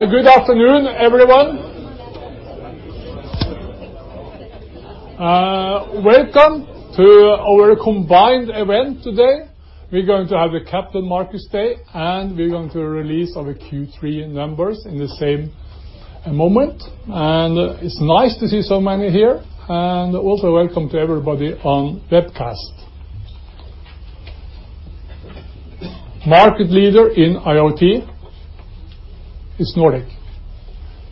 Good afternoon, everyone. Welcome to our combined event today. We're going to have a Capital Markets Day, we're going to release our Q3 numbers in the same moment. It's nice to see so many here, also welcome to everybody on webcast. Market leader in IoT is Nordic.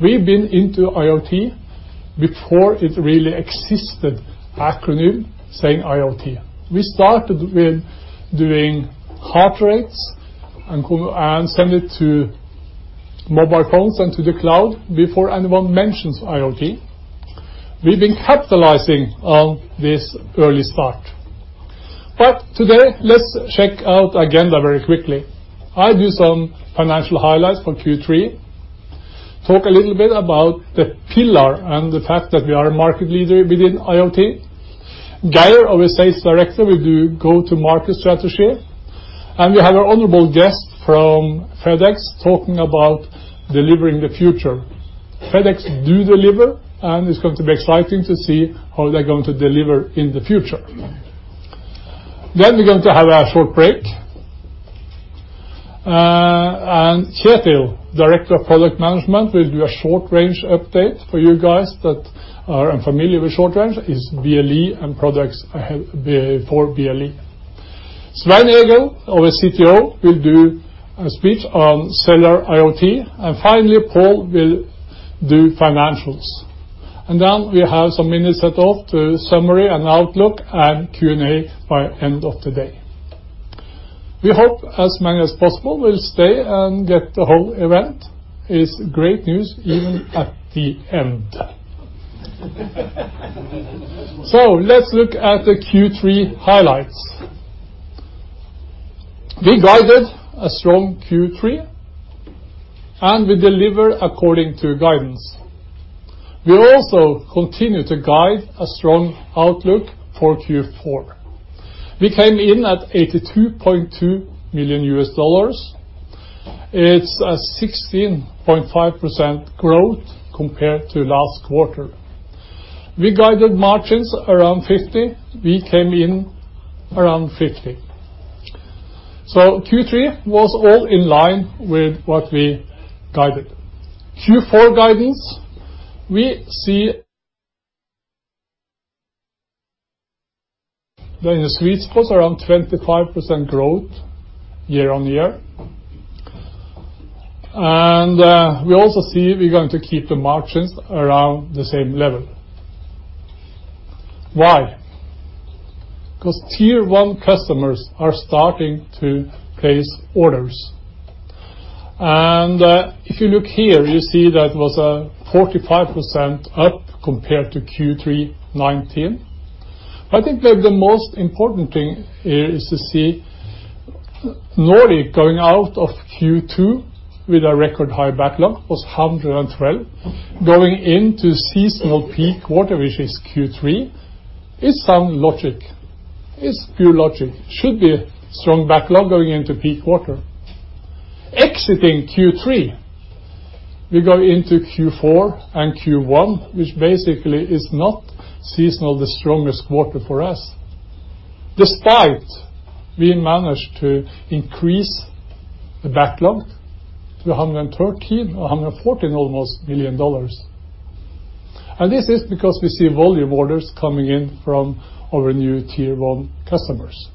We've been into IoT before it really existed, acronym saying IoT. We started with doing heart rates and send it to mobile phones and to the cloud before anyone mentions IoT. We've been capitalizing on this early start. Today, let's check out agenda very quickly. I do some financial highlights for Q3, talk a little bit about the pillar and the fact that we are a market leader within IoT. Geir, our sales director, will do go-to-market strategy. We have our honorable guest from FedEx talking about delivering the future. FedEx do deliver, and it's going to be exciting to see how they're going to deliver in the future. We're going to have a short break. Kjetil, Director of Product Management, will do a short-range update for you guys that are unfamiliar with short range, is BLE and products for BLE. Svein-Egil, our CTO, will do a speech on cellular IoT. Finally, Pål will do financials. We have some minutes set off to summary and outlook and Q&A by end of the day. We hope as many as possible will stay and get the whole event. It's great news even at the end. Let's look at the Q3 highlights. We guided a strong Q3, and we deliver according to guidance. We also continue to guide a strong outlook for Q4. We came in at $82.2 million. It's a 16.5% growth compared to last quarter. We guided margins around 50. We came in around 50. Q3 was all in line with what we guided. Q4 guidance, we see the sweet spot around 25% growth year-on-year. We also see we're going to keep the margins around the same level. Why? Because tier 1 customers are starting to place orders. If you look here, you see that it was a 45% up compared to Q3 2019. I think that the most important thing here is to see Nordic going out of Q2 with a record high backlog, was 112, going into seasonal peak quarter, which is Q3, is sound logic. It's pure logic. Should be a strong backlog going into peak quarter. Exiting Q3, we go into Q4 and Q1, which basically is not seasonal, the strongest quarter for us. Despite, we managed to increase the backlog to $113 million, $114 million, almost. This is because we see volume orders coming in from our new tier 1 customers.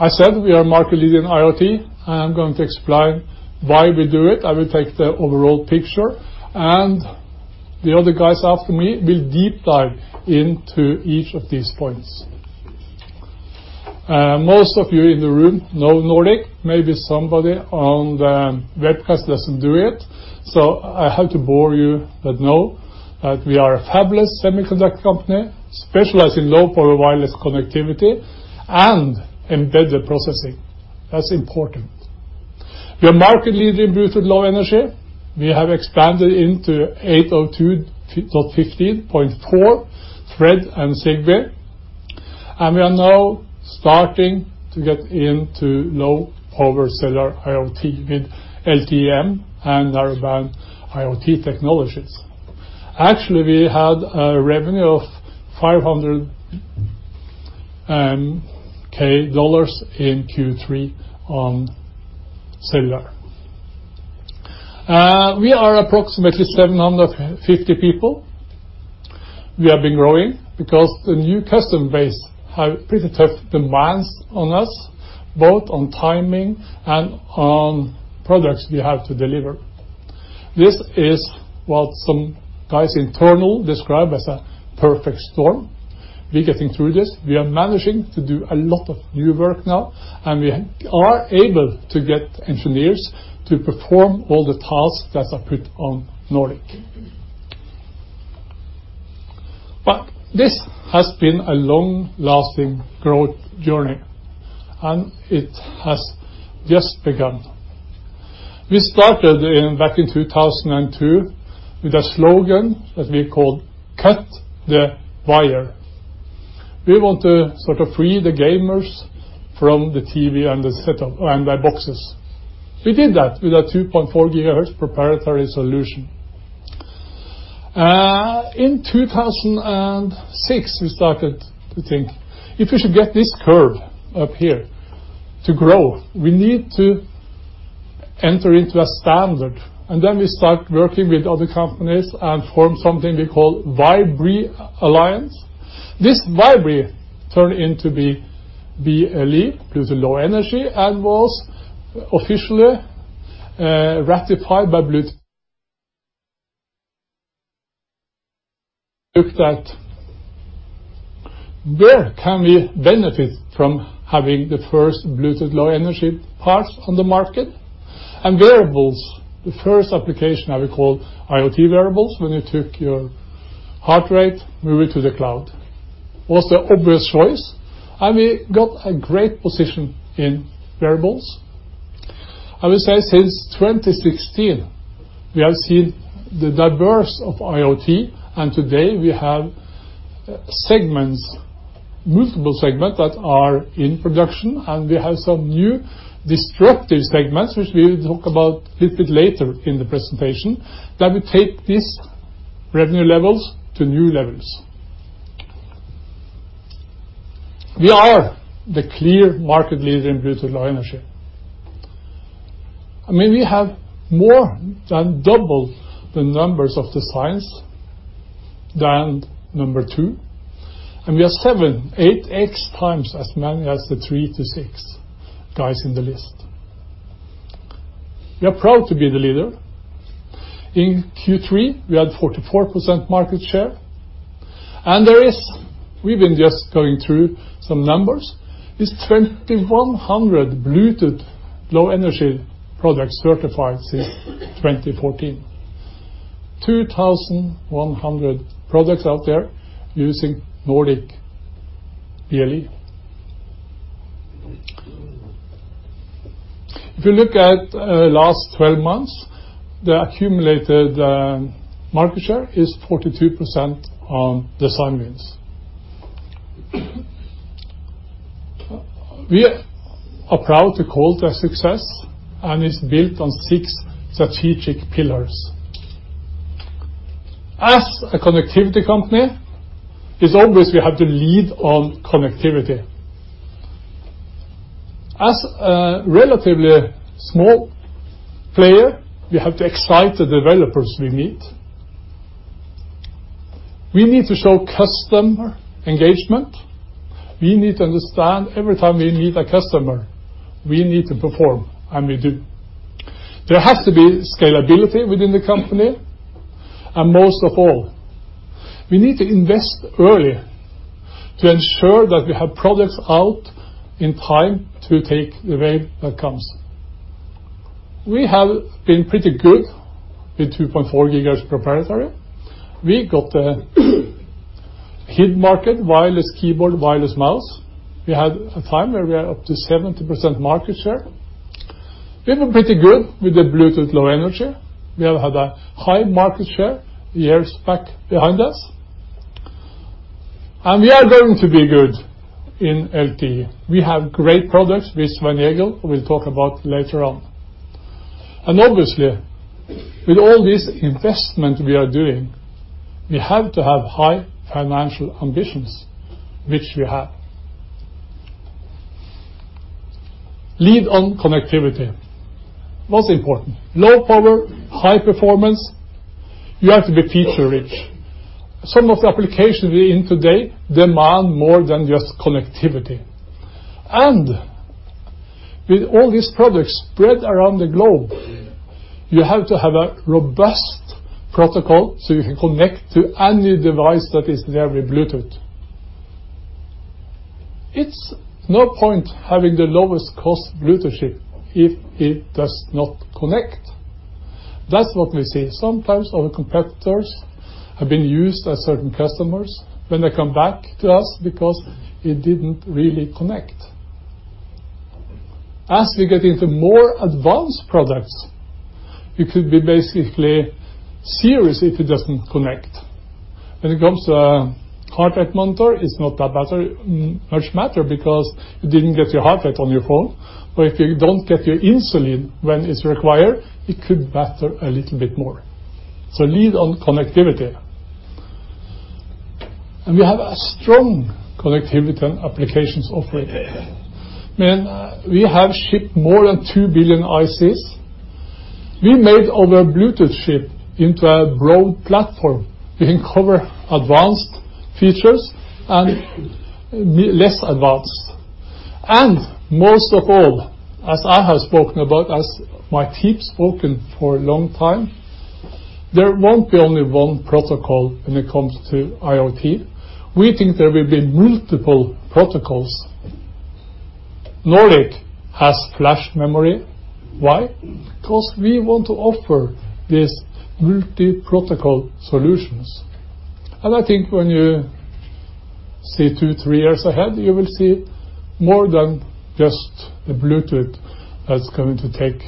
I said we are market leader in IoT. I am going to explain why we do it. I will take the overall picture, and the other guys after me will deep dive into each of these points. Most of you in the room know Nordic, maybe somebody on the webcast doesn't do it. I have to bore you that know that we are a fabless semiconductor company, specialized in low-power wireless connectivity and embedded processing. That's important. We are market leader in Bluetooth Low Energy. We have expanded into 802.15.4, Thread, and Zigbee, and we are now starting to get into low-power cellular IoT with LTE-M and Narrowband IoT technologies. Actually, we had a revenue of NOK 500 thousand in Q3 on cellular. We are approximately 750 people. We have been growing because the new customer base have pretty tough demands on us, both on timing and on products we have to deliver. This is what some guys internally describe as a perfect storm. We're getting through this. We are managing to do a lot of new work now, and we are able to get engineers to perform all the tasks that are put on Nordic. This has been a long-lasting growth journey, and it has just begun. We started back in 2002 with a slogan that we called Cut the Wire. We want to sort of free the gamers from the TV and the boxes. We did that with a 2.4 gigahertz proprietary solution. In 2006, we started to think, if we should get this curve up here to grow, we need to enter into a standard. We start working with other companies and form something we call Wibree Alliance. This Wibree turned in to be BLE, Bluetooth Low Energy, and was officially ratified by Bluetooth. We looked at where can we benefit from having the first Bluetooth Low Energy parts on the market, and wearables, the first application that we call IoT wearables, when you took your heart rate, move it to the cloud, was the obvious choice. We got a great position in wearables. I would say since 2016, we have seen the diverse of IoT, and today we have multiple segments that are in production, and we have some new disruptive segments, which we will talk about a little bit later in the presentation. That will take these revenue levels to new levels. We are the clear market leader in Bluetooth Low Energy. I mean, we have more than double the numbers of designs than number two, and we are seven, eight X times as many as the three to six guys in the list. We are proud to be the leader. In Q3, we had 44% market share. There is 2,100 Bluetooth Low Energy products certified since 2014. 2,100 products out there using Nordic BLE. If you look at last 12 months, the accumulated market share is 42% on design wins. We are proud to call it a success, and it's built on six strategic pillars. As a connectivity company, it's obvious we have to lead on connectivity. As a relatively small player, we have to excite the developers we meet. We need to show customer engagement. We need to understand every time we meet a customer, we need to perform, and we do. There has to be scalability within the company. Most of all, we need to invest early to ensure that we have products out in time to take the wave that comes. We have been pretty good with 2.4 gigahertz proprietary. We got the HID market, wireless keyboard, wireless mouse. We had a time where we are up to 70% market share. We were pretty good with the Bluetooth Low Energy. We have had a high market share years back behind us. We are going to be good in LTE. We have great products with Svein-Egil, we'll talk about later on. Obviously, with all this investment we are doing, we have to have high financial ambitions, which we have. Lead on connectivity. Most important, low power, high performance. You have to be feature-rich. Some of the applications we're in today demand more than just connectivity. With all these products spread around the globe, you have to have a robust protocol so you can connect to any device that is nearby Bluetooth. It's no point having the lowest cost Bluetooth chip if it does not connect. That's what we see. Sometimes our competitors have been used by certain customers when they come back to us because it didn't really connect. As we get into more advanced products, it could be basically serious if it doesn't connect. When it comes to a heart rate monitor, it's not that much matter because you didn't get your heart rate on your phone. If you don't get your insulin when it's required, it could matter a little bit more. Lead on connectivity. We have a strong connectivity and applications offering. Man, we have shipped more than 2 billion ICs. We made our Bluetooth chip into a broad platform. We can cover advanced features and less advanced. Most of all, as I have spoken about, as my team spoken for a long time, there won't be only one protocol when it comes to IoT. We think there will be multiple protocols. Nordic has flash memory. Why? We want to offer these multi-protocol solutions. I think when you see two, three years ahead, you will see more than just the Bluetooth that's going to take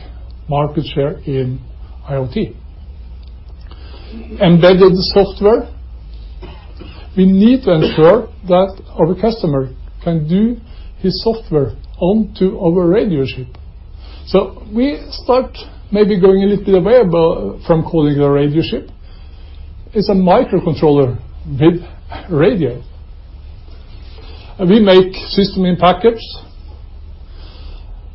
market share in IoT. Embedded software, we need to ensure that our customer can do his software onto our radio chip. We start maybe going a little bit away from calling it a radio chip. It's a microcontroller with radio. We make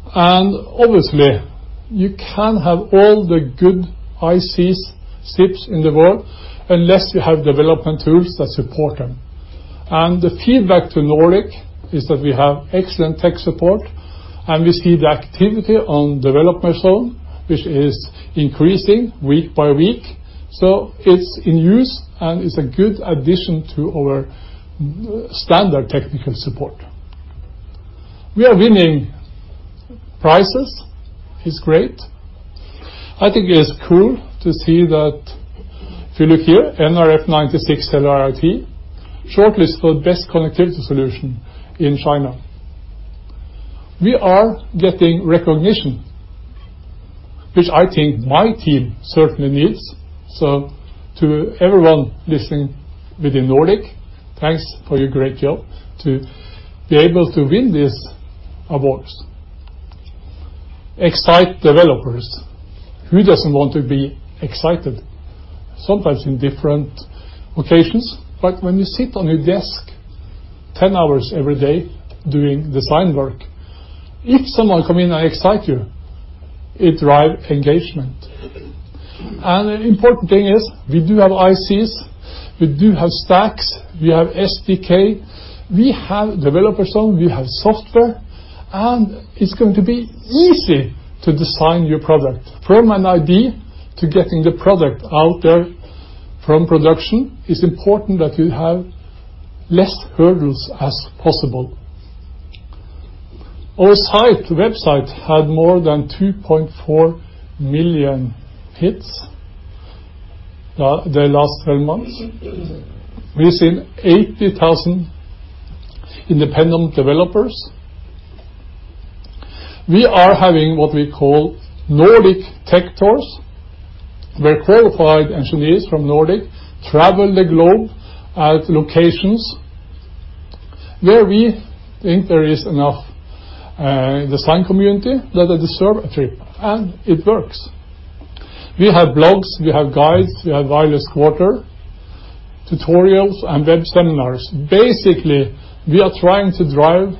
system-in-packages. Obviously, you can't have all the good ICs chips in the world unless you have development tools that support them. The feedback to Nordic is that we have excellent tech support, and we see the activity on DevZone, which is increasing week by week. It's in use, and it's a good addition to our standard technical support. We are winning prizes. It's great. I think it is cool to see that if you look here, [nRF9160 Cellular IoT], shortlist for best connectivity solution in China. We are getting recognition, which I think my team certainly needs. To everyone listening within Nordic, thanks for your great job to be able to win these awards. Excite developers. Who doesn't want to be excited? Sometimes in different occasions. When you sit on your desk 10 hours every day doing design work, if someone come in and excite you, it drive engagement. The important thing is we do have ICs, we do have stacks, we have SDK, we have DevZone, we have software, and it's going to be easy to design your product. From an idea to getting the product out there from production, it's important that you have less hurdles as possible. Our site, website, had more than 2.4 million hits the last 12 months. We've seen 80,000 independent developers. We are having what we call Nordic Tech Tours, where qualified engineers from Nordic travel the globe at locations where we think there is enough design community that they deserve a trip, and it works. We have blogs, we have guides, we have Wireless Quarter tutorials and web seminars. Basically, we are trying to drive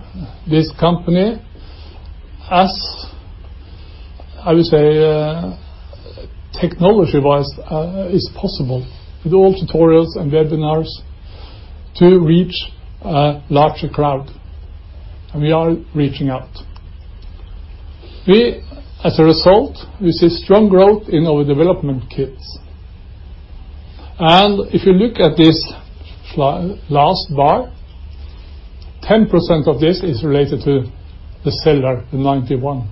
this company as, I would say, technology-wise is possible with all tutorials and webinars to reach a larger crowd. We are reaching out. We, as a result, we see strong growth in our development kits. If you look at this last bar, 10% of this is related to the Cellular, the nRF91.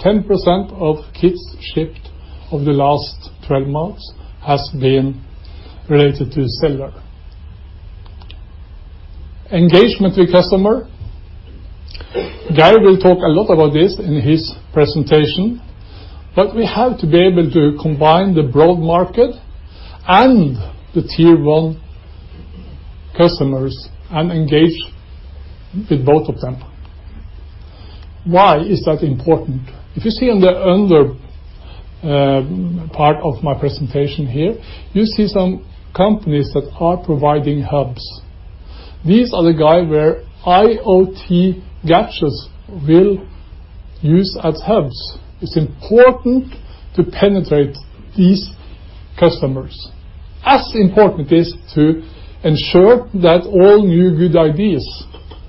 10% of kits shipped over the last 12 months has been related to Cellular. Engagement with customer. Geir will talk a lot about this in his presentation. We have to be able to combine the broad market and the tier 1 customers and engage with both of them. Why is that important? If you see on the under part of my presentation here, you see some companies that are providing hubs. These are the guys where IoT gadgets will use as hubs. It's important to penetrate these customers, as important it is to ensure that all new good ideas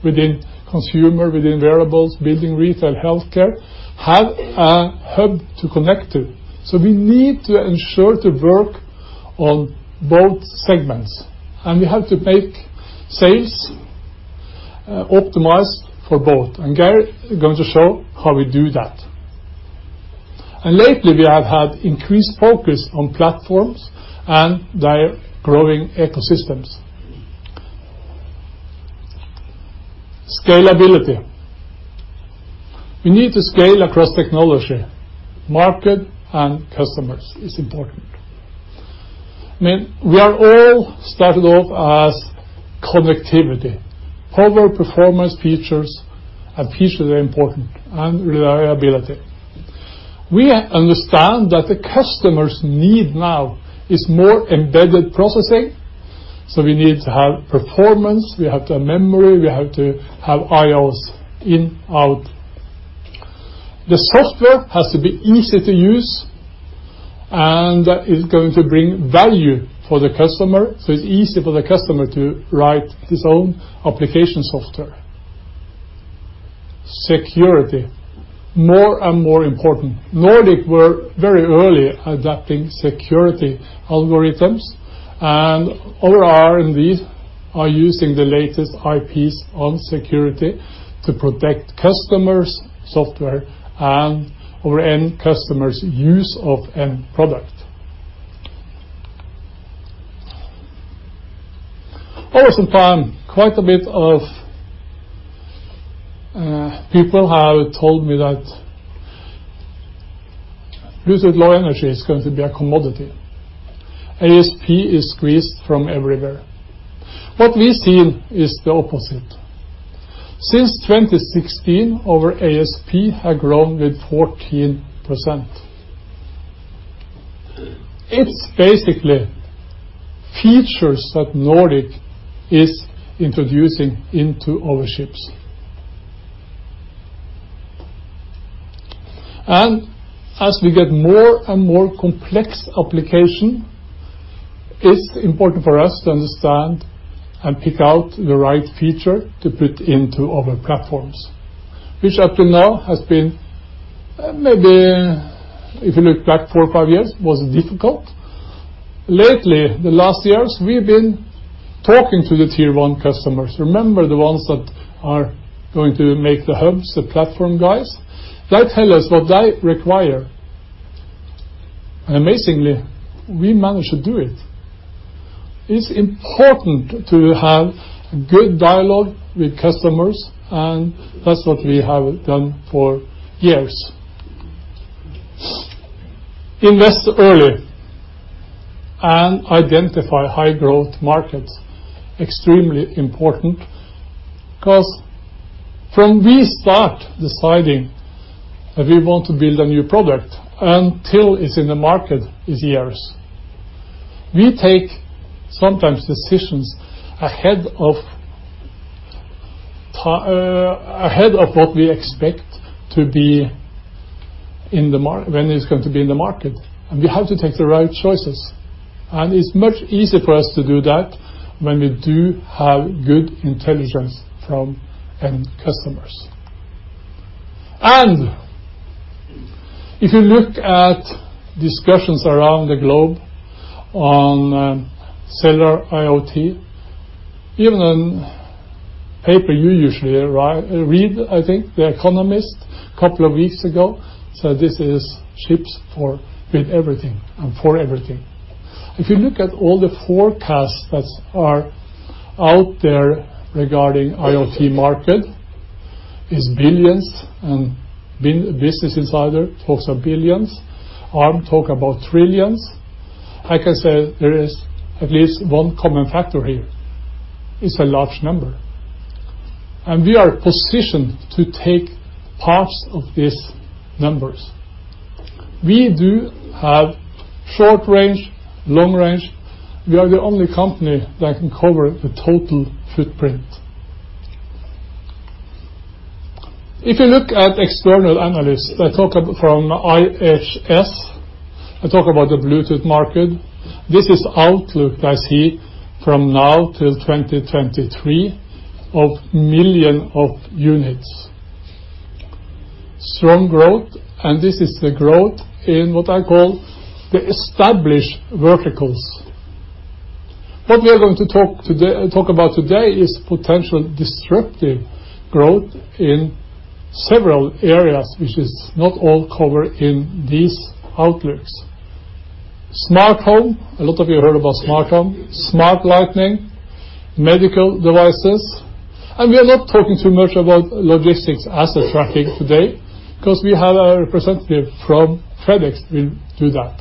within consumer, within wearables, building retail, healthcare, have a hub to connect to. We need to ensure to work on both segments. We have to make sales optimized for both. Geir going to show how we do that. Lately, we have had increased focus on platforms and their growing ecosystems. Scalability. We need to scale across technology, market, and customers. It's important. I mean, we are all started off as connectivity. Power, performance, features, and features are important, and reliability. We understand that the customers need now is more embedded processing, we need to have performance, we have to have memory, we have to have IOs in, out. The software has to be easy to use, and it's going to bring value for the customer, so it's easy for the customer to write his own application software. Security, more and more important. Nordic were very early adapting security algorithms, and our R&D are using the latest IPs on security to protect customers' software and our end customers' use of end product. Over some time, quite a bit of people have told me that Bluetooth Low Energy is going to be a commodity. ASP is squeezed from everywhere. What we've seen is the opposite. Since 2016, our ASP had grown with 14%. It's basically features that Nordic is introducing into our chips. As we get more and more complex applications, it's important for us to understand and pick out the right feature to put into our platforms, which up till now has been maybe if you look back four or five years, was difficult. Lately, the last years, we've been talking to the tier 1 customers. Remember the ones that are going to make the hubs, the platform guys? They tell us what they require. Amazingly, we managed to do it. It's important to have good dialogue with customers, and that's what we have done for years. Invest early and identify high growth markets. Extremely important. From we start deciding that we want to build a new product until it's in the market, is years. We take sometimes decisions ahead of what we expect when it's going to be in the market, we have to take the right choices, and it's much easier for us to do that when we do have good intelligence from end customers. If you look at discussions around the globe on cellular IoT, even on paper you usually read, I think, The Economist a couple of weeks ago said this is chips with everything and for everything. If you look at all the forecasts that are out there regarding IoT market, it's billions and Business Insider talks of billions. Arm talk about trillions. I can say there is at least one common factor here. It's a large number. We are positioned to take parts of these numbers. We do have short range, long range. We are the only company that can cover the total footprint. Look at external analysts that talk from IHS and talk about the Bluetooth market, this is outlook I see from now till 2023 of million of units. Strong growth, this is the growth in what I call the established verticals. What we are going to talk about today is potential disruptive growth in several areas, which is not all covered in these outlooks. Smart home, a lot of you heard about smart home, smart lighting, medical devices, we are not talking too much about logistics asset tracking today because we have a representative from FedEx will do that.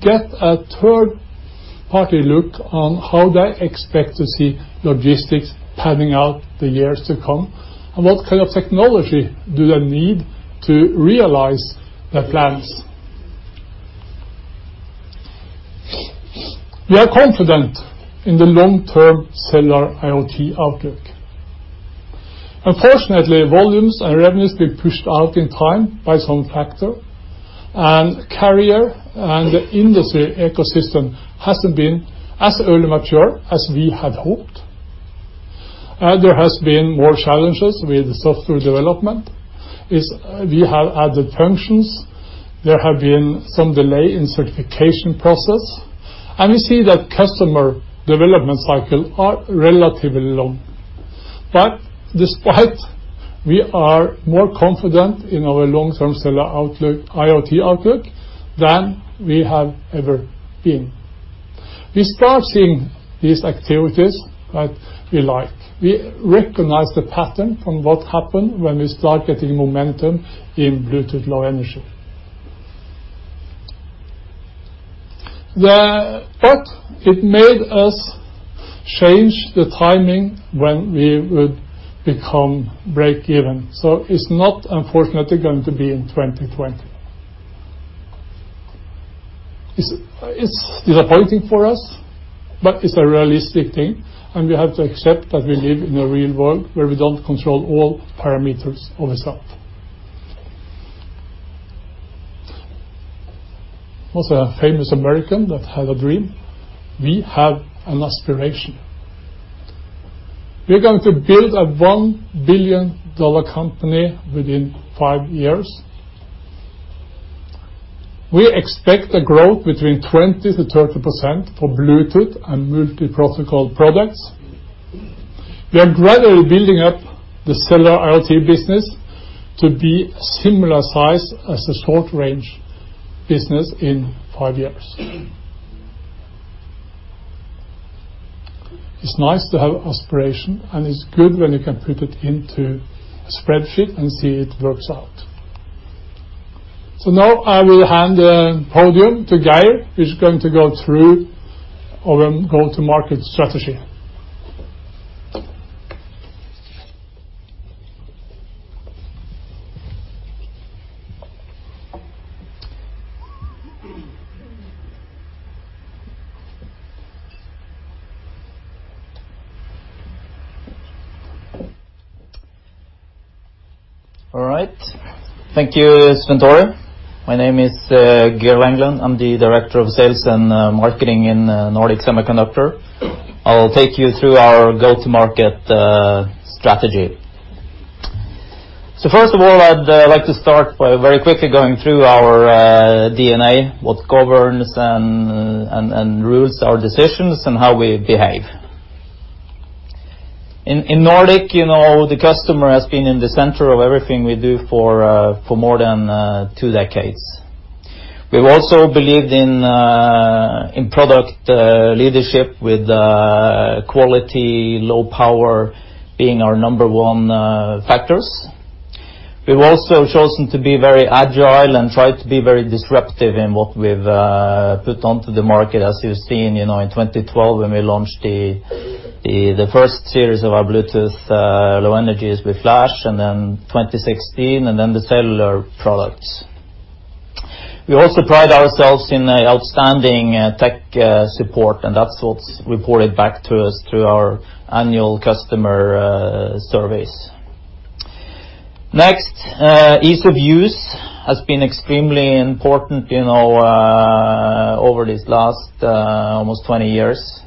Get a third-party look on how they expect to see logistics panning out the years to come and what kind of technology do they need to realize their plans. We are confident in the long-term cellular IoT outlook. Unfortunately, volumes and revenues being pushed out in time by some factor, carrier and the industry ecosystem hasn't been as early mature as we had hoped. There has been more challenges with software development, is we have added functions. There have been some delay in certification process. We see that customer development cycle are relatively long. Despite, we are more confident in our long-term cellular outlook, IoT outlook than we have ever been. We start seeing these activities that we like. We recognize the pattern from what happened when we start getting momentum in Bluetooth Low Energy. It's not unfortunately going to be in 2020. It's disappointing for us, but it's a realistic thing and we have to accept that we live in a real world where we don't control all parameters ourself. Was a famous American that had a dream. We have an aspiration. We're going to build a NOK 1 billion company within five years. We expect a growth between 20%-30% for Bluetooth and multi-protocol products. We are gradually building up the cellular IoT business to be a similar size as the short-range business in five years. It's nice to have aspiration, and it's good when you can put it into a spreadsheet and see it works out. Now I will hand the podium to Geir, who's going to go through our go-to-market strategy. All right. Thank you, Svenn-Tore. My name is Geir Langeland. I'm the Director of Sales and Marketing in Nordic Semiconductor. I'll take you through our go-to-market strategy. First of all, I'd like to start by very quickly going through our DNA, what governs and rules our decisions, and how we behave. In Nordic, the customer has been in the center of everything we do for more than two decades. We've also believed in product leadership with quality, low power being our number one factors. We've also chosen to be very agile and try to be very disruptive in what we've put onto the market. As you've seen, in 2012, when we launched the first series of our Bluetooth Low Energy with Flash, and then 2016, and then the cellular products. We also pride ourselves in outstanding tech support, and that's what's reported back to us through our annual customer surveys. Next, ease of use has been extremely important over these last almost 20 years.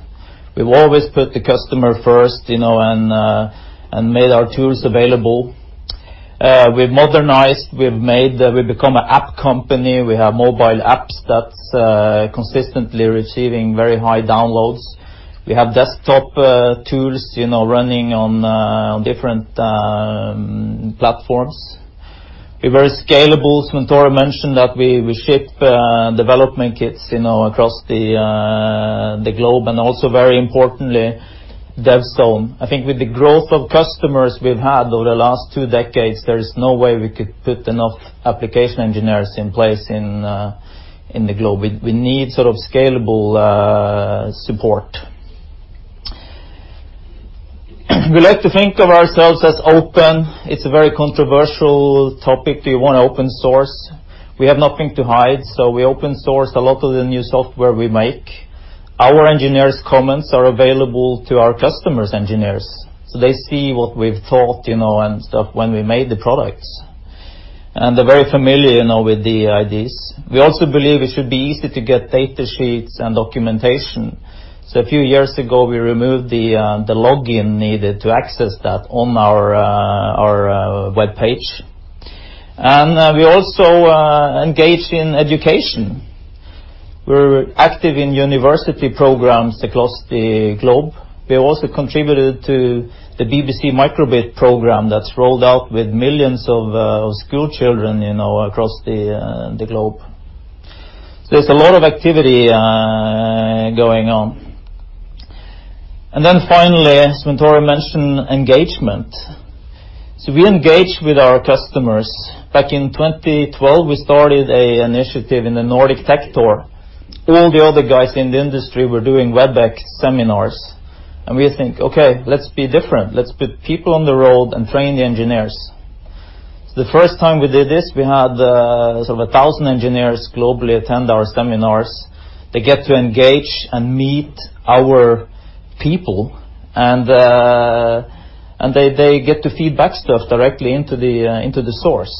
We've always put the customer first and made our tools available. We've modernized. We've become an app company. We have mobile apps that's consistently receiving very high downloads. We have desktop tools running on different platforms. We're very scalable. Svenn-Tore mentioned that we ship development kits across the globe, and also very importantly, DevZone. I think with the growth of customers we've had over the last two decades, there is no way we could put enough application engineers in place in the globe. We need sort of scalable support. We like to think of ourselves as open. It's a very controversial topic. Do you want open source? We have nothing to hide. We open source a lot of the new software we make. Our engineers' comments are available to our customers' engineers, so they see what we've thought and stuff when we made the products. They're very familiar with the IDs. We also believe it should be easy to get data sheets and documentation. A few years ago, we removed the login needed to access that on our webpage. We also engage in education. We're active in university programs across the globe. We also contributed to the BBC micro:bit program that's rolled out with millions of schoolchildren across the globe. There's a lot of activity going on. Finally, Svenn-Tore mentioned engagement. We engage with our customers. Back in 2012, we started an initiative in the Nordic Tech Tour. All the other guys in the industry were doing Webex seminars. We think, "Okay, let's be different. Let's put people on the road and train the engineers." The first time we did this, we had sort of 1,000 engineers globally attend our seminars. They get to engage and meet our people. They get to feed back stuff directly into the source.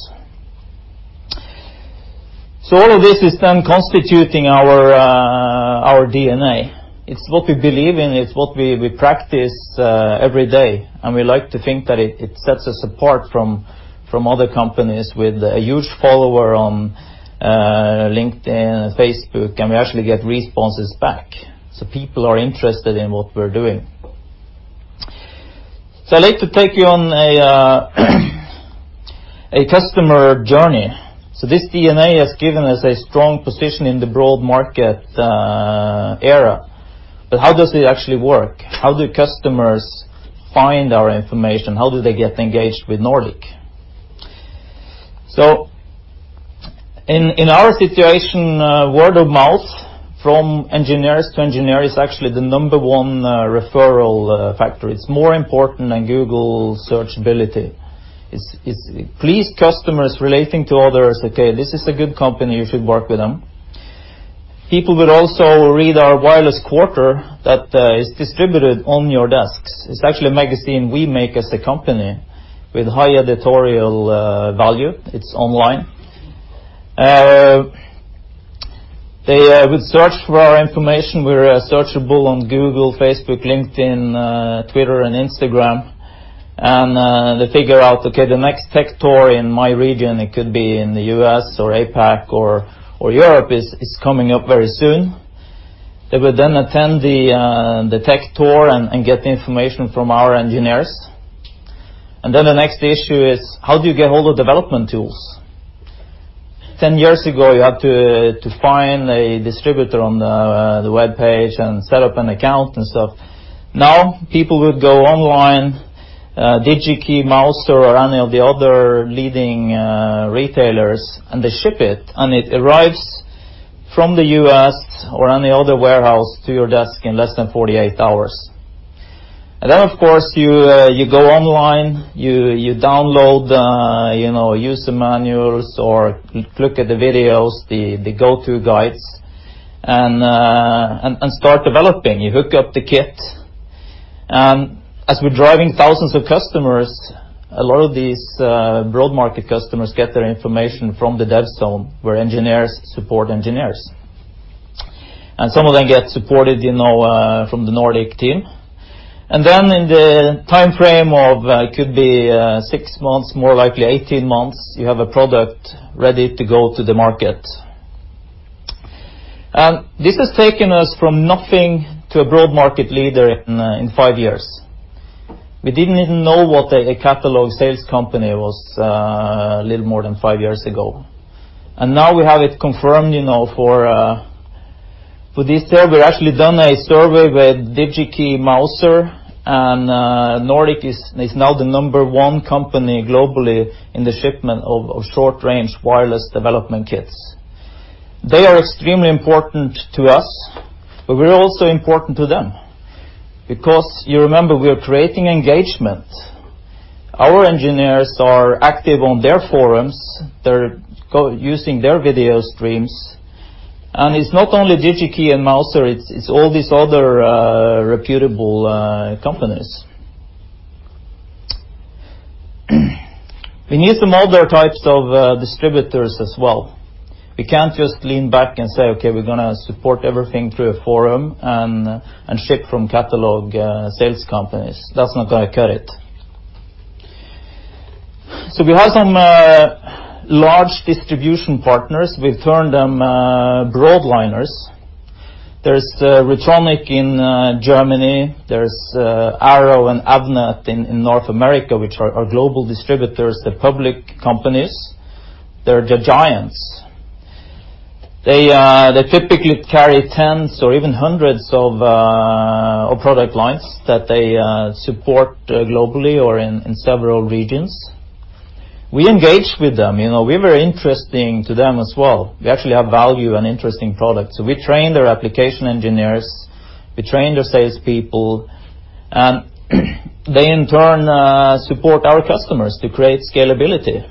All of this is constituting our DNA. It's what we believe in. It's what we practice every day. We like to think that it sets us apart from other companies with a huge follower on LinkedIn and Facebook. We actually get responses back. People are interested in what we're doing. I'd like to take you on a customer journey. This DNA has given us a strong position in the broad market era. How does it actually work? How do customers find our information? How do they get engaged with Nordic? In our situation, word of mouth from engineers to engineers is actually the number 1 referral factor. It's more important than Google searchability. It's pleased customers relating to others, "Okay, this is a good company. You should work with them." People will also read our Wireless Quarter that is distributed on your desks. It's actually a magazine we make as a company with high editorial value. It's online. They would search for our information. We're searchable on Google, Facebook, LinkedIn, Twitter, and Instagram. They figure out, okay, the next Tech Tour in my region, it could be in the U.S. or APAC or Europe, is coming up very soon. They will attend the Tech Tour and get the information from our engineers. The next issue is how do you get hold of development tools? 10 years ago, you had to find a distributor on the web page and set up an account and stuff. Now, people would go online, Digi-Key, Mouser, or any of the other leading retailers, and they ship it, and it arrives from the U.S. or any other warehouse to your desk in less than 48 hours. Of course, you go online, you download user manuals or look at the videos, the go-to guides, and start developing. You hook up the kit. As we're driving thousands of customers, a lot of these broad market customers get their information from the DevZone, where engineers support engineers. Some of them get supported from the Nordic team. Then in the timeframe of, could be 6 months, more likely 18 months, you have a product ready to go to the market. This has taken us from nothing to a broad market leader in five years. We didn't even know what a catalog sales company was a little more than five years ago. Now we have it confirmed for this term. We've actually done a survey with Digi-Key, Mouser, Nordic is now the number one company globally in the shipment of short-range wireless development kits. They are extremely important to us, but we're also important to them because you remember, we are creating engagement. Our engineers are active on their forums. They're using their video streams. It's not only Digi-Key and Mouser, it's all these other reputable companies. We need some other types of distributors as well. We can't just lean back and say, "Okay, we're going to support everything through a forum and ship from catalog sales companies." That's not going to cut it. We have some large distribution partners. We've turned them broadliners. There's Rutronik in Germany, there's Arrow and Avnet in North America, which are our global distributors, they're public companies. They're the giants. They typically carry tens or even hundreds of product lines that they support globally or in several regions. We engage with them. We're very interesting to them as well. We actually have value and interesting products. We train their application engineers, we train their sales people, and they in turn support our customers to create scalability.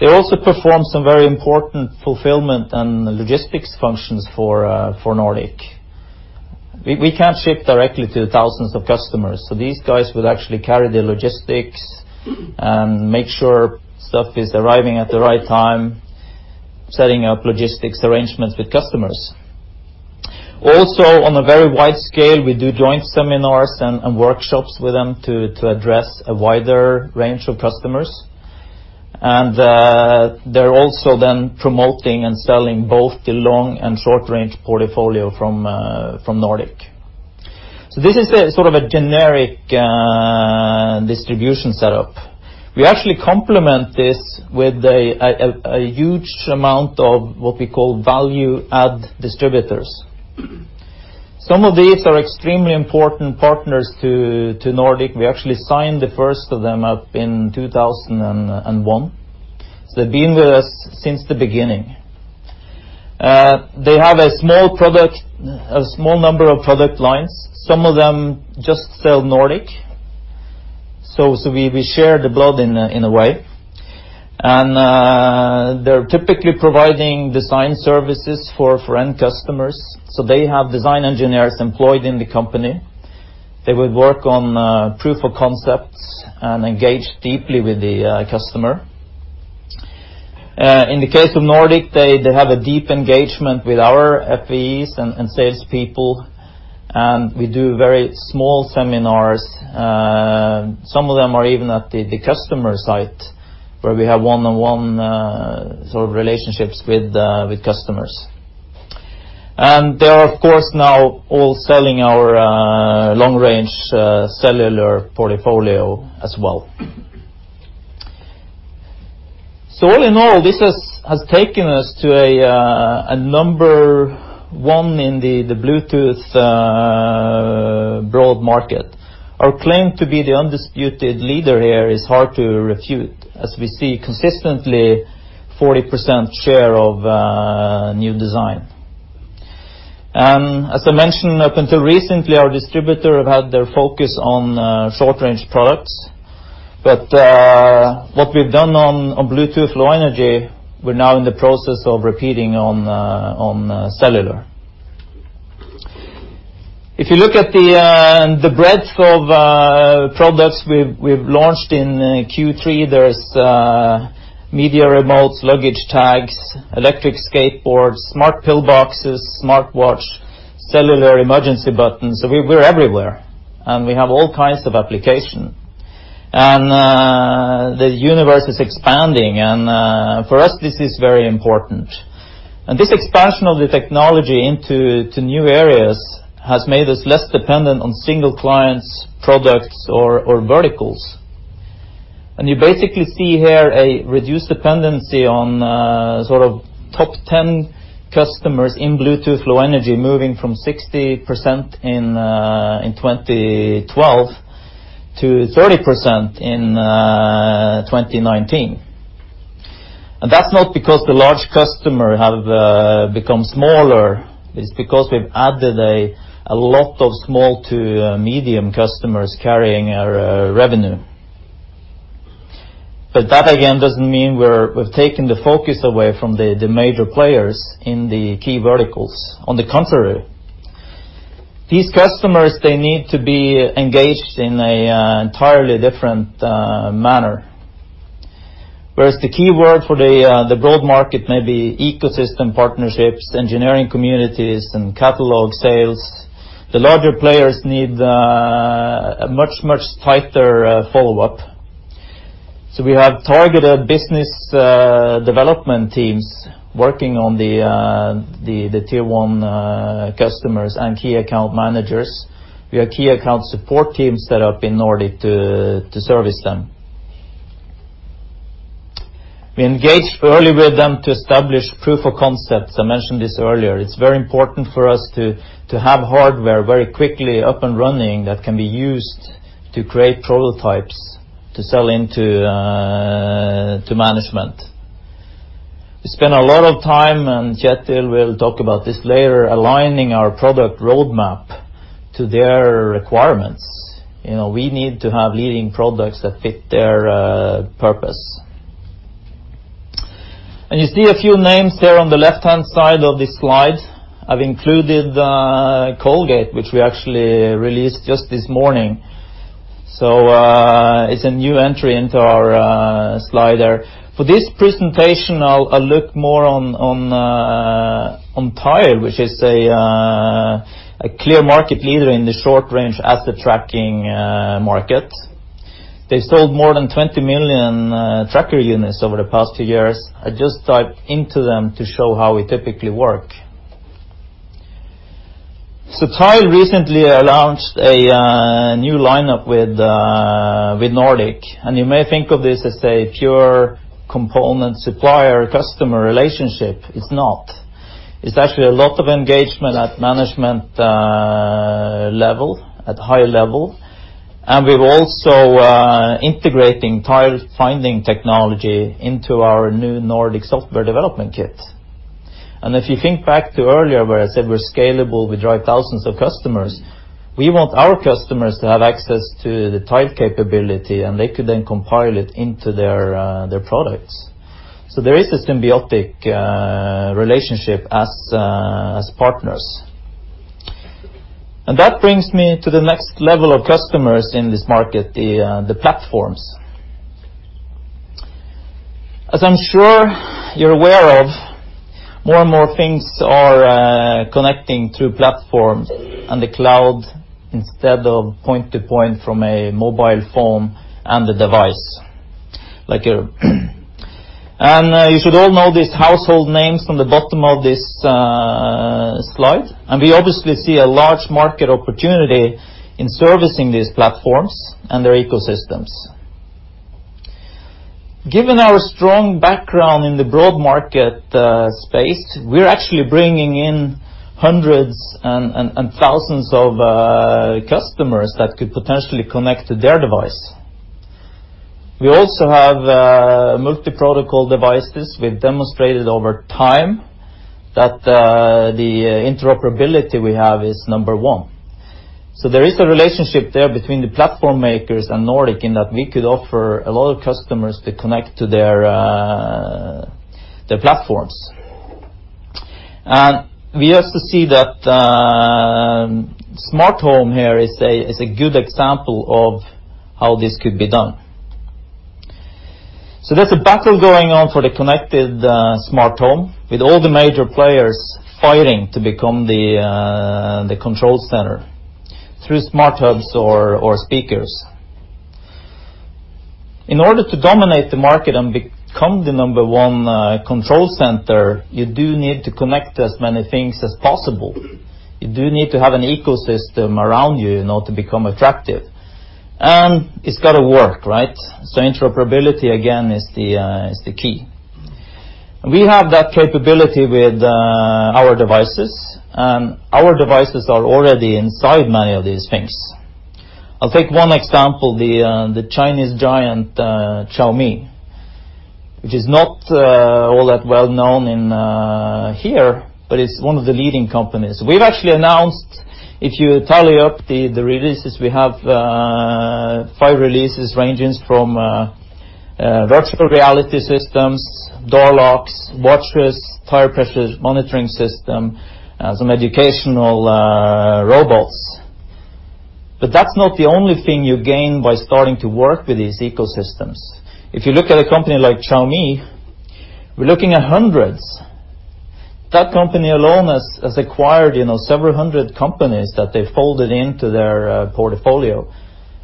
They also perform some very important fulfillment and logistics functions for Nordic. We can't ship directly to thousands of customers. These guys will actually carry the logistics and make sure stuff is arriving at the right time, setting up logistics arrangements with customers. Also, on a very wide scale, we do joint seminars and workshops with them to address a wider range of customers. They're also then promoting and selling both the long and short-range portfolio from Nordic Semiconductor. This is sort of a generic distribution setup. We actually complement this with a huge amount of what we call value-add distributors. Some of these are extremely important partners to Nordic Semiconductor. We actually signed the first of them up in 2001. They've been with us since the beginning. They have a small number of product lines. Some of them just sell Nordic Semiconductor. We share the blood in a way. They're typically providing design services for end customers. They have design engineers employed in the company. They would work on proof of concepts and engage deeply with the customer. In the case of Nordic, they have a deep engagement with our FEs and sales people, and we do very small seminars. Some of them are even at the customer site where we have one-on-one sort of relationships with customers. They are, of course, now all selling our long-range cellular portfolio as well. All in all, this has taken us to a number 1 in the Bluetooth broad market. Our claim to be the undisputed leader here is hard to refute, as we see consistently 40% share of new design. As I mentioned, up until recently, our distributor have had their focus on short-range products. What we've done on Bluetooth Low Energy, we're now in the process of repeating on cellular. If you look at the breadth of products we've launched in Q3, there's media remotes, luggage tags, electric skateboards, smart pill boxes, smart watch, cellular emergency buttons. We're everywhere, and we have all kinds of application. The universe is expanding. For us this is very important. This expansion of the technology into new areas has made us less dependent on single clients, products or verticals. You basically see here a reduced dependency on sort of top 10 customers in Bluetooth Low Energy moving from 60% in 2012 to 30% in 2019. That's not because the large customer have become smaller, it's because we've added a lot of small to medium customers carrying our revenue. That, again, doesn't mean we've taken the focus away from the major players in the key verticals. On the contrary, these customers, they need to be engaged in an entirely different manner. Whereas the key word for the broad market may be ecosystem partnerships, engineering communities, and catalog sales, the larger players need a much tighter follow-up. We have targeted business development teams working on the tier 1 customers and key account managers. We have key account support teams set up in order to service them. We engage early with them to establish proof of concepts. I mentioned this earlier. It's very important for us to have hardware very quickly up and running that can be used to create prototypes to sell into management. We spend a lot of time, and Kjetil will talk about this later, aligning our product roadmap to their requirements. We need to have leading products that fit their purpose. You see a few names there on the left-hand side of this slide. I've included Colgate, which we actually released just this morning. It's a new entry into our slide there. For this presentation, I'll look more on Tile, which is a clear market leader in the short range asset tracking market. They sold more than 20 million tracker units over the past 2 years. I just dived into them to show how we typically work. Tile recently announced a new lineup with Nordic, and you may think of this as a pure component supplier-customer relationship. It's not. It's actually a lot of engagement at management level, at high level, and we're also integrating Tile finding technology into our new Nordic software development kit. If you think back to earlier where I said we're scalable, we drive thousands of customers, we want our customers to have access to the Tile capability, and they could then compile it into their products. There is a symbiotic relationship as partners. That brings me to the next level of customers in this market, the platforms. As I'm sure you're aware of, more and more things are connecting through platforms and the cloud instead of point to point from a mobile phone and a device. You should all know these household names from the bottom of this slide, and we obviously see a large market opportunity in servicing these platforms and their ecosystems. Given our strong background in the broad market space, we're actually bringing in hundreds and thousands of customers that could potentially connect to their device. We also have multi-protocol devices. We've demonstrated over time that the interoperability we have is number one. There is a relationship there between the platform makers and Nordic in that we could offer a lot of customers to connect to their platforms. We also see that smart home here is a good example of how this could be done. There's a battle going on for the connected smart home with all the major players fighting to become the control center through smart hubs or speakers. In order to dominate the market and become the number one control center, you do need to connect as many things as possible. You do need to have an ecosystem around you in order to become attractive. It's got to work, right? Interoperability, again, is the key. We have that capability with our devices, and our devices are already inside many of these things. I'll take one example, the Chinese giant Xiaomi, which is not all that well known here, but it's one of the leading companies. We've actually announced, if you tally up the releases, we have five releases ranging from virtual reality systems, door locks, watches, tire pressure monitoring system, some educational robots. That's not the only thing you gain by starting to work with these ecosystems. If you look at a company like Xiaomi, we're looking at hundreds. That company alone has acquired several hundred companies that they folded into their portfolio.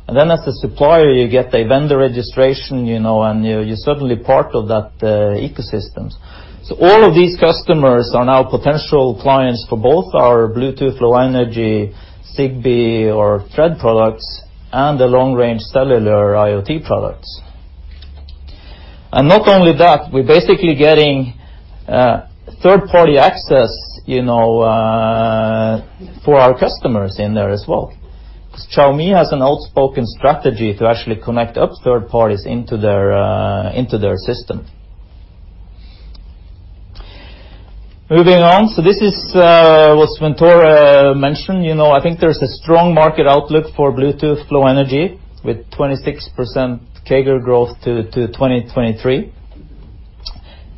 Then as a supplier, you get a vendor registration, and you're certainly part of that ecosystems. All of these customers are now potential clients for both our Bluetooth Low Energy, Zigbee or Thread products, and the long-range cellular IoT products. Not only that, we're basically getting third-party access for our customers in there as well. Xiaomi has an outspoken strategy to actually connect up third parties into their system. Moving on. This is what Svenn-Tore mentioned. I think there's a strong market outlook for Bluetooth Low Energy with 26% CAGR growth to 2023,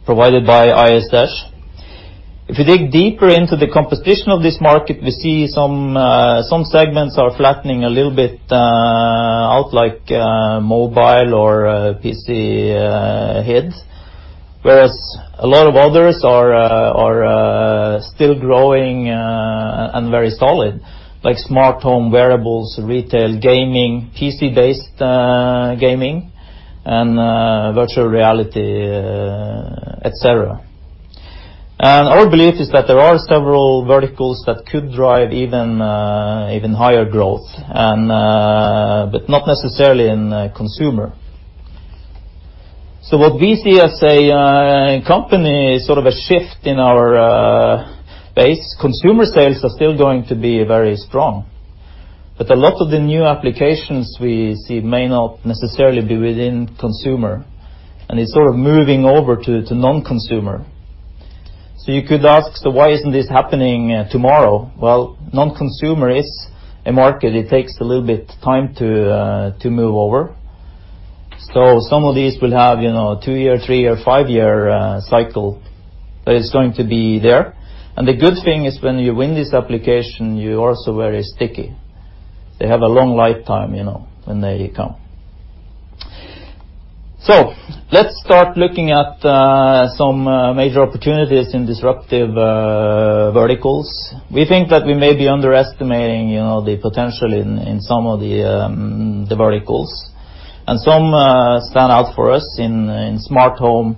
provided by IHS Markit. If we dig deeper into the composition of this market, we see some segments are flattening a little bit out like mobile or PC hits. Whereas a lot of others are still growing and very solid, like smart home, wearables, retail, gaming, PC-based gaming, and virtual reality, et cetera. Our belief is that there are several verticals that could drive even higher growth, but not necessarily in consumer. What we see as a company is sort of a shift in our base. Consumer sales are still going to be very strong. A lot of the new applications we see may not necessarily be within consumer, and it's sort of moving over to non-consumer. You could ask, why isn't this happening tomorrow? Non-consumer is a market. It takes a little bit time to move over. Some of these will have 2-year, 3-year, 5-year cycle that is going to be there. The good thing is when you win this application, you're also very sticky. They have a long lifetime, when they come. Let's start looking at some major opportunities in disruptive verticals. We think that we may be underestimating the potential in some of the verticals. Some stand out for us in smart home,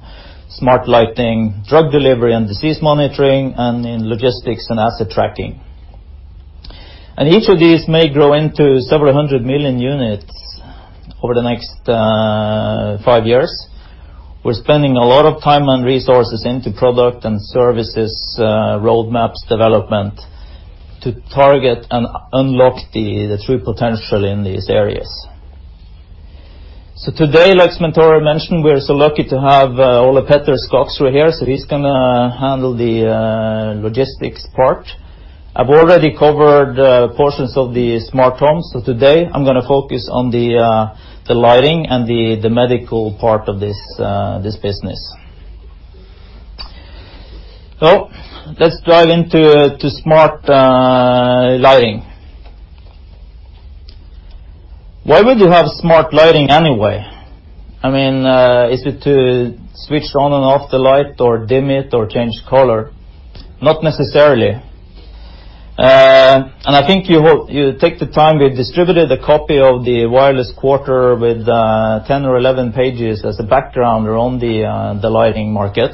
smart lighting, drug delivery and disease monitoring, and in logistics and asset tracking. Each of these may grow into several hundred million units over the next 5 years. We're spending a lot of time and resources into product and services, roadmaps development to target and unlock the true potential in these areas. Today, like Svenn-Tore mentioned, we're so lucky to have Ole-Petter Skaaksrud here, he's going to handle the logistics part. I've already covered portions of the smart home. Today I'm going to focus on the lighting and the medical part of this business. Let's dive into smart lighting. Why would you have smart lighting anyway? I mean, is it to switch on and off the light or dim it or change color? Not necessarily. I think you take the time, we've distributed a copy of the Wireless Quarter with 10 or 11 pages as a background around the lighting market.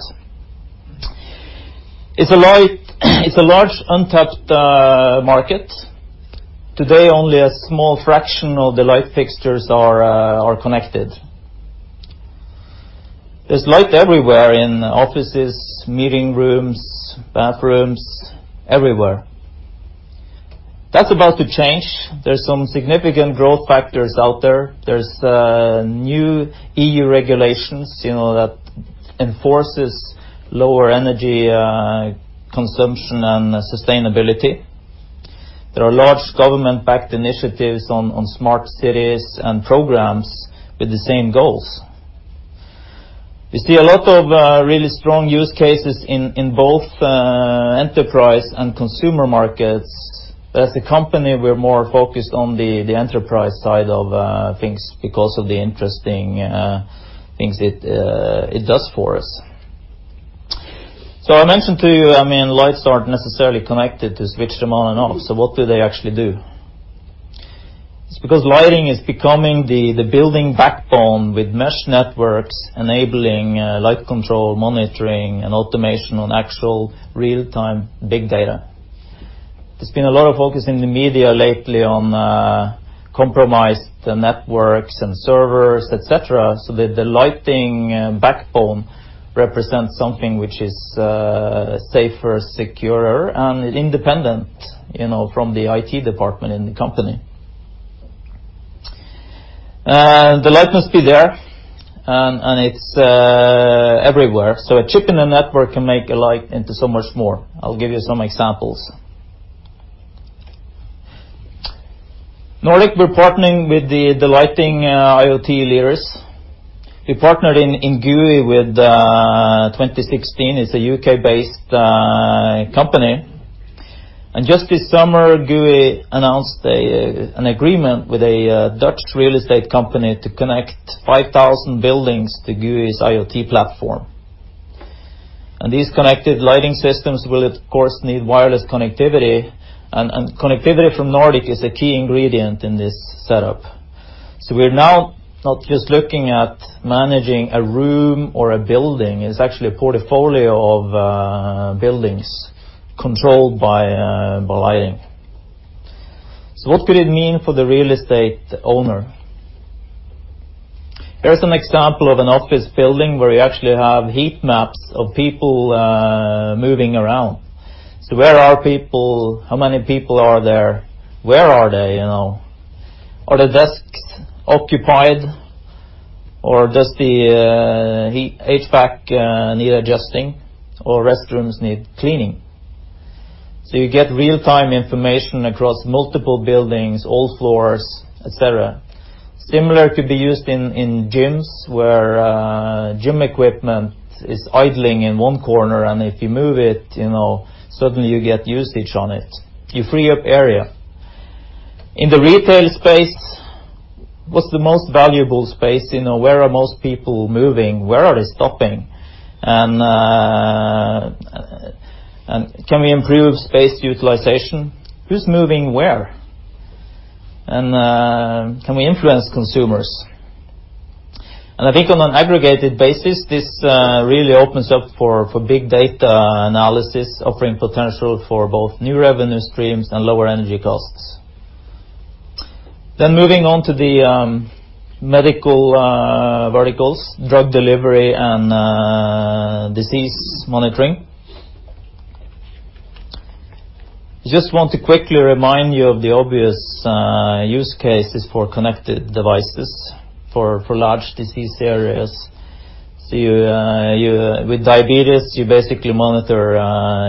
It's a large untapped market. Today, only a small fraction of the light fixtures are connected. There's light everywhere in offices, meeting rooms, bathrooms, everywhere. That's about to change. There's some significant growth factors out there. There's new EU regulations, that enforces lower energy consumption and sustainability. There are large government-backed initiatives on smart cities and programs with the same goals. We see a lot of really strong use cases in both enterprise and consumer markets. As a company, we're more focused on the enterprise side of things because of the interesting things it does for us. I mentioned to you, lights aren't necessarily connected to switch them on and off. What do they actually do? It's because lighting is becoming the building backbone with mesh networks enabling light control, monitoring, and automation on actual real-time big data. There's been a lot of focus in the media lately on compromised networks and servers, et cetera. The lighting backbone represents something which is safer, securer, and independent from the IT department in the company. The light must be there. It's everywhere. A chip in the network can make a light into so much more. I'll give you some examples. Nordic, we're partnering with the lighting IoT leaders. We partnered in Gooee with 2016. It's a U.K.-based company. Just this summer, Gooee announced an agreement with a Dutch real estate company to connect 5,000 buildings to Gooee's IoT platform. These connected lighting systems will, of course, need wireless connectivity, and connectivity from Nordic is a key ingredient in this setup. We're now not just looking at managing a room or a building. It's actually a portfolio of buildings controlled by lighting. What could it mean for the real estate owner? Here's an example of an office building where you actually have heat maps of people moving around. Where are people? How many people are there? Where are they? Are the desks occupied, or does the HVAC need adjusting, or restrooms need cleaning? You get real-time information across multiple buildings, all floors, et cetera. Similar could be used in gyms where gym equipment is idling in one corner, and if you move it, suddenly you get usage on it. You free up area. In the retail space, what's the most valuable space? Where are most people moving? Where are they stopping? Can we improve space utilization? Who's moving where? Can we influence consumers? I think on an aggregated basis, this really opens up for big data analysis, offering potential for both new revenue streams and lower energy costs. Moving on to the medical verticals, drug delivery, and disease monitoring. Just want to quickly remind you of the obvious use cases for connected devices for large disease areas. With diabetes, you basically monitor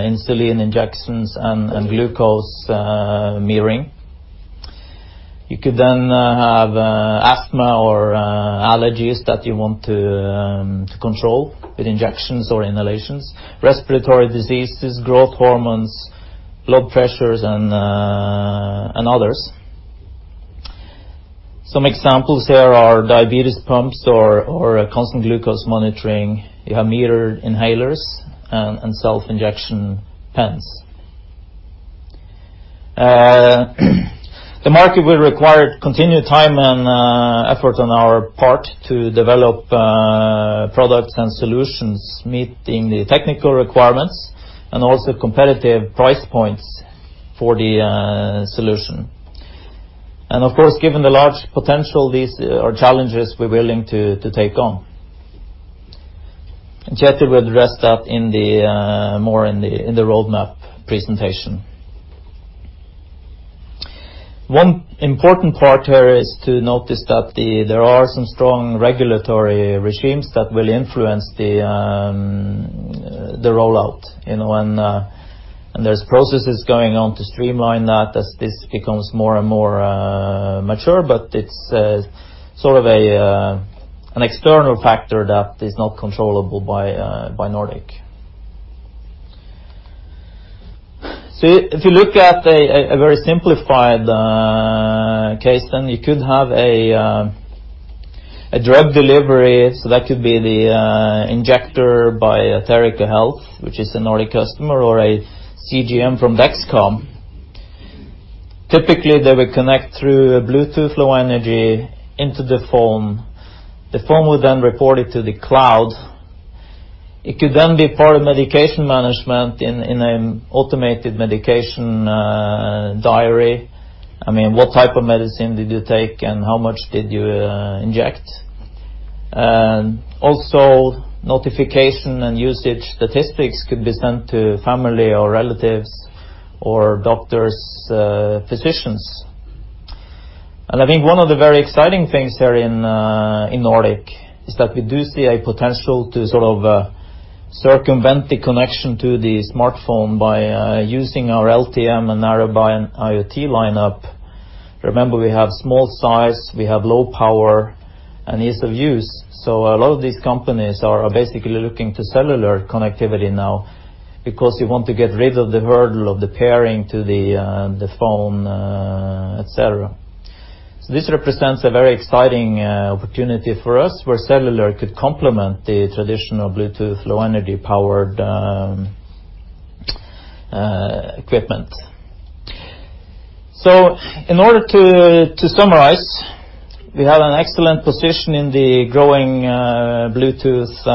insulin injections and glucose monitoring. You could then have asthma or allergies that you want to control with injections or inhalations, respiratory diseases, growth hormones, blood pressures, and others. Some examples here are diabetes pumps or continuous glucose monitoring. You have metered inhalers and self-injection pens. The market will require continued time and effort on our part to develop products and solutions, meeting the technical requirements and also competitive price points for the solution. Of course, given the large potential, these are challenges we're willing to take on. Kjetil will address that more in the roadmap presentation. One important part here is to notice that there are some strong regulatory regimes that will influence the rollout. There's processes going on to streamline that as this becomes more and more mature, but it's sort of an external factor that is not controllable by Nordic. If you look at a very simplified case, then you could have a drug delivery. That could be the injector by Aterica Health, which is a Nordic customer, or a CGM from Dexcom. Typically, they would connect through a Bluetooth Low Energy into the phone. The phone would then report it to the cloud. It could then be part of medication management in an automated medication diary. I mean, what type of medicine did you take and how much did you inject? Notification and usage statistics could be sent to family or relatives or doctors, physicians. I think one of the very exciting things here in Nordic is that we do see a potential to sort of circumvent the connection to the smartphone by using our LTE-M and IoT lineup. Remember, we have small size, we have low power, and ease of use. A lot of these companies are basically looking to cellular connectivity now because you want to get rid of the hurdle of the pairing to the phone, et cetera. This represents a very exciting opportunity for us, where cellular could complement the traditional Bluetooth Low Energy-powered equipment. In order to summarize, we have an excellent position in the growing Bluetooth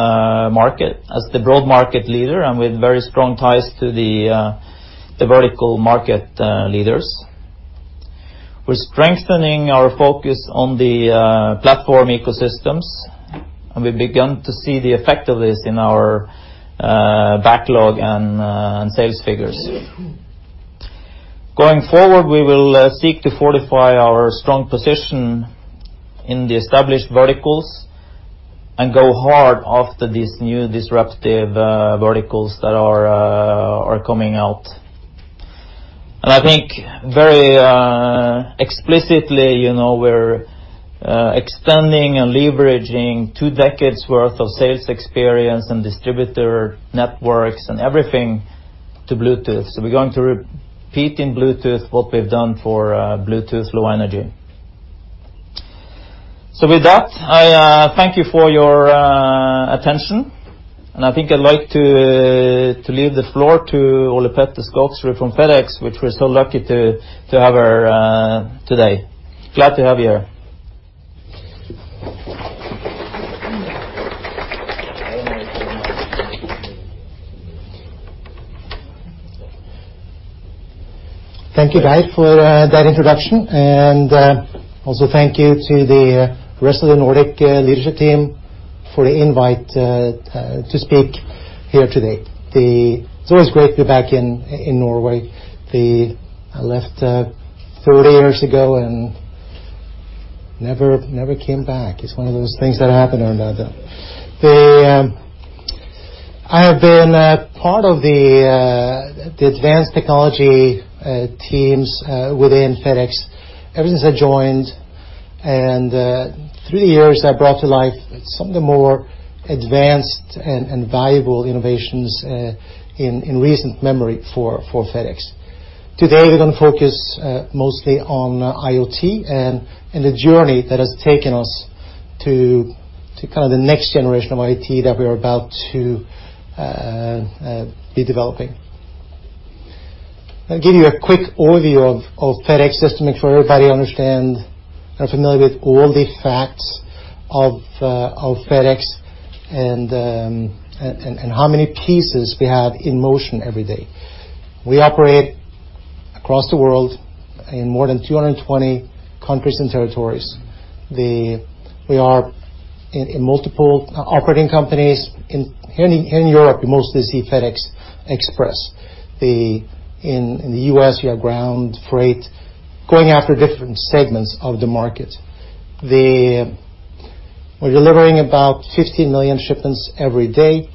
market as the broad market leader and with very strong ties to the vertical market leaders. We're strengthening our focus on the platform ecosystems, and we've begun to see the effect of this in our backlog and sales figures. Going forward, we will seek to fortify our strong position in the established verticals. Go hard after these new disruptive verticals that are coming out. I think very explicitly, we're extending and leveraging 2 decades worth of sales experience and distributor networks and everything to Bluetooth. We're going to repeat in Bluetooth what we've done for Bluetooth Low Energy. With that, I thank you for your attention, and I think I'd like to leave the floor to Ole-Petter Skaaksrud from FedEx, which we're so lucky to have here today. Glad to have you here. Thank you, Geir, for that introduction, also thank you to the rest of the Nordic leadership team for the invite to speak here today. It's always great to be back in Norway. I left 30 years ago and never came back. It's one of those things that happened and I've done. I have been a part of the advanced technology teams within FedEx ever since I joined. Through the years, I brought to life some of the more advanced and valuable innovations in recent memory for FedEx. Today, we're going to focus mostly on IoT and the journey that has taken us to kind of the next generation of IoT that we're about to be developing. I'll give you a quick overview of FedEx, just to make sure everybody understand, are familiar with all the facts of FedEx and how many pieces we have in motion every day. We operate across the world in more than 220 countries and territories. We are in multiple operating companies. Here in Europe, you mostly see FedEx Express. In the U.S., we have ground freight going after different segments of the market. We're delivering about 50 million shipments every day.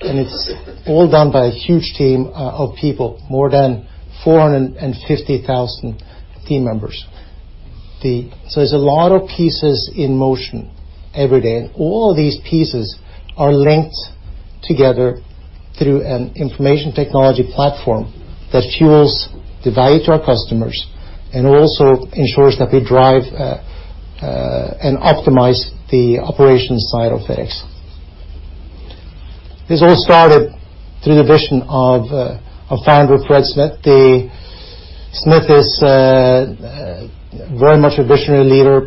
It's all done by a huge team of people, more than 450,000 team members. There's a lot of pieces in motion every day. All these pieces are linked together through an information technology platform that fuels the value to our customers and also ensures that we drive and optimize the operations side of FedEx. This all started through the vision of founder Fred Smith. Smith is very much a visionary leader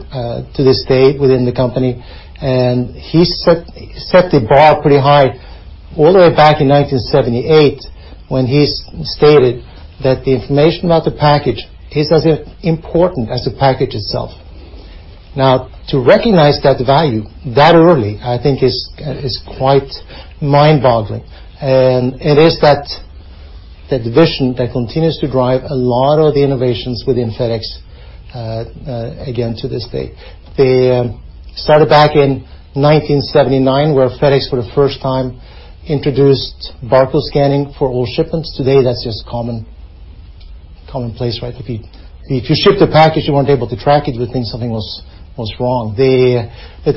to this date within the company. He set the bar pretty high all the way back in 1978 when he stated that the information about the package is as important as the package itself. To recognize that value that early, I think is quite mind-boggling. It is that vision that continues to drive a lot of the innovations within FedEx, again, to this day. It started back in 1979, where FedEx for the first time introduced barcode scanning for all shipments. Today, that's just commonplace, right. If you shipped a package, you weren't able to track it, you would think something was wrong. That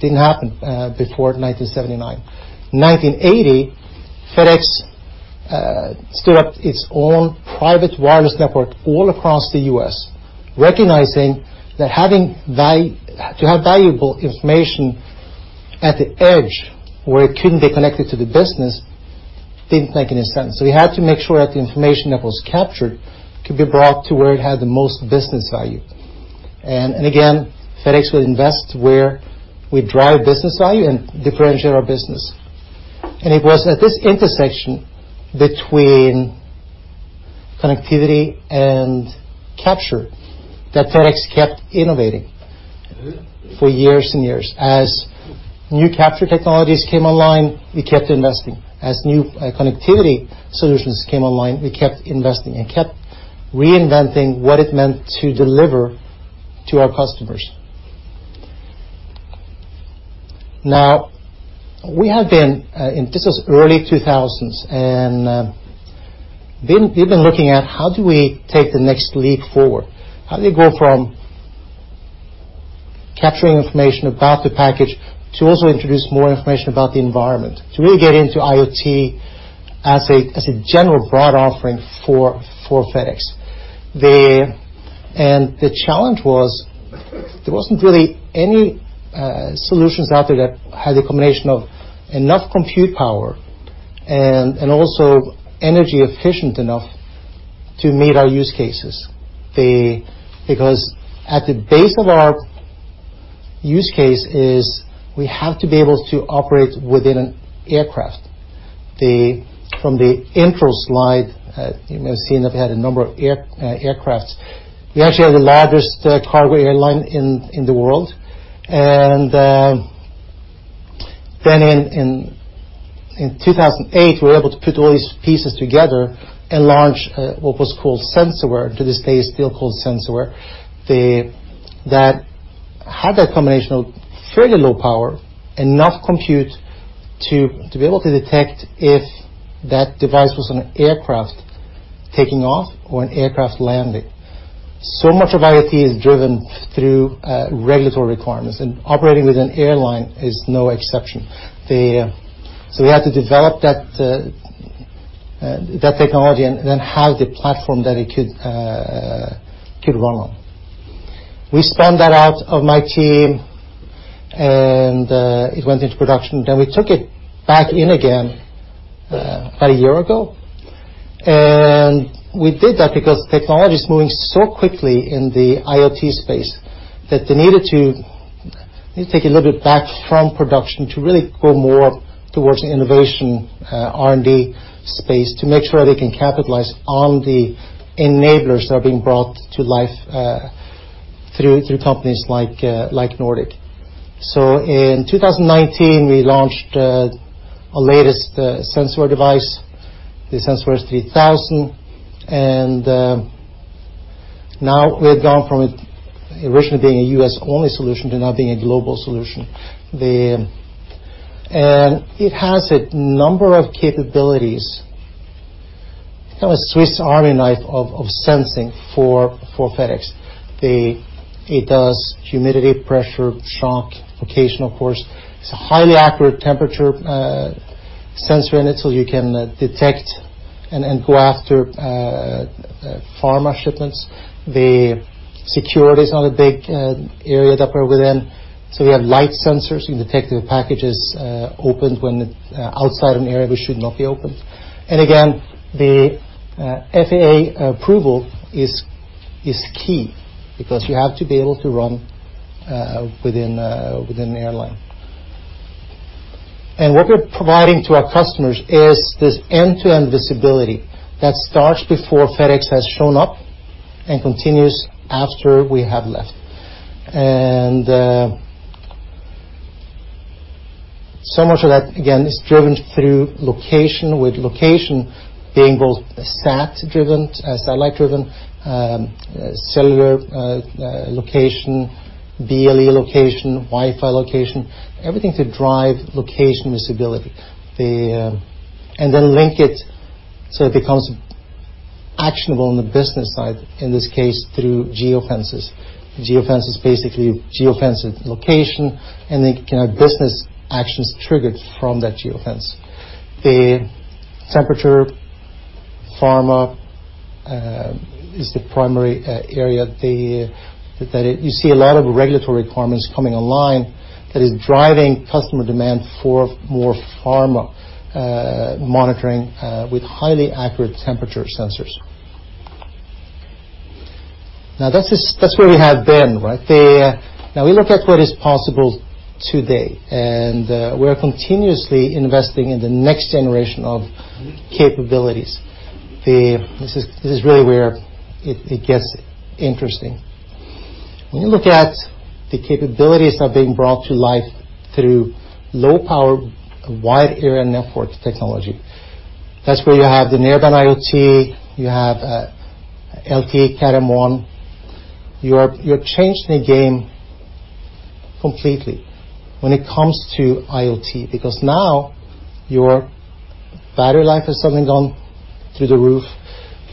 didn't happen before 1979. 1980, FedEx stood up its own private wireless network all across the U.S., recognizing that to have valuable information at the edge where it couldn't be connected to the business didn't make any sense. You had to make sure that the information that was captured could be brought to where it had the most business value. Again, FedEx would invest where we drive business value and differentiate our business. It was at this intersection between connectivity and capture that FedEx kept innovating for years and years. As new capture technologies came online, we kept investing. As new connectivity solutions came online, we kept investing and kept reinventing what it meant to deliver to our customers. This was early 2000s, and we've been looking at how do we take the next leap forward. How do we go from capturing information about the package to also introduce more information about the environment, to really get into IoT as a general broad offering for FedEx. The challenge was, there wasn't really any solutions out there that had a combination of enough compute power and also energy efficient enough to meet our use cases. Because at the base of our use case is we have to be able to operate within an aircraft. From the intro slide, you may have seen that we had a number of aircrafts. We actually have the largest cargo airline in the world. Then in 2008, we were able to put all these pieces together and launch what was called SenseAware, to this day, it's still called SenseAware. That had that combination of fairly low power, enough compute to be able to detect if that device was on an aircraft taking off or an aircraft landing. Much of IoT is driven through regulatory requirements, and operating with an airline is no exception. We had to develop that technology and then have the platform that it could run on. We spun that out of my team, and it went into production. We took it back in again about a year ago. We did that because technology is moving so quickly in the IoT space that they needed to take a little bit back from production to really go more towards the innovation R&D space to make sure they can capitalize on the enablers that are being brought to life through companies like Nordic. In 2019, we launched our latest SenseAware device, the SenseAware 3000. Now we have gone from it originally being a U.S.-only solution to now being a global solution. It has a number of capabilities. It's kind of a Swiss army knife of sensing for FedEx. It does humidity, pressure, shock, location, of course. It's a highly accurate temperature sensor in it, so you can detect and go after pharma shipments. Security is another big area that we're within. We have light sensors. You can detect if a package is opened when outside an area where it should not be opened. Again, the FAA approval is key because you have to be able to run within the airline. What we're providing to our customers is this end-to-end visibility that starts before FedEx has shown up and continues after we have left. So much of that, again, is driven through location, with location being both sat-driven, satellite-driven, cellular location, BLE location, Wi-Fi location, everything to drive location visibility. Link it so it becomes actionable on the business side, in this case, through geofences. Geofence is basically geofenced location, they can have business actions triggered from that geofence. The temperature, pharma is the primary area. You see a lot of regulatory requirements coming online that is driving customer demand for more pharma monitoring, with highly accurate temperature sensors. Now, that's where we have been, right? Now we look at what is possible today. We're continuously investing in the next generation of capabilities. This is really where it gets interesting. When you look at the capabilities that are being brought to life through low-power wide area network technology, that's where you have the Narrowband IoT, you have LTE Cat M1. You're changing the game completely when it comes to IoT, because now your battery life has suddenly gone through the roof.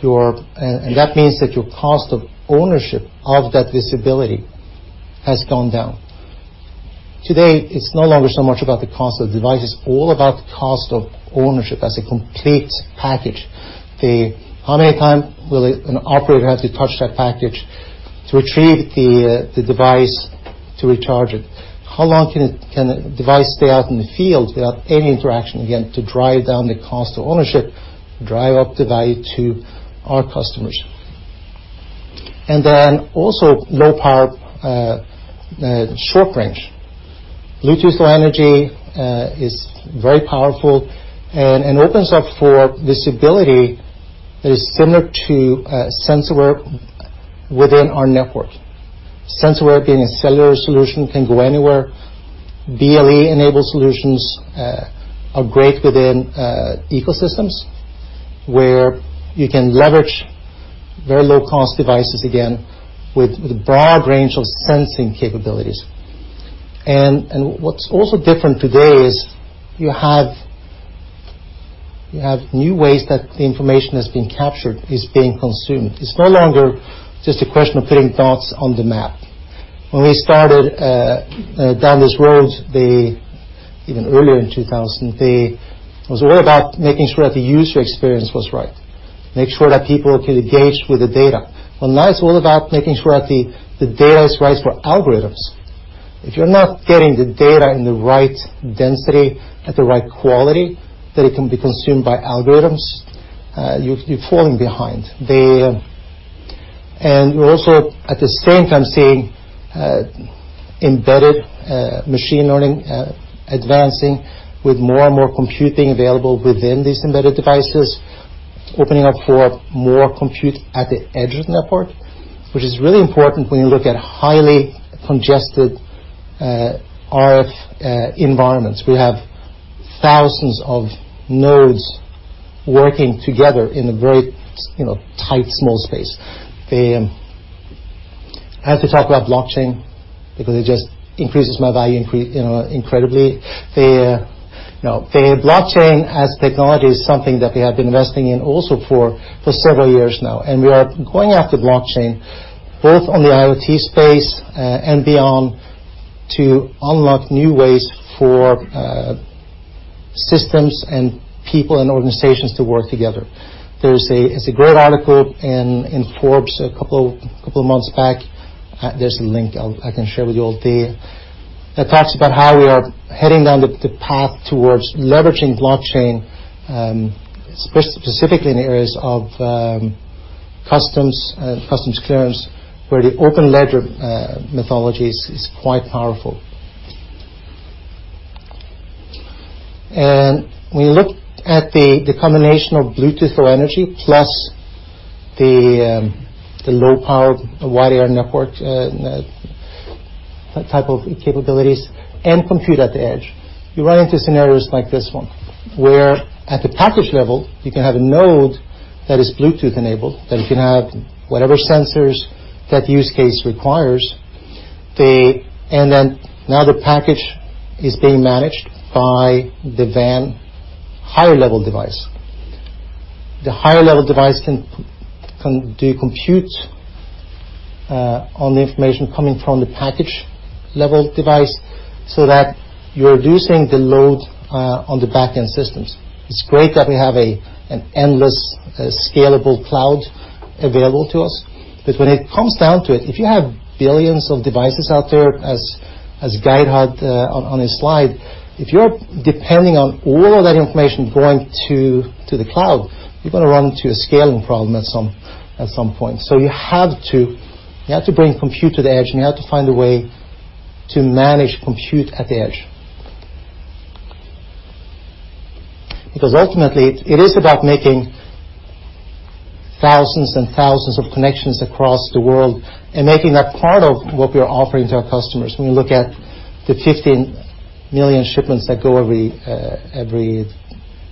That means that your cost of ownership of that visibility has gone down. Today, it's no longer so much about the cost of the device. It's all about the cost of ownership as a complete package. How many times will an operator have to touch that package to retrieve the device to recharge it? How long can a device stay out in the field without any interaction, again, to drive down the cost of ownership, drive up the value to our customers. Also low power short range. Bluetooth Low Energy is very powerful and opens up for visibility that is similar to SenseAware within our network. SenseAware, being a cellular solution, can go anywhere. BLE-enabled solutions are great within ecosystems where you can leverage very low-cost devices, again, with a broad range of sensing capabilities. What's also different today is you have new ways that the information that's being captured is being consumed. It's no longer just a question of putting dots on the map. When we started down this road, even earlier in 2000, it was all about making sure that the user experience was right, make sure that people can engage with the data. Well, now it's all about making sure that the data is right for algorithms. If you're not getting the data in the right density at the right quality that it can be consumed by algorithms, you're falling behind. We're also, at the same time, seeing embedded machine learning advancing with more and more computing available within these embedded devices. Opening up for more compute at the edges network, which is really important when you look at highly congested RF environments. We have thousands of nodes working together in a very tight, small space. I have to talk about blockchain, because it just increases my value incredibly. Blockchain as technology is something that we have been investing in also for several years now. We are going after blockchain, both on the IoT space and beyond, to unlock new ways for systems and people and organizations to work together. There's a great article in Forbes a couple of months back, there's a link I can share with you all today, that talks about how we are heading down the path towards leveraging blockchain, specifically in the areas of customs and customs clearance, where the open ledger methodology is quite powerful. We looked at the combination of Bluetooth Low Energy plus the low-powered WAN network, that type of capabilities, and compute at the edge. You run into scenarios like this one, where at the package level, you can have a node that is Bluetooth enabled, that you can have whatever sensors that use case requires. Now the package is being managed by the WAN higher level device. The higher level device can do compute on the information coming from the package level device, so that you're reducing the load on the back-end systems. It's great that we have an endless, scalable cloud available to us. When it comes down to it, if you have billions of devices out there, as Geir had on his slide, if you're depending on all of that information going to the cloud, you're going to run into a scaling problem at some point. You have to bring compute to the edge, and you have to find a way to manage compute at the edge. Because ultimately, it is about making thousands and thousands of connections across the world and making that part of what we are offering to our customers. When we look at the 15 million shipments that go every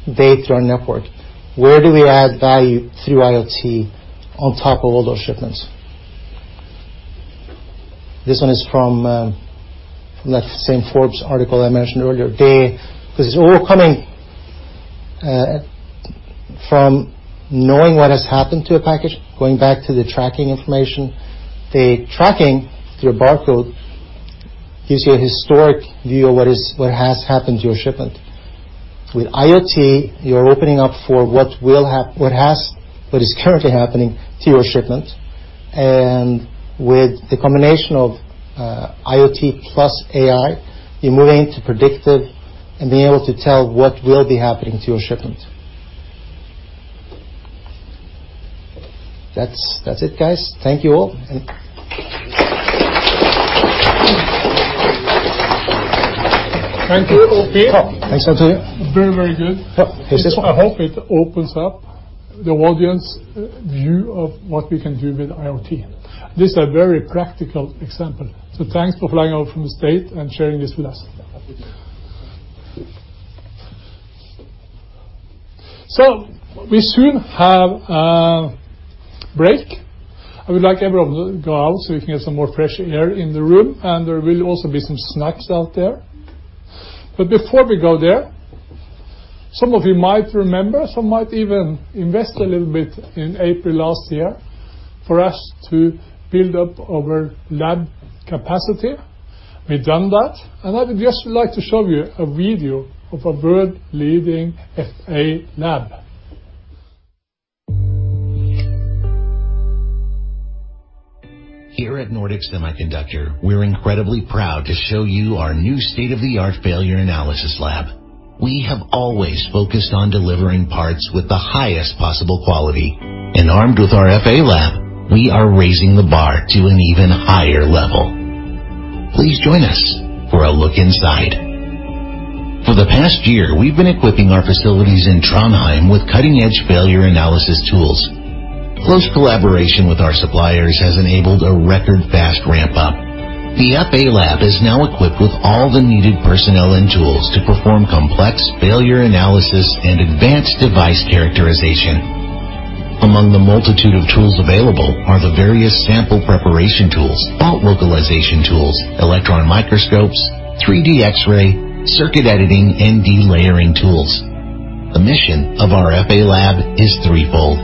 day through our network, where do we add value through IoT on top of all those shipments? This one is from that same Forbes article I mentioned earlier. It's all coming from knowing what has happened to a package, going back to the tracking information. The tracking through a barcode gives you a historic view of what has happened to your shipment. With IoT, you're opening up for what is currently happening to your shipment. With the combination of IoT plus AI, you're moving into predictive and being able to tell what will be happening to your shipment. That's it, guys. Thank you all. And Thank you, Ope. Thanks. Up to you. Very good. Yeah. I hope it opens up the audience view of what we can do with IoT. These are very practical example. Thanks for flying out from the States and sharing this with us. Happy to. We soon have a break. I would like everyone to go out so we can get some more fresh air in the room, and there will also be some snacks out there. Before we go there, some of you might remember, some might even invest a little bit in April last year for us to build up our lab capacity. We've done that, and I would just like to show you a video of a world-leading FA lab. Here at Nordic Semiconductor, we're incredibly proud to show you our new state-of-the-art failure analysis lab. We have always focused on delivering parts with the highest possible quality. Armed with our FA lab, we are raising the bar to an even higher level. Please join us for a look inside. For the past year, we've been equipping our facilities in Trondheim with cutting-edge failure analysis tools. Close collaboration with our suppliers has enabled a record fast ramp-up. The FA lab is now equipped with all the needed personnel and tools to perform complex failure analysis and advanced device characterization. Among the multitude of tools available are the various sample preparation tools, fault localization tools, electron microscopes, 3D X-ray, circuit editing, and delayering tools. The mission of our FA lab is threefold.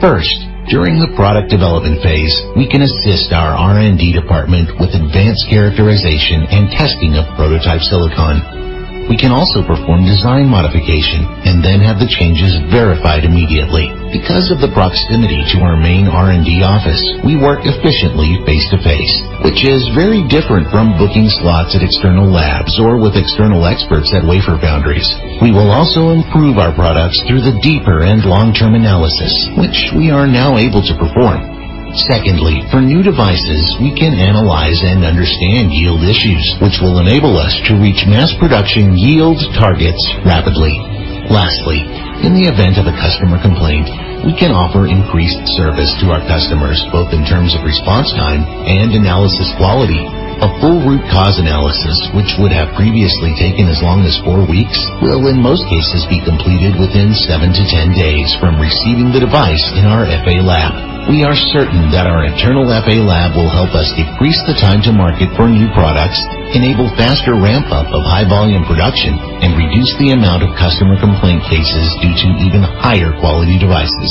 First, during the product development phase, we can assist our R&D department with advanced characterization and testing of prototype silicon. We can also perform design modification and then have the changes verified immediately. Because of the proximity to our main R&D office, we work efficiently face to face, which is very different from booking slots at external labs or with external experts at wafer foundries. We will also improve our products through the deeper and long-term analysis, which we are now able to perform. Secondly, for new devices, we can analyze and understand yield issues, which will enable us to reach mass production yield targets rapidly. Lastly, in the event of a customer complaint, we can offer increased service to our customers both in terms of response time and analysis quality. A full root cause analysis, which would have previously taken as long as 4 weeks, will in most cases be completed within seven to 10 days from receiving the device in our FA lab. We are certain that our internal FA lab will help us decrease the time to market for new products, enable faster ramp-up of high-volume production, and reduce the amount of customer complaint cases due to even higher quality devices.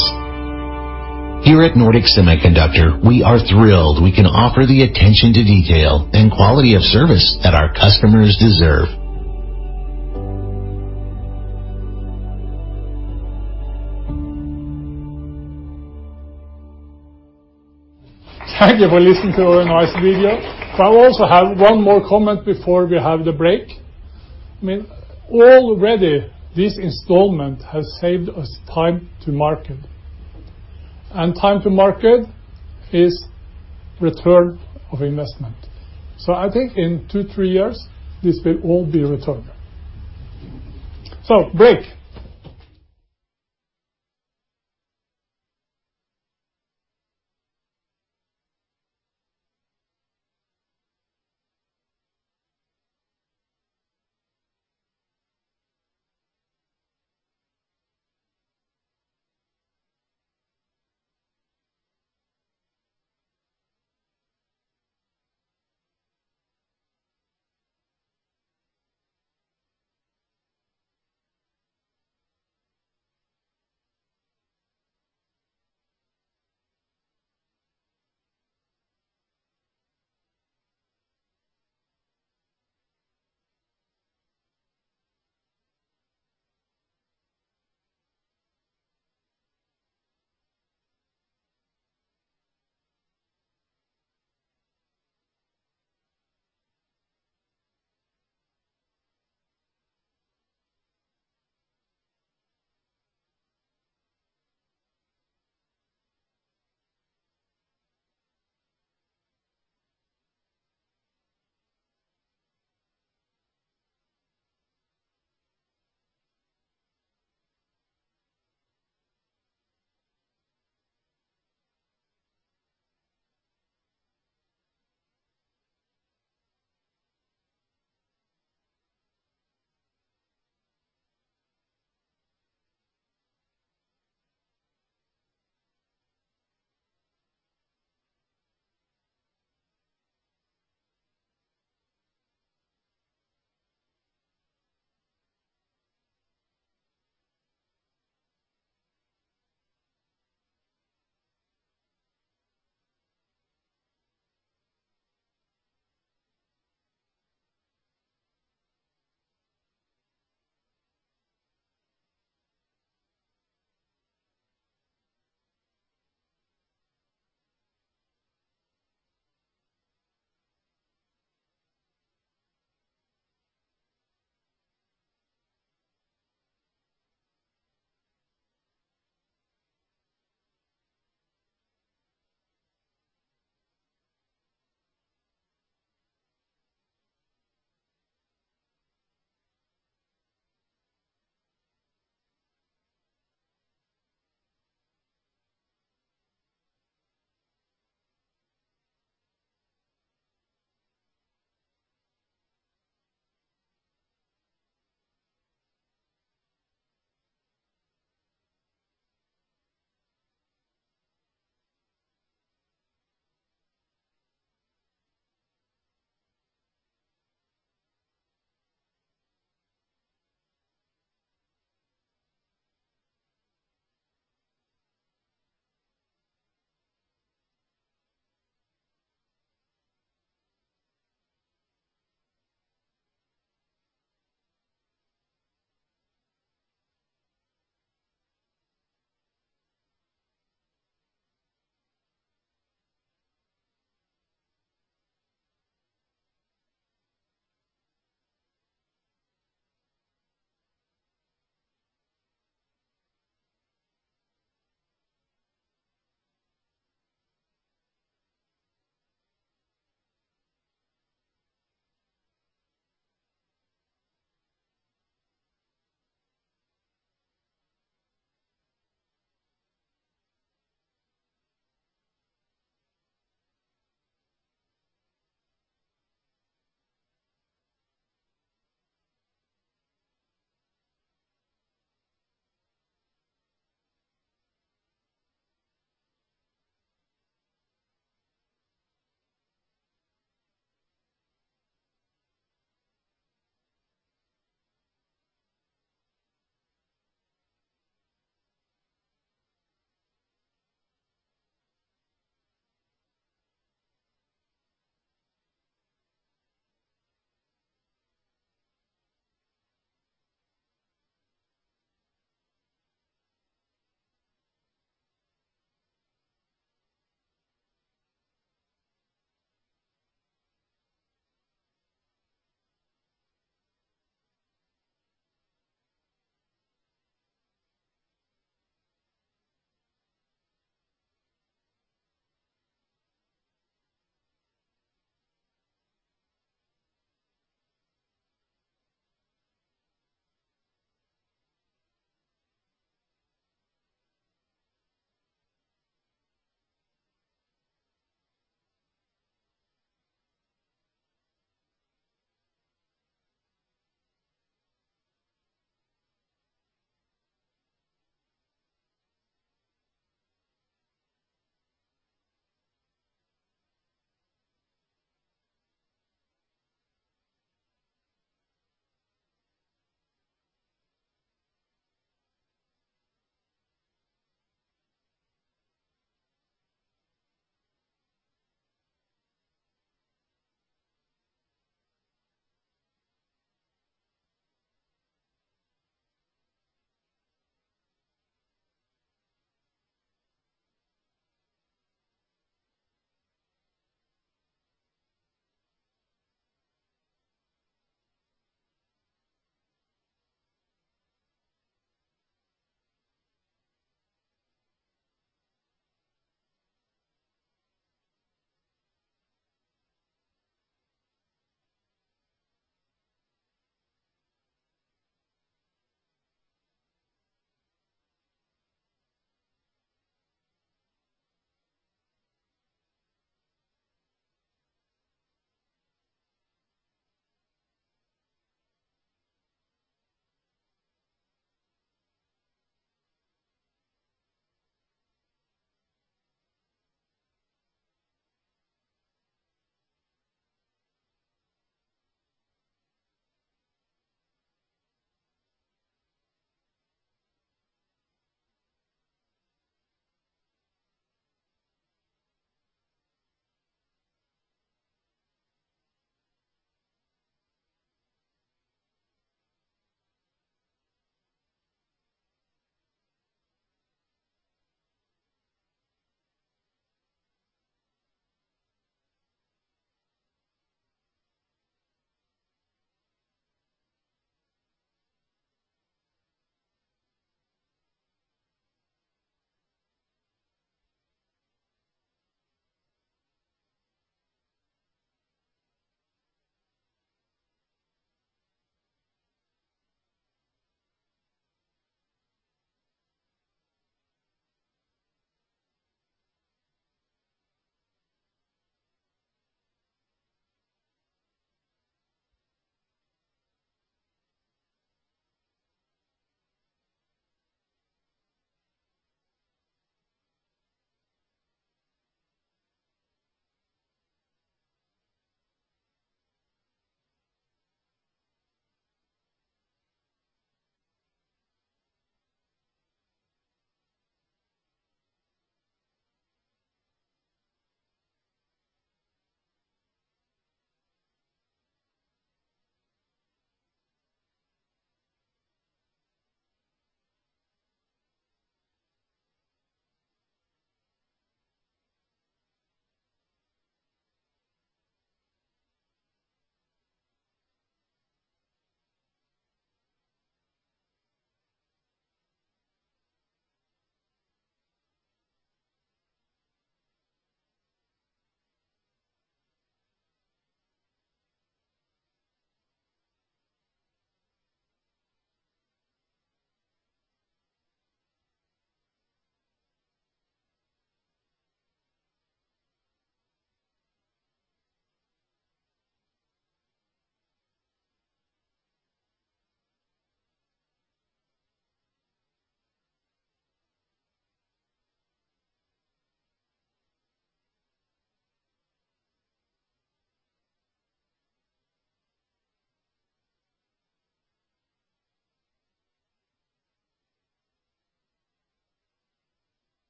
Here at Nordic Semiconductor, we are thrilled we can offer the attention to detail and quality of service that our customers deserve. Thank you for listening to our nice video. I also have one more comment before we have the break. Already, this installment has saved us time to market. Time to market is return on investment. I think in two, three years, this will all be returned. Break.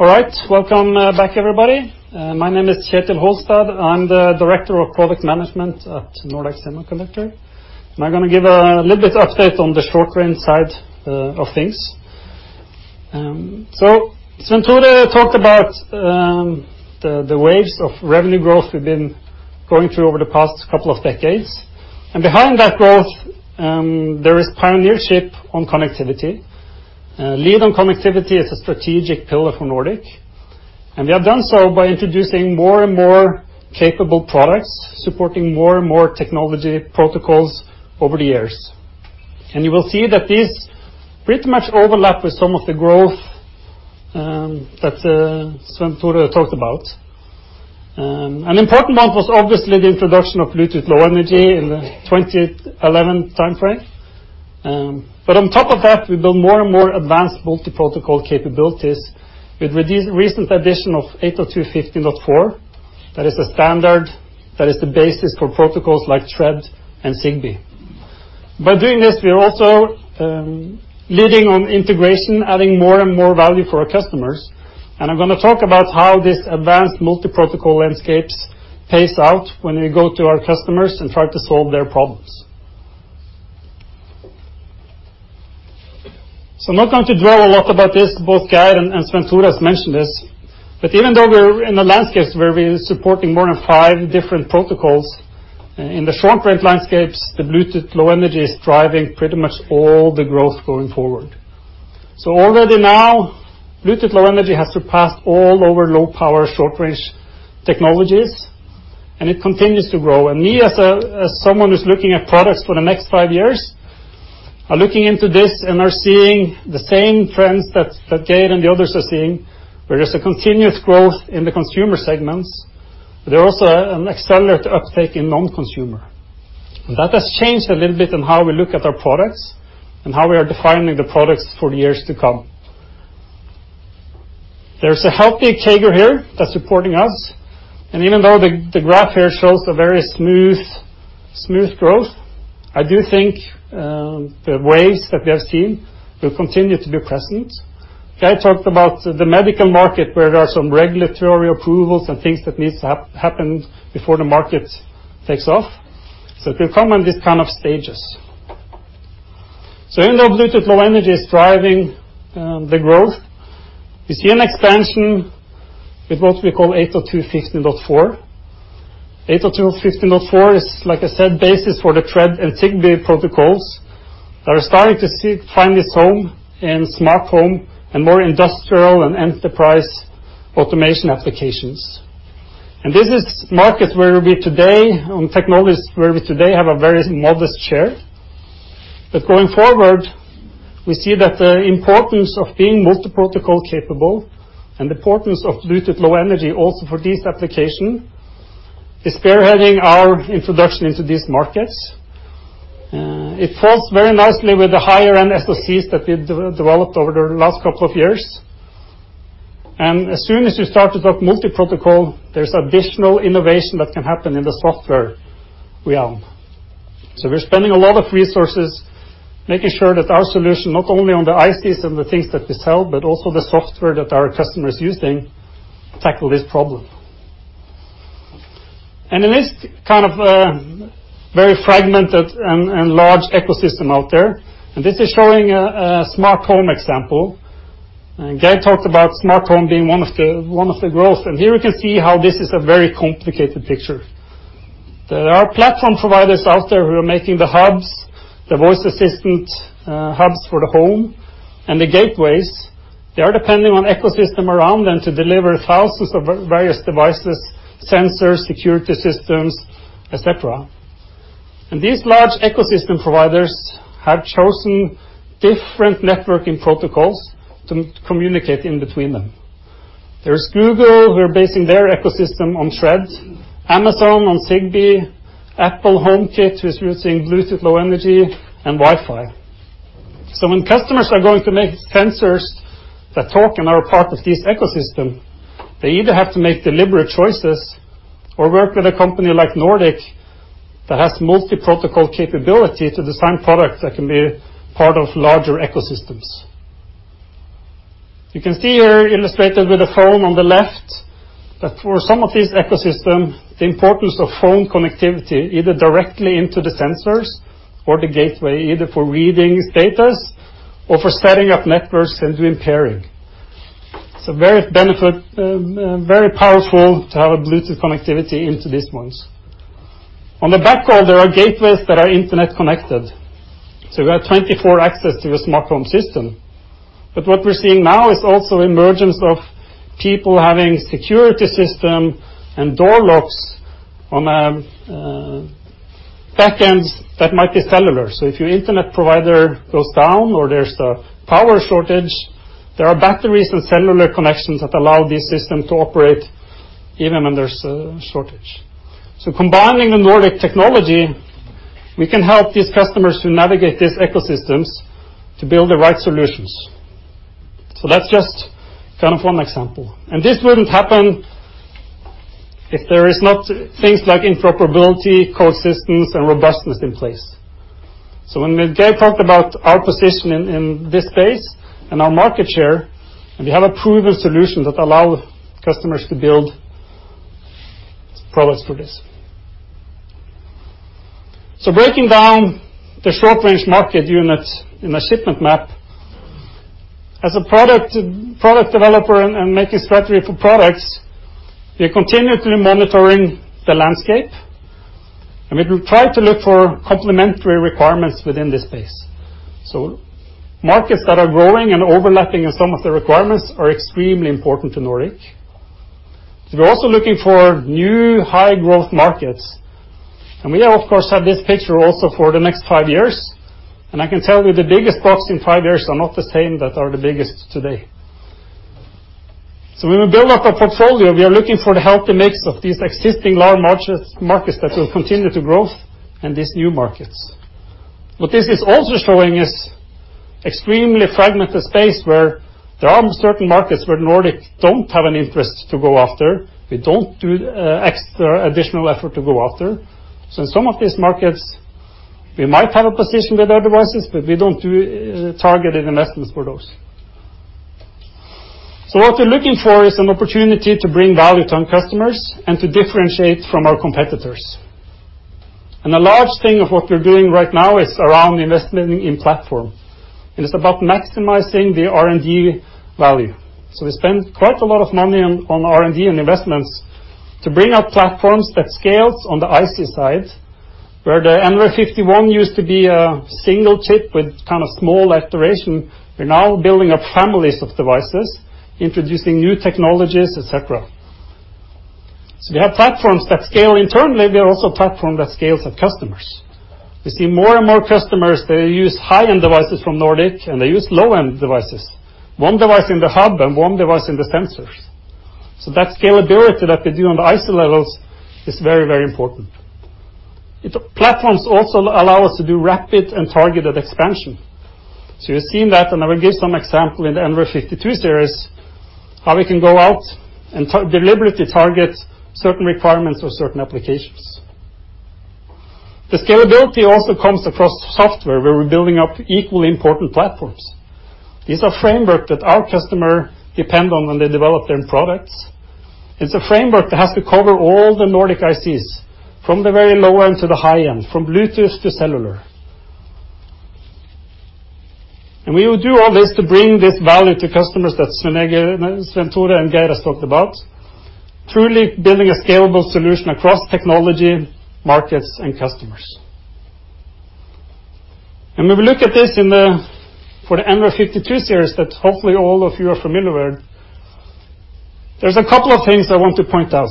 Welcome back, everybody. My name is Kjetil Holstad. I'm the Director of Product Management at Nordic Semiconductor, I'm going to give a little bit update on the short range side of things. Svenn-Tore talked about the waves of revenue growth we've been going through over the past couple of decades. Behind that growth, there is pioneership on connectivity. Lead on connectivity is a strategic pillar for Nordic, we have done so by introducing more and more capable products, supporting more and more technology protocols over the years. You will see that these pretty much overlap with some of the growth that Svenn-Tore talked about. An important one was obviously the introduction of Bluetooth Low Energy in the 2011 timeframe. On top of that, we build more and more advanced multi-protocol capabilities with recent addition of 802.15.4. That is a standard, that is the basis for protocols like Thread and Zigbee. By doing this, we are also leading on integration, adding more and more value for our customers. I'm going to talk about how this advanced multi-protocol landscapes pays out when we go to our customers and try to solve their problems. I'm not going to dwell a lot about this, both Geir and Svein-Tore has mentioned this, but even though we're in a landscape where we're supporting more than five different protocols, in the short range landscapes, the Bluetooth Low Energy is driving pretty much all the growth going forward. Already now, Bluetooth Low Energy has surpassed all over low power short range technologies, and it continues to grow. Me, as someone who's looking at products for the next 5 years, are looking into this and are seeing the same trends that Geir and the others are seeing, where there's a continuous growth in the consumer segments, but there are also an accelerated uptake in non-consumer. That has changed a little bit on how we look at our products and how we are defining the products for the years to come. There's a healthy CAGR here that's supporting us, and even though the graph here shows a very smooth growth. I do think the waves that we have seen will continue to be present. Geir talked about the medical market, where there are some regulatory approvals and things that needs to happen before the market takes off. It will come in these kind of stages. End of Bluetooth Low Energy is driving the growth. We see an expansion with what we call 802.15.4. 802.15.4 is, like I said, basis for the Thread and Zigbee protocols that are starting to find its home in smart home and more industrial and enterprise automation applications. This is market where we today, on technologies, where we today have a very modest share. Going forward, we see that the importance of being multi-protocol capable and the importance of Bluetooth Low Energy also for this application, is spearheading our introduction into these markets. It falls very nicely with the higher-end SoCs that we've developed over the last couple of years. As soon as you start to talk multi-protocol, there's additional innovation that can happen in the software we own. We're spending a lot of resources making sure that our solution, not only on the ICs and the things that we sell, but also the software that our customers using, tackle this problem. In this kind of very fragmented and large ecosystem out there, and this is showing a smart home example. Geir talked about smart home being one of the growths. Here we can see how this is a very complicated picture. There are platform providers out there who are making the hubs, the voice assistant hubs for the home, and the gateways. They are depending on ecosystem around them to deliver thousands of various devices, sensors, security systems, et cetera. These large ecosystem providers have chosen different networking protocols to communicate in between them. There's Google, who are basing their ecosystem on Thread, Amazon on Zigbee, Apple HomeKit, who's using Bluetooth Low Energy and Wi-Fi. When customers are going to make sensors that talk and are a part of this ecosystem, they either have to make deliberate choices or work with a company like Nordic that has multi-protocol capability to design products that can be part of larger ecosystems. You can see here illustrated with a phone on the left, that for some of these ecosystems, the importance of phone connectivity, either directly into the sensors or the gateway, either for reading status or for setting up networks and doing pairing. It's very powerful to have a Bluetooth connectivity into these ones. On the back wall, there are gateways that are internet connected. You have 24/7 access to your smart home system. What we're seeing now is also emergence of people having security system and door locks on backends that might be cellular. If your internet provider goes down or there's a power shortage, there are batteries and cellular connections that allow these systems to operate even when there's a shortage. Combining the Nordic technology, we can help these customers to navigate these ecosystems to build the right solutions. That's just kind of one example. This wouldn't happen if there is not things like interoperability, coexistence, and robustness in place. When Geir talked about our position in this space and our market share, we have a proven solution that allow customers to build products for this. Breaking down the short range market units in a shipment map. As a product developer and making strategy for products, we are continuously monitoring the landscape. We try to look for complementary requirements within this space. Markets that are growing and overlapping in some of the requirements are extremely important to Nordic. We're also looking for new high growth markets. We of course have this picture also for the next five years. I can tell you the biggest boxes in five years are not the same that are the biggest today. When we build up a portfolio, we are looking for the healthy mix of these existing large markets that will continue to growth and these new markets. What this is also showing is extremely fragmented space where there are certain markets where Nordic don't have an interest to go after. We don't do extra additional effort to go after. In some of these markets, we might have a position with our devices, but we don't do targeted investments for those. What we're looking for is an opportunity to bring value to our customers and to differentiate from our competitors. A large thing of what we're doing right now is around investing in platform. It's about maximizing the R&D value. We spend quite a lot of money on R&D and investments to bring up platforms that scales on the IC side, where the nRF51 used to be a single chip with kind of small iteration. We're now building up families of devices, introducing new technologies, et cetera. We have platforms that scale internally. We have also platform that scales at customers. We see more and more customers, they use high-end devices from Nordic, and they use low-end devices. One device in the hub and one device in the sensors. That scalability that we do on the IC levels is very, very important. Platforms also allow us to do rapid and targeted expansion. You've seen that, and I will give some example in the nRF52 Series, how we can go out and deliberately target certain requirements or certain applications. The scalability also comes across software, where we're building up equally important platforms. These are framework that our customer depend on when they develop their products. It's a framework that has to cover all the Nordic ICs, from the very low-end to the high-end, from Bluetooth to cellular. We will do all this to bring this value to customers that Svenn-Tore and Geir has talked about, truly building a scalable solution across technology, markets, and customers. When we look at this for the nRF52 Series, that hopefully all of you are familiar with, there's a couple of things I want to point out.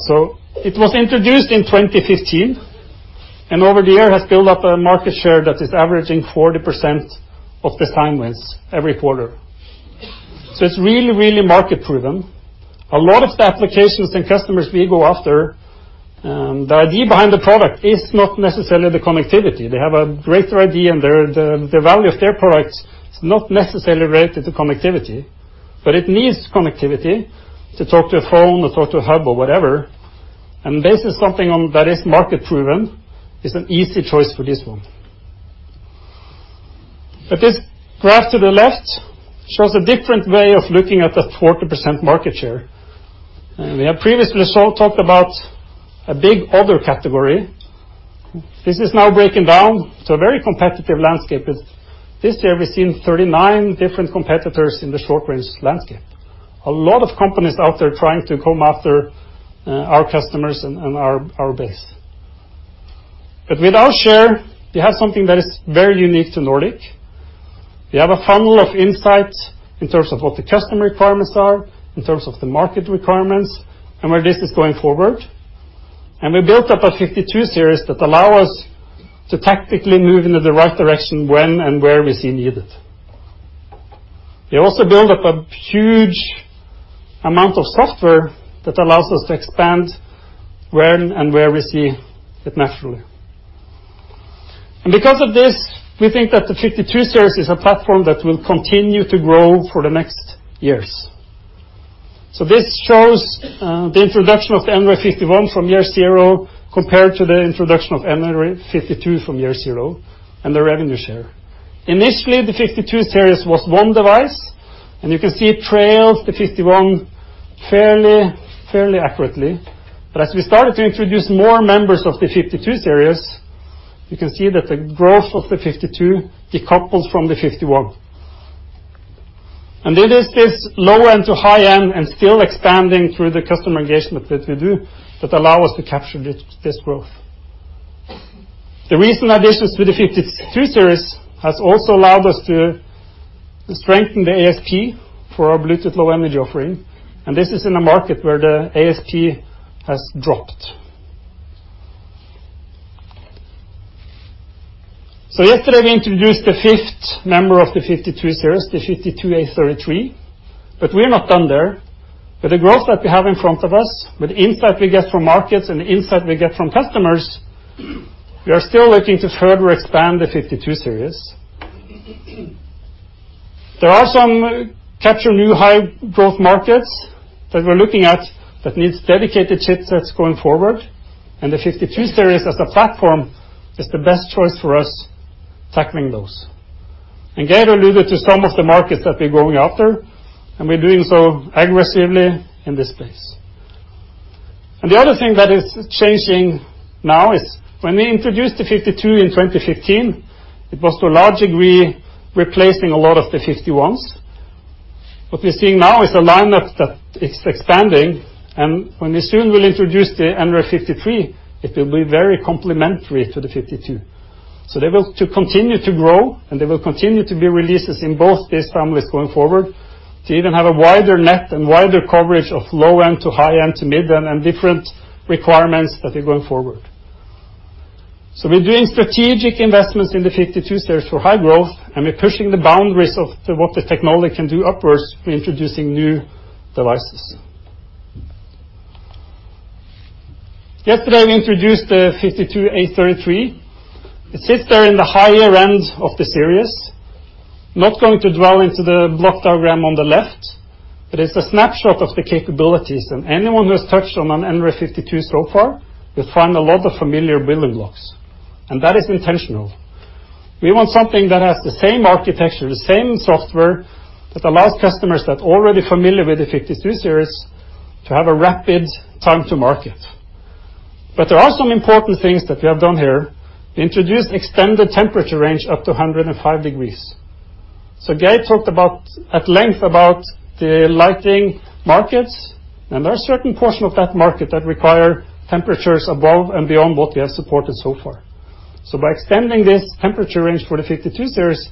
It was introduced in 2015, and over the year has built up a market share that is averaging 40% of the time lens every quarter. It's really market proven. A lot of the applications and customers we go after, the idea behind the product is not necessarily the connectivity. They have a greater idea and the value of their product is not necessarily related to connectivity. It needs connectivity to talk to a phone or talk to a hub or whatever, and this is something that is market proven, is an easy choice for this one. This graph to the left shows a different way of looking at that 40% market share. We have previously sort of talked about a big other category. This is now breaking down to a very competitive landscape. This year, we've seen 39 different competitors in the short-range landscape. A lot of companies out there trying to come after our customers and our base. With our share, we have something that is very unique to Nordic. We have a funnel of insights in terms of what the customer requirements are, in terms of the market requirements, and where this is going forward. We built up an nRF52 Series that allow us to tactically move into the right direction when and where we see needed. We also build up a huge amount of software that allows us to expand when and where we see it naturally. Because of this, we think that the nRF52 Series is a platform that will continue to grow for the next years. This shows the introduction of the nRF51 from year zero compared to the introduction of nRF52 from year zero, and the revenue share. Initially, the nRF52 Series was one device, and you can see it trails the nRF51 fairly accurately. As we started to introduce more members of the nRF52 Series, you can see that the growth of the nRF52 decouples from the nRF51. It is this low-end to high-end and still expanding through the customer engagement that we do, that allow us to capture this growth. The recent additions to the nRF52 Series has also allowed us to strengthen the ASP for our Bluetooth Low Energy offering, and this is in a market where the ASP has dropped. Yesterday we introduced the fifth member of the nRF52 Series, the nRF52833. We're not done there. With the growth that we have in front of us, with the insight we get from markets and the insight we get from customers, we are still looking to further expand the nRF52 Series. There are some capture new high growth markets that we're looking at that needs dedicated chipsets going forward, and the nRF52 Series as a platform is the best choice for us tackling those. Geir alluded to some of the markets that we're going after, and we're doing so aggressively in this space. The other thing that is changing now is when we introduced the nRF52 in 2015, it was to a large degree replacing a lot of the nRF51s. What we're seeing now is a lineup that is expanding and when we soon will introduce the nRF53, it will be very complementary to the nRF52. They will continue to grow and they will continue to be releases in both these families going forward to even have a wider net and wider coverage of low-end to high-end to mid-end and different requirements that are going forward. We're doing strategic investments in the nRF52 Series for high growth, and we're pushing the boundaries of what the technology can do upwards, we're introducing new devices. Yesterday, we introduced the nRF52833. It sits there in the higher end of the series. Not going to dwell into the block diagram on the left, but it's a snapshot of the capabilities. Anyone who has touched on an nRF52 so far, will find a lot of familiar building blocks. That is intentional. We want something that has the same architecture, the same software that allows customers that are already familiar with the nRF52 Series to have a rapid time to market. There are some important things that we have done here. Introduced extended temperature range up to 105 degrees. Geir talked at length about the lighting markets, and there are certain portion of that market that require temperatures above and beyond what we have supported so far. By extending this temperature range for the nRF52 Series,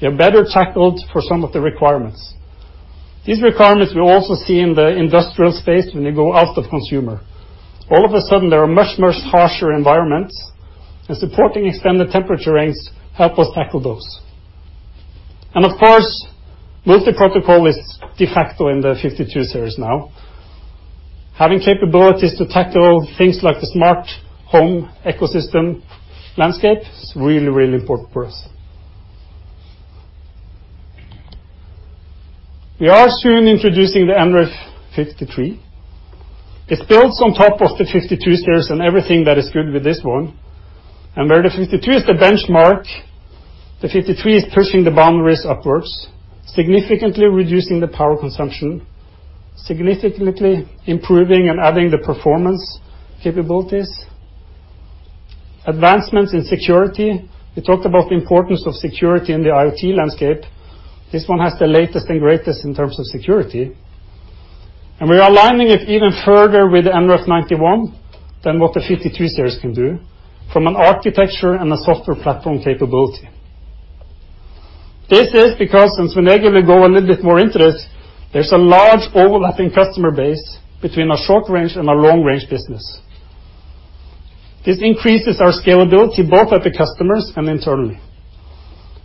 we are better tackled for some of the requirements. These requirements we also see in the industrial space when you go out the consumer. All of a sudden, there are much harsher environments, and supporting extended temperature range help us tackle those. Of course, multiprotocol is de facto in the nRF52 Series now. Having capabilities to tackle things like the smart home ecosystem landscape is really, really important for us. We are soon introducing the nRF53. It builds on top of the nRF52 Series and everything that is good with this one. Where the nRF52 is the benchmark, the nRF53 is pushing the boundaries upwards, significantly reducing the power consumption, significantly improving and adding the performance capabilities. Advancements in security. We talked about the importance of security in the IoT landscape. This one has the latest and greatest in terms of security, we are aligning it even further with the nRF91 than what the nRF52 Series can do from an architecture and a software platform capability. This is because, and Svein-Egil will go a little bit more into this, there's a large overlapping customer base between our short-range and our long-range business. This increases our scalability both at the customers and internally.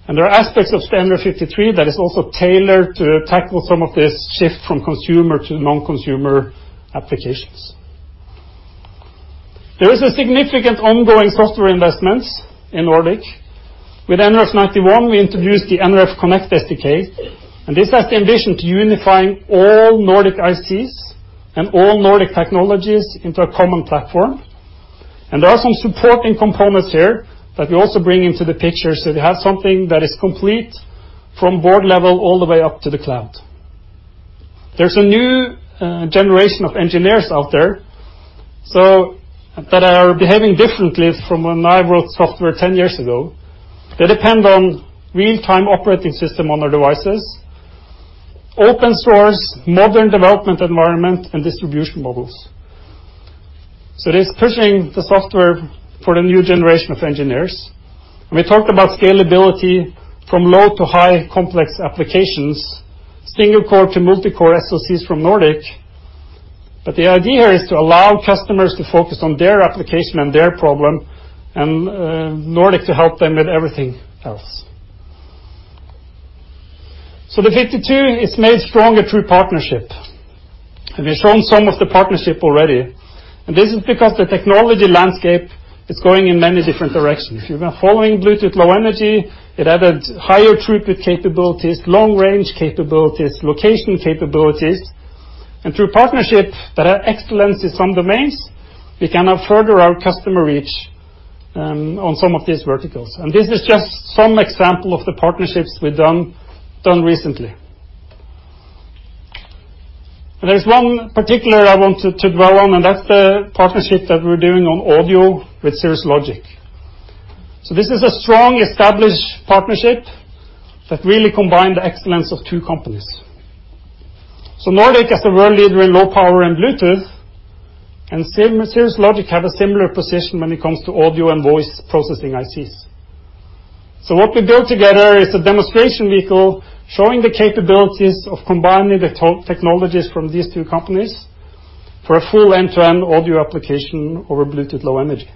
There are aspects of the nRF53 that is also tailored to tackle some of this shift from consumer to non-consumer applications. There is a significant ongoing software investment in Nordic. With nRF91, we introduced the nRF Connect SDK, and this has the ambition to unify all Nordic ICs and all Nordic technologies into a common platform. There are some supporting components here that we also bring into the picture so that we have something that is complete from board level all the way up to the cloud. There's a new generation of engineers out there, that are behaving differently from when I wrote software 10 years ago. They depend on real-time operating system on their devices, open source, modern development environment, and distribution models. It is pushing the software for the new generation of engineers. We talked about scalability from low to high complex applications, single core to multi-core SoCs from Nordic. The idea here is to allow customers to focus on their application and their problem, and Nordic to help them with everything else. The 52 is made stronger through partnership, and we've shown some of the partnership already. This is because the technology landscape is going in many different directions. You've been following Bluetooth Low Energy, it added higher throughput capabilities, long range capabilities, location capabilities. Through partnership that have excellence in some domains, we can now further our customer reach on some of these verticals. This is just some example of the partnerships we've done recently. There's one particular I want to dwell on, and that's the partnership that we're doing on audio with Cirrus Logic. This is a strong, established partnership that really combine the excellence of two companies. Nordic is a world leader in low power and Bluetooth, and Cirrus Logic have a similar position when it comes to audio and voice processing ICs. What we build together is a demonstration vehicle showing the capabilities of combining the technologies from these two companies for a full end-to-end audio application over Bluetooth Low Energy.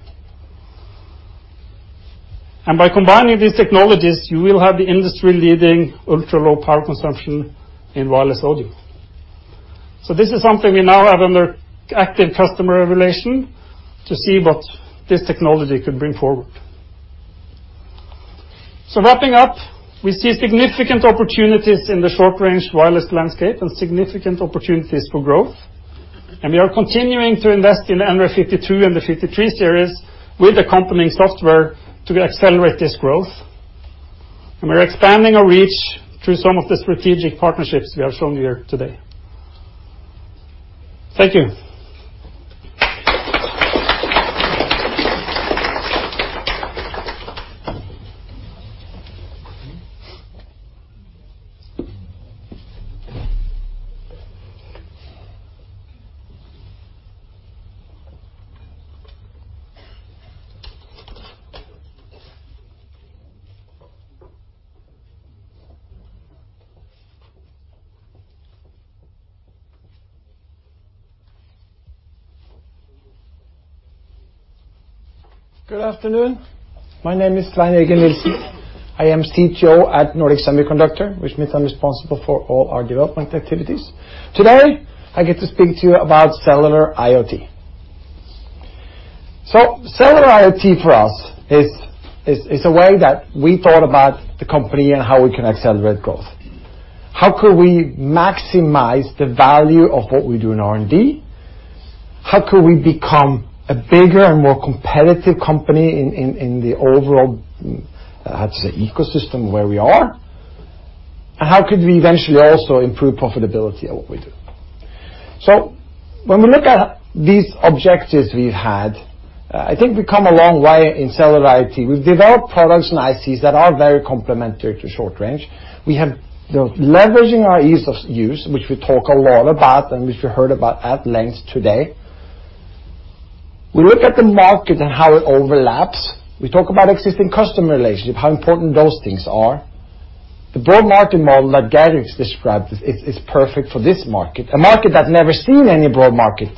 By combining these technologies, you will have the industry-leading ultra-low power consumption in wireless audio. This is something we now have under active customer relation to see what this technology could bring forward. Wrapping up, we see significant opportunities in the short-range wireless landscape and significant opportunities for growth, we are continuing to invest in the nRF52 and the nRF53 Series with accompanying software to accelerate this growth. We're expanding our reach through some of the strategic partnerships we have shown here today. Thank you. Good afternoon. My name is Svein-Egil Nielsen. I am CTO at Nordic Semiconductor, which means I'm responsible for all our development activities. Today, I get to speak to you about cellular IoT. Cellular IoT for us is a way that we thought about the company and how we can accelerate growth. How could we maximize the value of what we do in R&D? How could we become a bigger and more competitive company in the overall, how to say, ecosystem where we are? How could we eventually also improve profitability at what we do? When we look at these objectives we've had, I think we've come a long way in cellular IoT. We've developed products and ICs that are very complementary to short range. We have the leveraging our ease of use, which we talk a lot about and which we heard about at length today. We look at the market and how it overlaps. We talk about existing customer relationship, how important those things are. The broad market model that Geir described is perfect for this market, a market that's never seen any broad market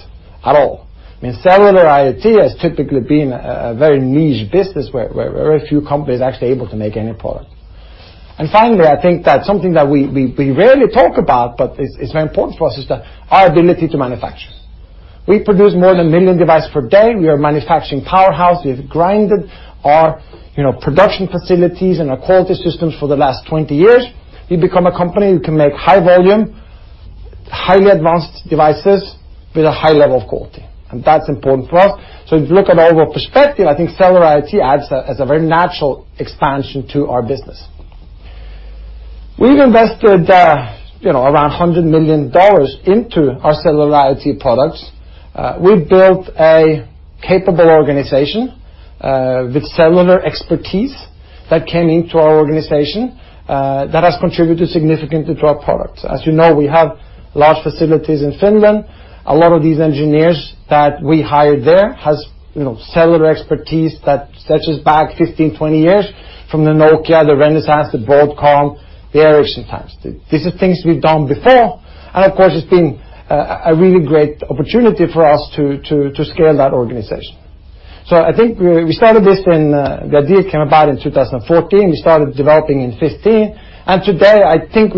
at all. I mean, cellular IoT has typically been a very niche business where very few companies are actually able to make any product. Finally, I think that something that we rarely talk about, but is very important for us, is that our ability to manufacture. We produce more than 1 million devices per day. We are a manufacturing powerhouse. We have grinded our production facilities and our quality systems for the last 20 years. We've become a company that can make high volume, highly advanced devices with a high level of quality, and that's important for us. If you look at our overall perspective, I think cellular IoT adds as a very natural expansion to our business. We've invested around $100 million into our cellular IoT products. We've built a capable organization with cellular expertise that came into our organization, that has contributed significantly to our products. As you know, we have large facilities in Finland. A lot of these engineers that we hired there has cellular expertise that stretches back 15, 20 years from the Nokia, the Renesas, the Broadcom, the Ericsson times. These are things we've done before, and of course, it's been a really great opportunity for us to scale that organization. I think we started this in, the idea came about in 2014. We started developing in 2015, and today, I think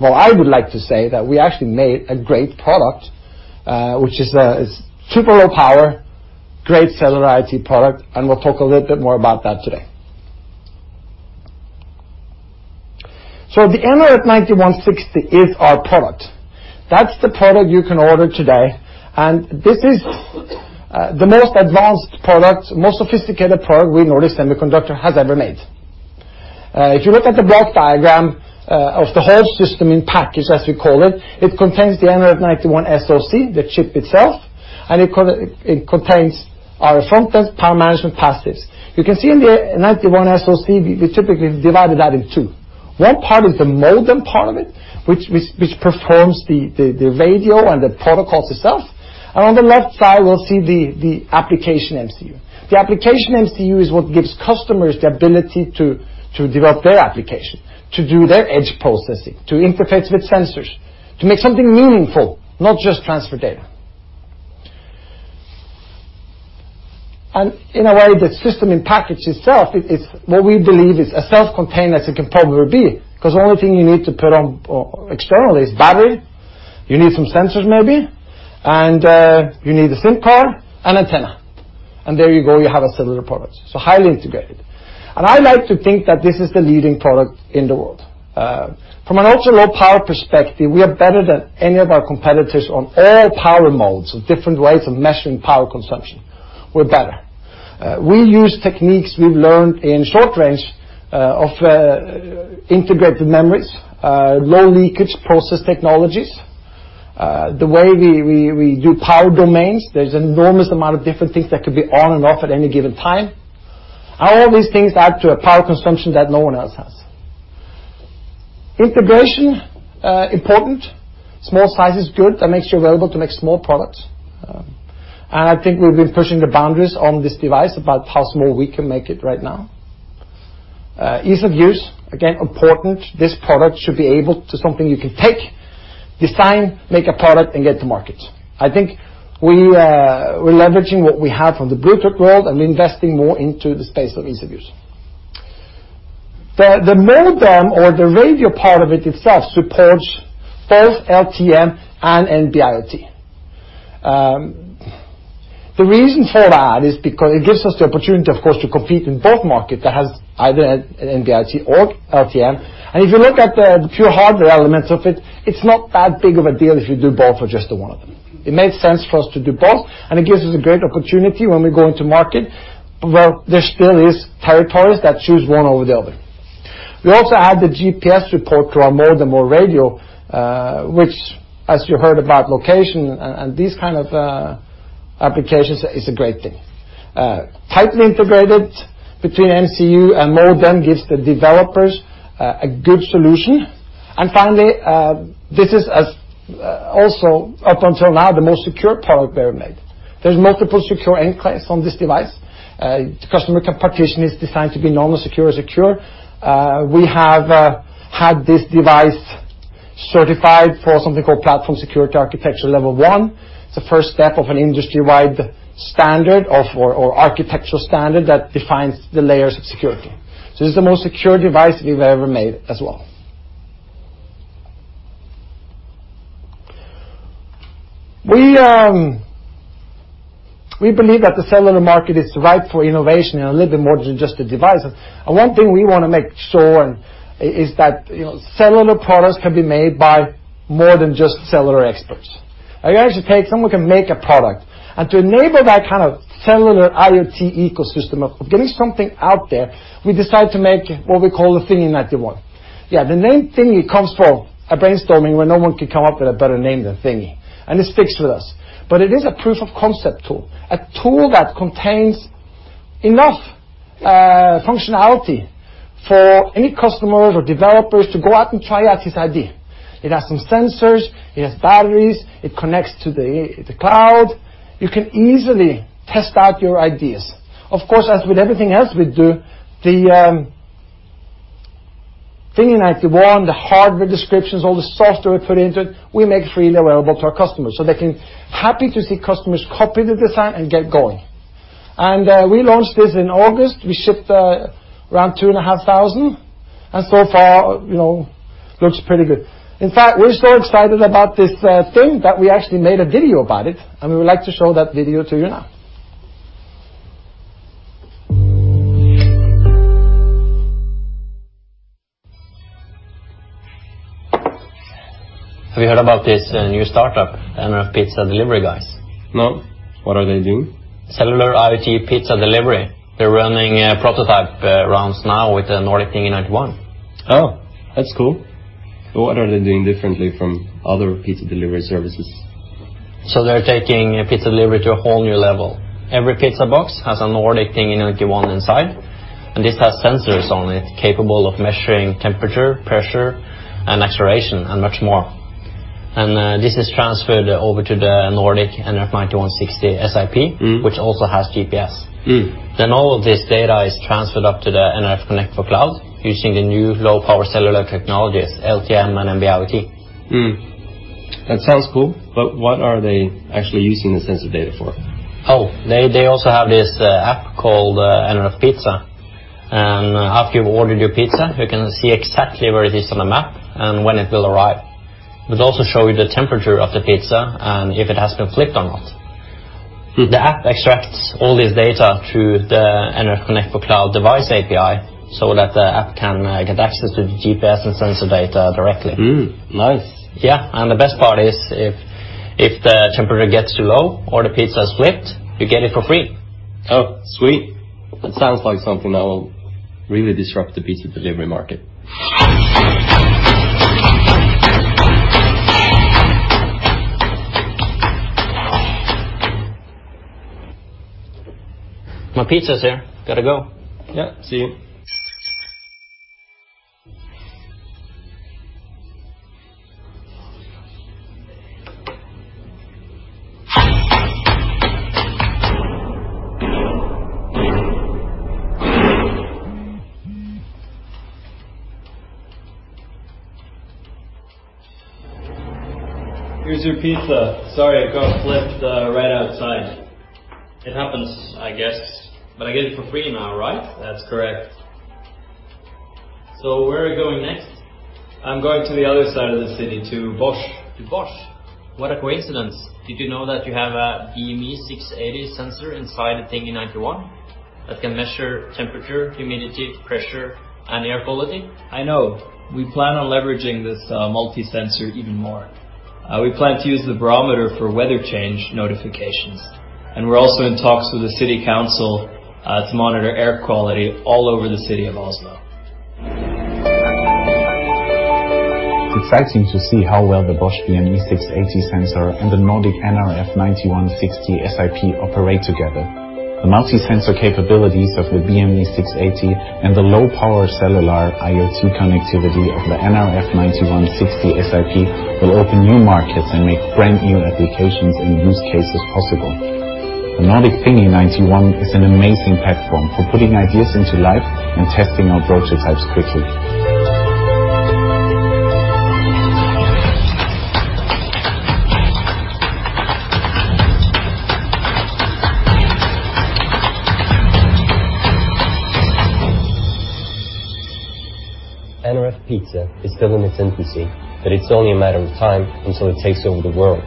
well, I would like to say that we actually made a great product, which is super low power, great cellular IoT product, and we'll talk a little bit more about that today. The nRF9160 is our product. That's the product you can order today, and this is the most advanced product, most sophisticated product we know Nordic Semiconductor has ever made. If you look at the block diagram of the whole system-in-package, as we call it contains the nRF91 SoC, the chip itself, and it contains our front-end power management passives. You can see in the 91 SoC, we typically divide that in two. One part is the modem part of it, which performs the radio and the protocols itself. On the left side, we'll see the application MCU. The application MCU is what gives customers the ability to develop their application, to do their edge processing, to interface with sensors, to make something meaningful, not just transfer data. In a way, the system-in-package itself, it's what we believe is a self-contained as a component would be, because the only thing you need to put on external is battery. You need some sensors maybe, and you need a SIM card and antenna. There you go, you have a cellular product, so highly integrated. I like to think that this is the leading product in the world. From an ultra-low power perspective, we are better than any of our competitors on all power modes of different ways of measuring power consumption. We're better. We use techniques we've learned in short range of integrated memories, low leakage process technologies. The way we do power domains, there's an enormous amount of different things that could be on and off at any given time. All these things add to a power consumption that no one else has. Integration, important. Small size is good. That makes you available to make small products. I think we've been pushing the boundaries on this device about how small we can make it right now. Ease of use, again, important. This product should be able to something you can take, design, make a product, and get to market. I think we're leveraging what we have from the Bluetooth world and investing more into the space of ease of use. The modem or the radio part of it itself supports both LTE-M and NB-IoT. The reason for that is because it gives us the opportunity, of course, to compete in both markets that has either an NB-IoT or LTE-M. If you look at the pure hardware elements of it's not that big of a deal if you do both or just one of them. It made sense for us to do both, and it gives us a great opportunity when we go into market, where there still is territories that choose one over the other. We also add the GPS report to our modem or radio, which, as you heard about location and these kind of applications, is a great thing. Tightly integrated between MCU and modem gives the developers a good solution. Finally, this is also, up until now, the most secure product we ever made. There's multiple secure enclaves on this device. Customer partition is designed to be normal, secure. We have had this device certified for something called Platform Security Architecture Level 1. It's the first step of an industry-wide standard or architectural standard that defines the layers of security. This is the most secure device we've ever made as well. We believe that the cellular market is ripe for innovation and a little bit more than just the devices. One thing we want to make sure is that cellular products can be made by more than just cellular experts. You actually take someone can make a product and to enable that kind of cellular IoT ecosystem of getting something out there, we decide to make what we call the Nordic Thingy:91. Yeah, the name Thingy comes from a brainstorming where no one can come up with a better name than Thingy, and it sticks with us. It is a proof of concept tool, a tool that contains enough functionality for any customers or developers to go out and try out his idea. It has some sensors. It has batteries. It connects to the cloud. You can easily test out your ideas. Of course, as with everything else we do, the Nordic Thingy:91, the hardware descriptions, all the software we put into it, we make freely available to our customers so happy to see customers copy the design and get going. We launched this in August. We shipped around 2,500, and so far, looks pretty good. In fact, we're so excited about this thing that we actually made a video about it, and we would like to show that video to you now. Have you heard about this new startup, nRF Pizza Delivery guys? No. What are they doing? Cellular IoT pizza delivery. They're running prototype rounds now with the Nordic Thingy:91. Oh, that's cool. What are they doing differently from other pizza delivery services? They're taking pizza delivery to a whole new level. Every pizza box has a Nordic Thingy:91 inside, and this has sensors on it capable of measuring temperature, pressure, and acceleration, and much more. This is transferred over to the Nordic nRF9160 SiP. which also has GPS. All of this data is transferred up to the nRF Connect for Cloud using the new low-power cellular technologies, LTE-M and NB-IoT. That sounds cool, but what are they actually using the sensor data for? They also have this app called nRF Pizza, and after you've ordered your pizza, you can see exactly where it is on the map and when it will arrive. It will also show you the temperature of the pizza and if it has been flipped or not. The app extracts all this data through the nRF Connect for Cloud device API so that the app can get access to the GPS and sensor data directly. Nice. Yeah. The best part is if the temperature gets too low or the pizza is flipped, you get it for free. Oh, sweet. That sounds like something that will really disrupt the pizza delivery market. My pizza's here. Got to go. Yeah. See you. Here's your pizza. Sorry, it got flipped right outside. It happens, I guess. I get it for free now, right? That's correct. Where are you going next? I'm going to the other side of the city to Bosch. To Bosch? What a coincidence. Did you know that you have a BME680 sensor inside the Nordic Thingy:91 that can measure temperature, humidity, pressure, and air quality? I know. We plan on leveraging this multi-sensor even more. We plan to use the barometer for weather change notifications, and we're also in talks with the city council to monitor air quality all over the city of Oslo. It's exciting to see how well the Bosch BME680 sensor and the Nordic nRF9160 SiP operate together. The multi-sensor capabilities of the BME680 and the low-power cellular IoT connectivity of the nRF9160 SiP will open new markets and make brand-new applications and use cases possible. The Nordic Thingy:91 is an amazing platform for putting ideas into life and testing out prototypes quickly. nRF Pizza is still in its infancy, but it's only a matter of time until it takes over the world,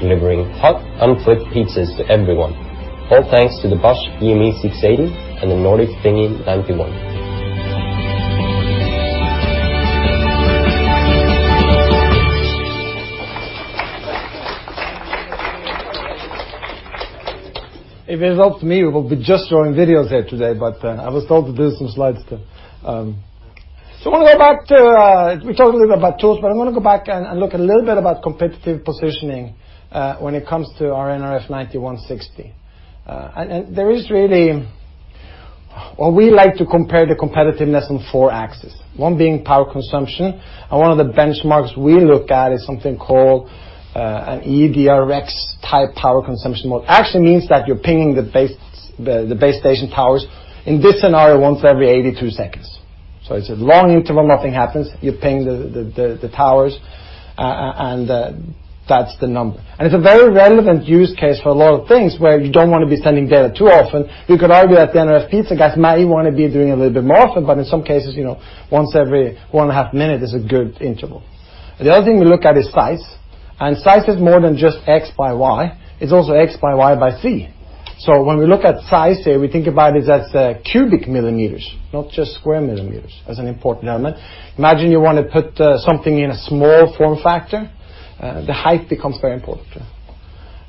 delivering hot, unflipped pizzas to everyone. All thanks to the Bosch BME680 and the Nordic Thingy:91. If it was up to me, we would be just showing videos here today, but I was told to do some slides, too. We talked a little bit about tools, but I want to go back and look a little bit about competitive positioning when it comes to our nRF9160. There is really we like to compare the competitiveness on four axes, one being power consumption, and one of the benchmarks we look at is something called an eDRX-type power consumption mode. Actually means that you're pinging the base station towers, in this scenario, once every 82 seconds. It's a long interval, nothing happens. You're pinging the towers, and that's the number. It's a very relevant use case for a lot of things where you don't want to be sending data too often. You could argue that the nRF Pizza guys might even want to be doing a little bit more often, but in some cases, once every one and a half minutes is a good interval. The other thing we look at is size, and size is more than just X by Y. It's also X by Y by Z. When we look at size here, we think about it as cubic millimeters, not just square millimeters. That's an important element. Imagine you want to put something in a small form factor. The height becomes very important.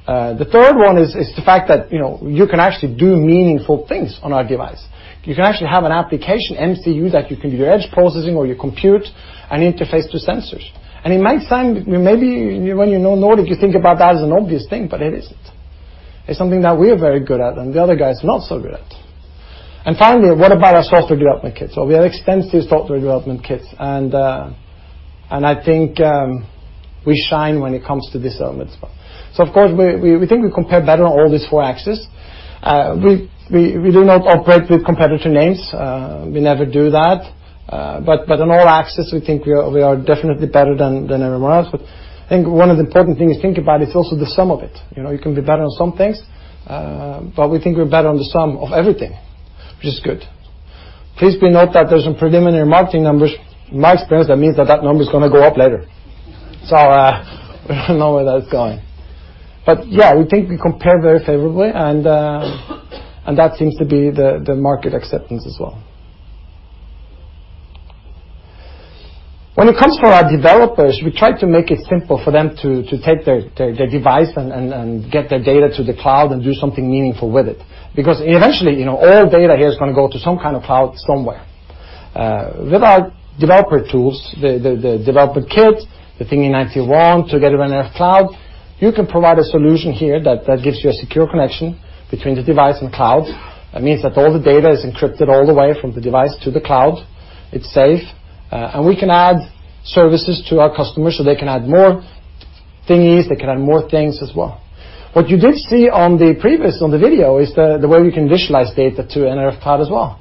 The third one is the fact that you can actually do meaningful things on our device. You can actually have an application MCU that you can do your edge processing or your compute and interface to sensors. It might sound maybe when you know Nordic, you think about that as an obvious thing, but it isn't. It's something that we are very good at and the other guys are not so good at. Finally, what about our software development kit? We have extensive software development kits, and I think we shine when it comes to this element as well. Of course, we think we compare better on all these four axes. We do not operate with competitor names. We never do that. On all axes, we think we are definitely better than everyone else. I think one of the important things to think about is also the sum of it. You can be better on some things, but we think we're better on the sum of everything, which is good. Please note that there's some preliminary marketing numbers. In my experience, that means that number is going to go up later. We don't know where that's going. Yeah, we think we compare very favorably, and that seems to be the market acceptance as well. When it comes for our developers, we try to make it simple for them to take their device and get their data to the cloud and do something meaningful with it. Eventually, all data here is going to go to some kind of cloud somewhere. With our developer tools, the developer kit, the Thingy:91, together with nRF Cloud, you can provide a solution here that gives you a secure connection between the device and cloud. That means that all the data is encrypted all the way from the device to the cloud. It's safe. We can add services to our customers so they can add more Thingys, they can add more things as well. What you did see on the previous video is the way we can visualize data to nRF Cloud as well.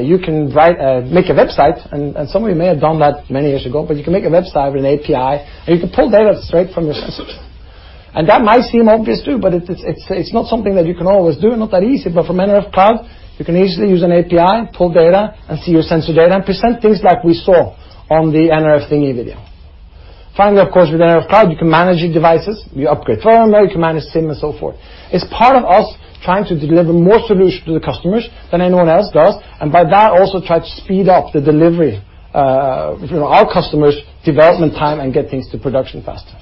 You can make a website, and some of you may have done that many years ago, but you can make a website with an API, and you can pull data straight from your sensor. That might seem obvious too, but it's not something that you can always do, not that easy. From nRF Cloud, you can easily use an API, pull data and see your sensor data and present things like we saw on the nRF Thingy video. Finally, of course, with nRF Cloud, you can manage your devices, you upgrade firmware, you can manage SIM, and so forth. It's part of us trying to deliver more solution to the customers than anyone else does, and by that, also try to speed up the delivery, our customers' development time and get things to production faster.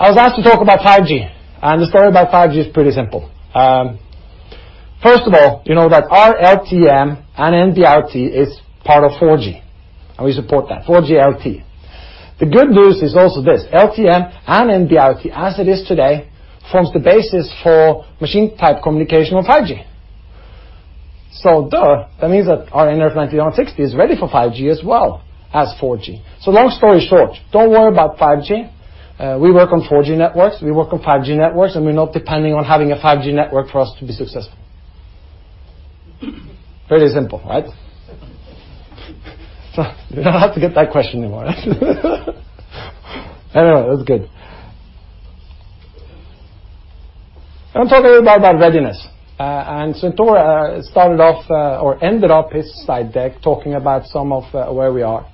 I was asked to talk about 5G. The story about 5G is pretty simple. First of all, you know that our LTE-M and NB-IoT is part of 4G, and we support that 4G LTE. The good news is also this, LTE-M and NB-IoT, as it is today, forms the basis for machine-type communication with 5G. Duh, that means that our nRF9160 is ready for 5G as well as 4G. Long story short, don't worry about 5G. We work on 4G networks, we work on 5G networks, and we're not depending on having a 5G network for us to be successful. Very simple, right? You don't have to get that question anymore. Anyway, that's good. I want to talk a little bit about readiness. Svenn-Tore started off, or ended off his slide deck talking about some of where we are.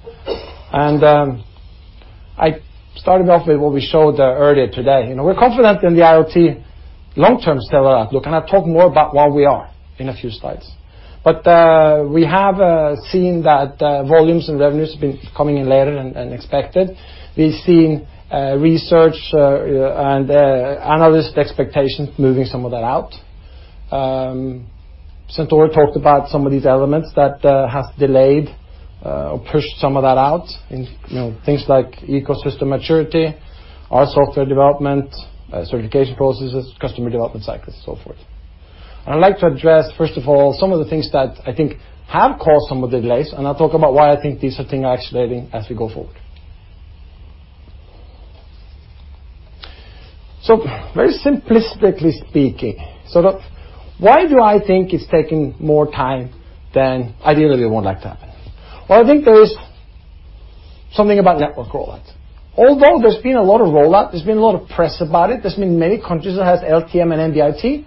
I started off with what we showed earlier today. We're confident in the IoT long-term stellar outlook, and I'll talk more about why we are in a few slides. We have seen that volumes and revenues have been coming in later than expected. We've seen research and analyst expectations moving some of that out. Svenn-Tore talked about some of these elements that have delayed or pushed some of that out in things like ecosystem maturity, our software development, certification processes, customer development cycles, so forth. I'd like to address, first of all, some of the things that I think have caused some of the delays, and I'll talk about why I think these are things are accelerating as we go forward. Very simplistically speaking, why do I think it's taking more time than ideally we would like to happen? I think there is something about network rollout. Although there's been a lot of rollout, there's been a lot of press about it, there's been many countries that has LTE-M and NB-IoT,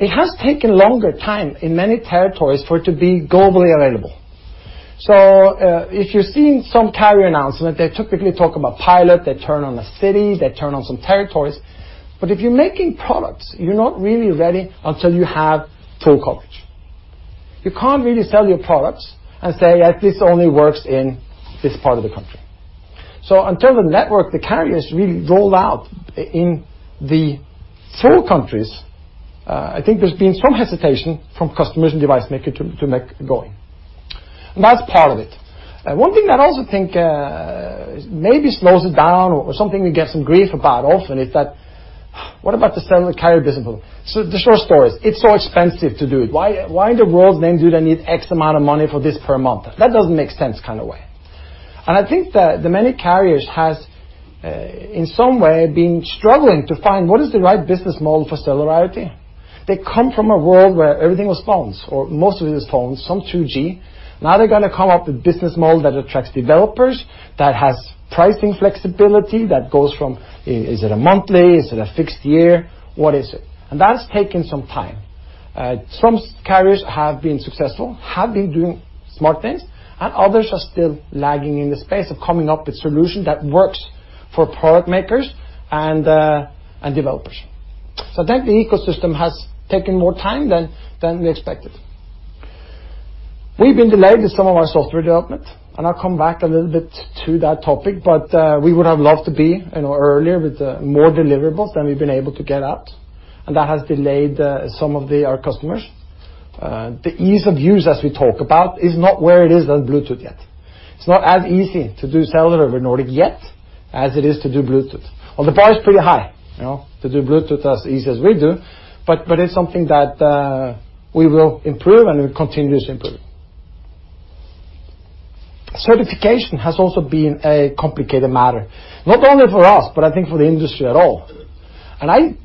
it has taken longer time in many territories for it to be globally available. If you're seeing some carrier announcement, they typically talk about pilot, they turn on a city, they turn on some territories. If you're making products, you're not really ready until you have full coverage. You can't really sell your products and say that this only works in this part of the country. Until the network the carriers really roll out in the full countries, I think there's been some hesitation from customers and device maker to make going. That's part of it. One thing I also think maybe slows it down or something we get some grief about often is that, what about the cellular carrier business model? The short story is, it's so expensive to do it. Why in the world do they need X amount of money for this per month? That doesn't make sense kind of way. I think that the many carriers has, in some way, been struggling to find what is the right business model for cellular IoT. They come from a world where everything was phones, or most of it is phones, some 2G. Now they're going to come up with business model that attracts developers, that has pricing flexibility, that goes from, is it a monthly, is it a fixed year? What is it? That has taken some time. Some carriers have been successful, have been doing smart things, and others are still lagging in the space of coming up with solution that works for product makers and developers. I think the ecosystem has taken more time than we expected. We've been delayed with some of our software development, and I'll come back a little bit to that topic, but we would have loved to be in earlier with more deliverables than we've been able to get out, and that has delayed some of our customers. The ease of use, as we talk about, is not where it is on Bluetooth yet. It's not as easy to do cellular with Nordic yet as it is to do Bluetooth. Well, the bar is pretty high to do Bluetooth as easy as we do, but it's something that we will improve and we're continuously improving. Certification has also been a complicated matter, not only for us, but I think for the industry at all. I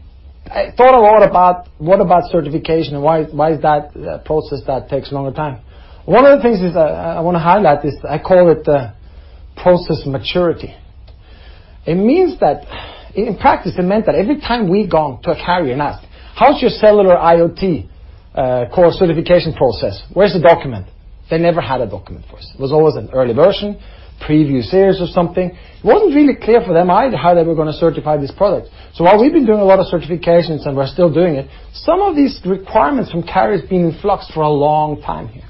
thought a lot about what about certification and why is that process that takes a longer time. One of the things is that I want to highlight is I call it the process maturity. It means that in practice, it meant that every time we go to a carrier and ask: "How's your cellular IoT core certification process? Where's the document?" They never had a document for us. It was always an early version, preview series or something. It wasn't really clear for them either how they were going to certify this product. While we've been doing a lot of certifications and we're still doing it, some of these requirements from carriers being in flux for a long time here.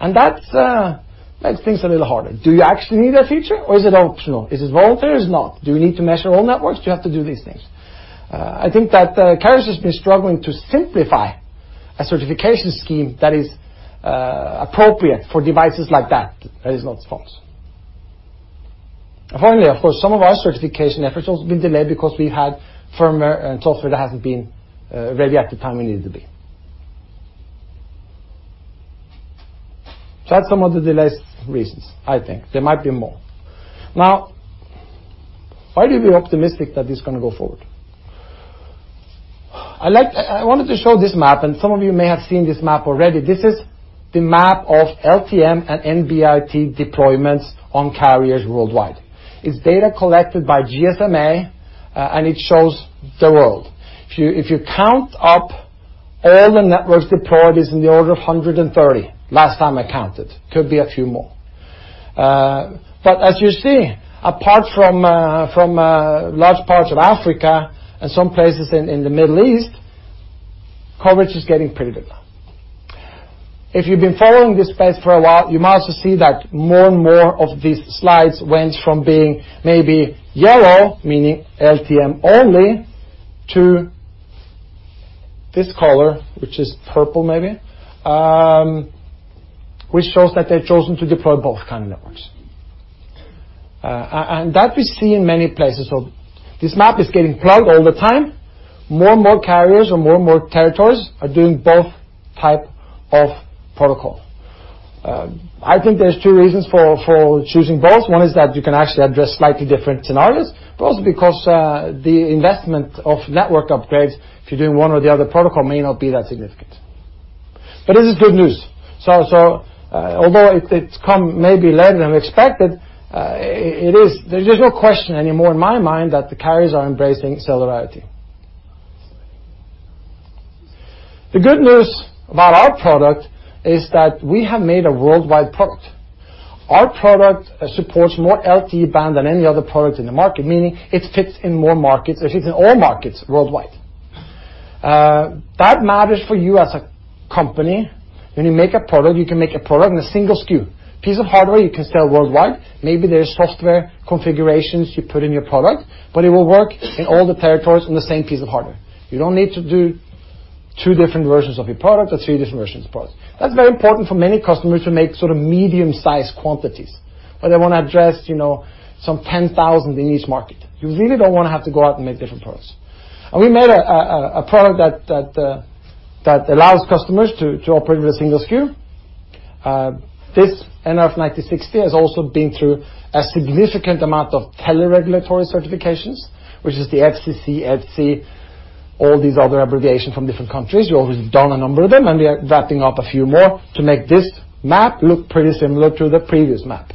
That makes things a little harder. Do you actually need that feature or is it optional? Is it voluntary or is not? Do you need to measure all networks? Do you have to do these things? I think that carriers has been struggling to simplify a certification scheme that is appropriate for devices like that is not sponsored. Apparently, of course, some of our certification efforts also been delayed because we had firmware and software that hasn't been ready at the time we needed to be. That's some of the delays reasons, I think. There might be more. Why are we optimistic that this is going to go forward? I wanted to show this map, some of you may have seen this map already. This is the map of LTE-M and NB-IoT deployments on carriers worldwide. It's data collected by GSMA, it shows the world. If you count up all the networks deployed is in the order of 130, last time I counted. Could be a few more. As you see, apart from large parts of Africa and some places in the Middle East, coverage is getting pretty good now. If you've been following this space for a while, you might also see that more and more of these slides went from being maybe yellow, meaning LTE-M only, to this color, which is purple maybe, which shows that they've chosen to deploy both kind of networks. That we see in many places. This map is getting plugged all the time. More and more carriers or more and more territories are doing both type of protocol. I think there's two reasons for choosing both. One is that you can actually address slightly different scenarios, but also because the investment of network upgrades, if you're doing one or the other protocol, may not be that significant. This is good news. Although it's come maybe later than expected, there's no question anymore in my mind that the carriers are embracing cellular IoT. The good news about our product is that we have made a worldwide product. Our product supports more LTE band than any other product in the market, meaning it fits in more markets. It fits in all markets worldwide. That matters for you as a company. When you make a product, you can make a product in a single SKU. Piece of hardware you can sell worldwide. Maybe there's software configurations you put in your product, but it will work in all the territories on the same piece of hardware. You don't need to do two different versions of your product or three different versions of product. That's very important for many customers who make sort of medium-sized quantities, where they want to address some 10,000 in each market. You really don't want to have to go out and make different products. We made a product that allows customers to operate with a single SKU. This nRF9160 has also been through a significant amount of tele-regulatory certifications, which is the FCC, FC, all these other abbreviations from different countries. We always done a number of them, and we are wrapping up a few more to make this map look pretty similar to the previous map.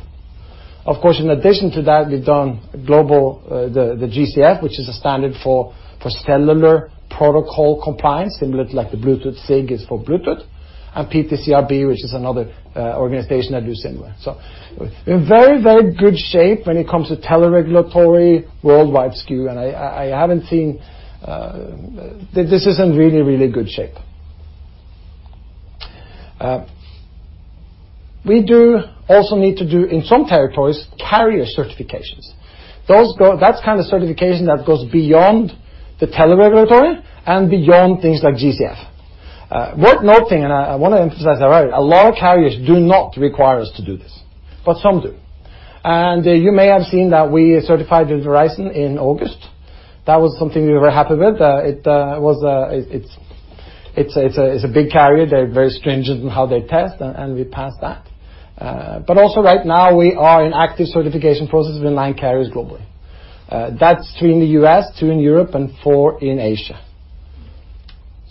Of course, in addition to that, we've done global, the GCF, which is a standard for cellular protocol compliance, similar to like the Bluetooth SIG is for Bluetooth, and PTCRB, which is another organization that do similar. We're in very good shape when it comes to tele-regulatory worldwide SKU. This is in really good shape. We do also need to do, in some territories, carrier certifications. That's kind of certification that goes beyond the tele-regulatory and beyond things like GCF. Worth noting, and I want to emphasize that right, a lot of carriers do not require us to do this, but some do. You may have seen that we certified with Verizon in August. That was something we were happy with. It's a big carrier. They're very stringent on how they test, and we passed that. Right now, we are in active certification processes with nine carriers globally. That's three in the U.S., two in Europe, and four in Asia.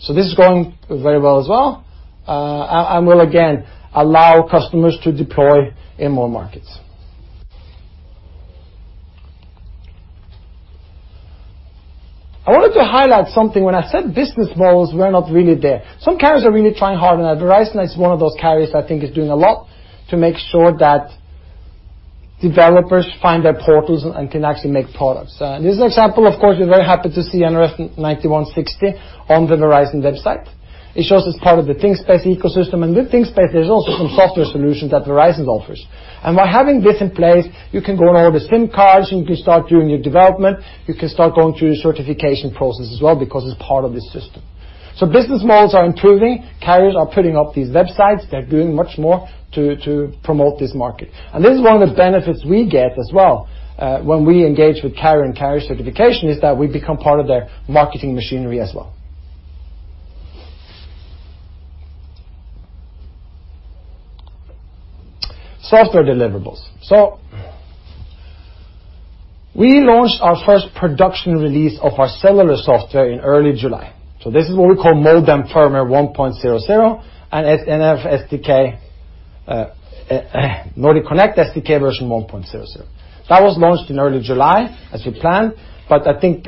This is going very well as well, and will again allow customers to deploy in more markets. I wanted to highlight something. When I said business models were not really there, some carriers are really trying hard, and Verizon is one of those carriers I think is doing a lot to make sure that developers find their portals and can actually make products. This is an example, of course, we're very happy to see nRF9160 on the Verizon website. It shows it's part of the ThingSpace ecosystem. With ThingSpace, there's also some software solutions that Verizon offers. By having this in place, you can go and order SIM cards, you can start doing your development, you can start going through your certification process as well because it's part of this system. Business models are improving. Carriers are putting up these websites. They're doing much more to promote this market. This is one of the benefits we get as well, when we engage with carrier and carrier certification, is that we become part of their marketing machinery as well. Software deliverables. We launched our first production release of our cellular software in early July. This is what we call Modem Firmware v1.0.0 and nRF Connect SDK version 1.0.0. That was launched in early July as we planned. I think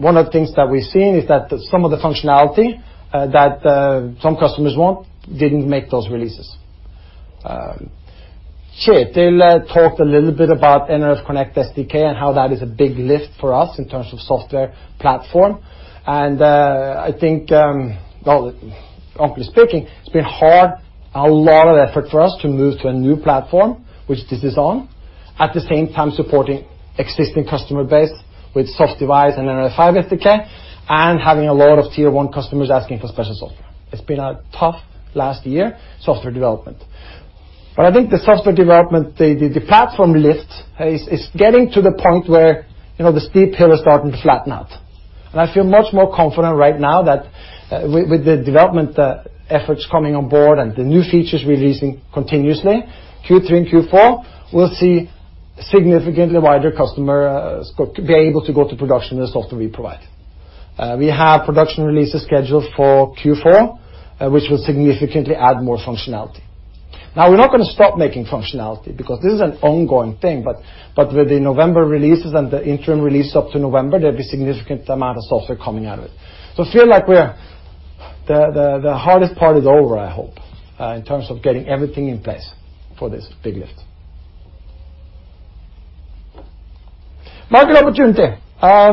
one of the things that we're seeing is that some of the functionality that some customers want didn't make those releases. Kjetil talked a little bit about nRF Connect SDK and how that is a big lift for us in terms of software platform. Frankly speaking, it's been hard, a lot of effort for us to move to a new platform, which this is on. At the same time supporting existing customer base with SoftDevice and nRF5 SDK and having a lot of tier 1 customers asking for special software. It's been a tough last year, software development. The software development, the platform lift is getting to the point where the steep hill is starting to flatten out. I feel much more confident right now that with the development efforts coming on board and the new features releasing continuously, Q3 and Q4 will see significantly wider customer scope be able to go to production the software we provide. We have production releases scheduled for Q4, which will significantly add more functionality. We're not going to stop making functionality because this is an ongoing thing, but with the November releases and the interim release up to November, there'll be significant amount of software coming out of it. I feel like the hardest part is over, I hope, in terms of getting everything in place for this big lift. Market opportunity. I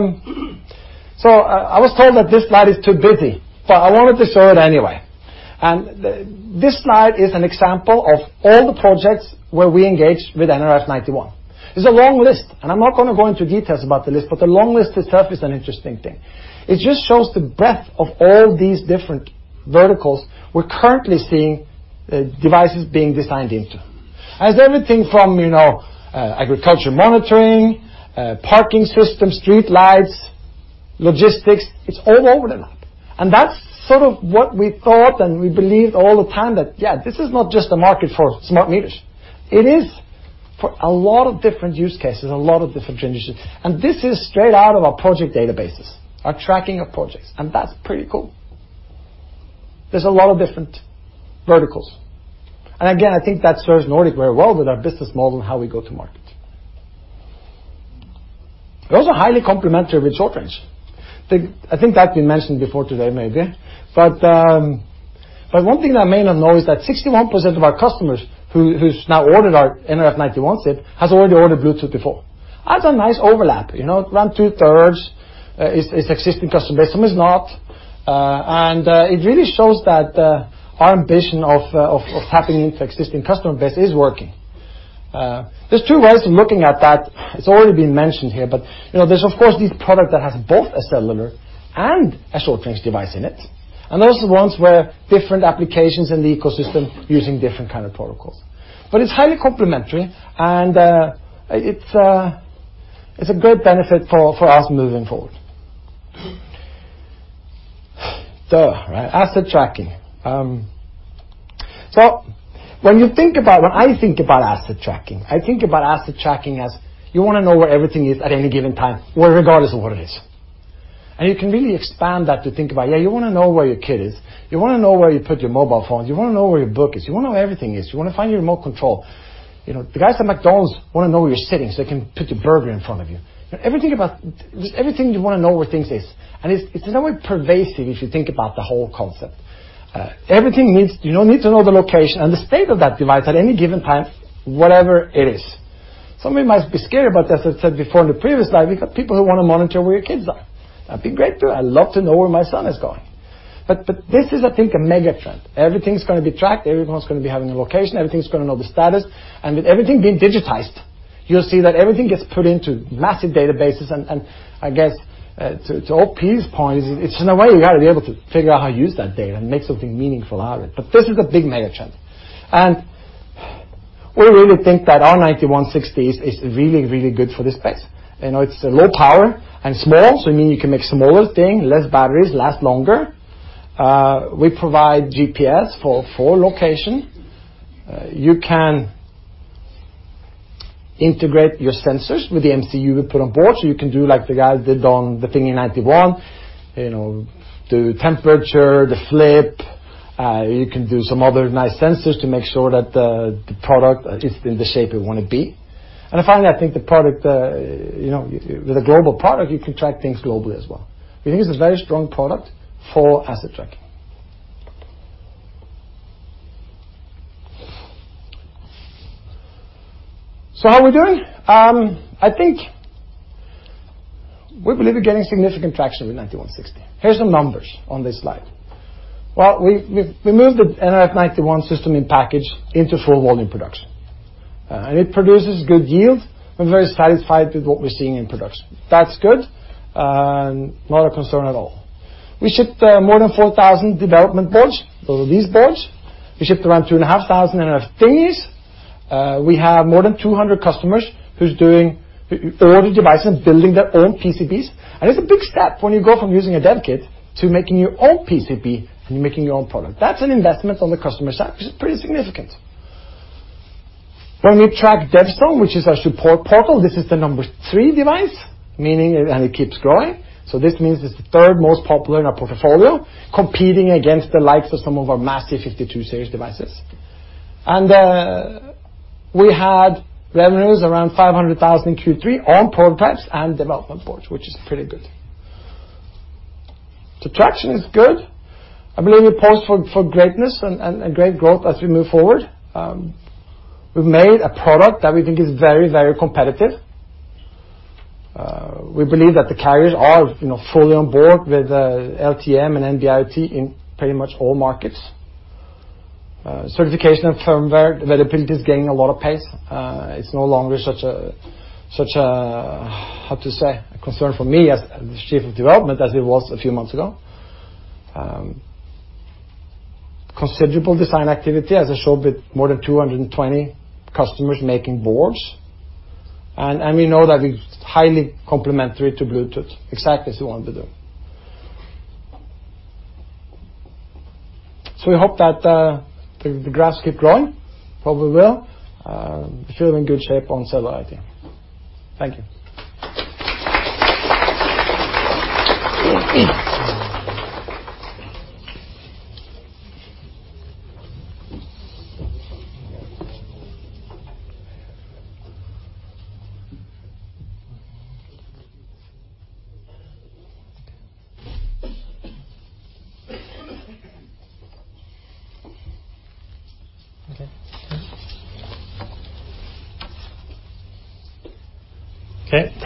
was told that this slide is too busy, but I wanted to show it anyway. This slide is an example of all the projects where we engage with nRF91. It's a long list, and I'm not going to go into details about the list, but the long list itself is an interesting thing. It just shows the breadth of all these different verticals we're currently seeing devices being designed into. Has everything from agriculture monitoring, parking systems, streetlights, logistics. It's all over the map. That's sort of what we thought and we believed all the time that, yeah, this is not just a market for smart meters. It is for a lot of different use cases, a lot of different industries. This is straight out of our project databases, our tracking of projects, and that's pretty cool. There's a lot of different verticals. Again, I think that serves Nordic very well with our business model and how we go to market. It was a highly complementary with short range. I think that's been mentioned before today, maybe. One thing that I may not know is that 61% of our customers who's now ordered our nRF91 chip has already ordered Bluetooth before. That's a nice overlap. Around two-thirds is existing customer base. Some is not. It really shows that our ambition of tapping into existing customer base is working. There's two ways of looking at that. It's already been mentioned here, but there's, of course, this product that has both a cellular and a short-range device in it. Those are the ones where different applications in the ecosystem using different kind of protocols. It's highly complementary and it's a great benefit for us moving forward. Asset tracking. When I think about asset tracking, I think about asset tracking as you want to know where everything is at any given time, regardless of what it is. You can really expand that to think about, yeah, you want to know where your kid is. You want to know where you put your mobile phone. You want to know where your book is. You want to know where everything is. You want to find your remote control. The guys at McDonald's want to know where you're sitting, they can put your burger in front of you. Everything you want to know where things is. It's in a way pervasive if you think about the whole concept. You need to know the location and the state of that device at any given time, whatever it is. Some of you might be scared about this. I said before in the previous slide, we've got people who want to monitor where your kids are. That'd be great too. I'd love to know where my son is going. This is I think a mega trend. Everything's going to be tracked. Everyone's going to be having a location. Everything's going to know the status. With everything being digitized, you'll see that everything gets put into massive databases. I guess to all piece points, it's in a way, you got to be able to figure out how to use that data and make something meaningful out of it. This is a big mega trend. We really think that our nRF9160 is really good for the space. It's low power and small, so it means you can make smaller thing, less batteries, last longer. We provide GPS for location. You can integrate your sensors with the MCU we put on board, so you can do like the guys did on the Thingy:91, the temperature, the flip. You can do some other nice sensors to make sure that the product is in the shape you want to be. Finally, I think with a global product, you can track things globally as well. We think it's a very strong product for asset tracking. How are we doing? I think we believe we're getting significant traction with nRF9160. Here's some numbers on this slide. We moved the nRF91 System-in-Package into full volume production. It produces good yield. We're very satisfied with what we're seeing in production. That's good and not a concern at all. We shipped more than 4,000 development boards. Those are these boards. We shipped around 2,500 Nordic Thingy:91. We have more than 200 customers who's ordered devices and building their own PCBs. It's a big step when you go from using a dev kit to making your own PCB and you're making your own product. That's an investment on the customer side, which is pretty significant. When we track DevZone, which is our support portal, this is the number 3 device, and it keeps growing. This means it's the third most popular in our portfolio, competing against the likes of some of our massive nRF52 Series devices. We had revenues around 500,000 in Q3 on prototypes and development boards, which is pretty good. The traction is good. I believe it posts for greatness and great growth as we move forward. We've made a product that we think is very competitive. We believe that the carriers are fully on board with the LTE-M and NB-IoT in pretty much all markets. Certification of firmware availability is gaining a lot of pace. It's no longer such a, how to say, concern for me as the Chief of Development as it was a few months ago. Considerable design activity, as I showed, with more than 220 customers making boards. We know that it's highly complementary to Bluetooth, exactly as we wanted to do. We hope that the graphs keep growing. Probably will. We feel in good shape on cellular IoT. Thank you.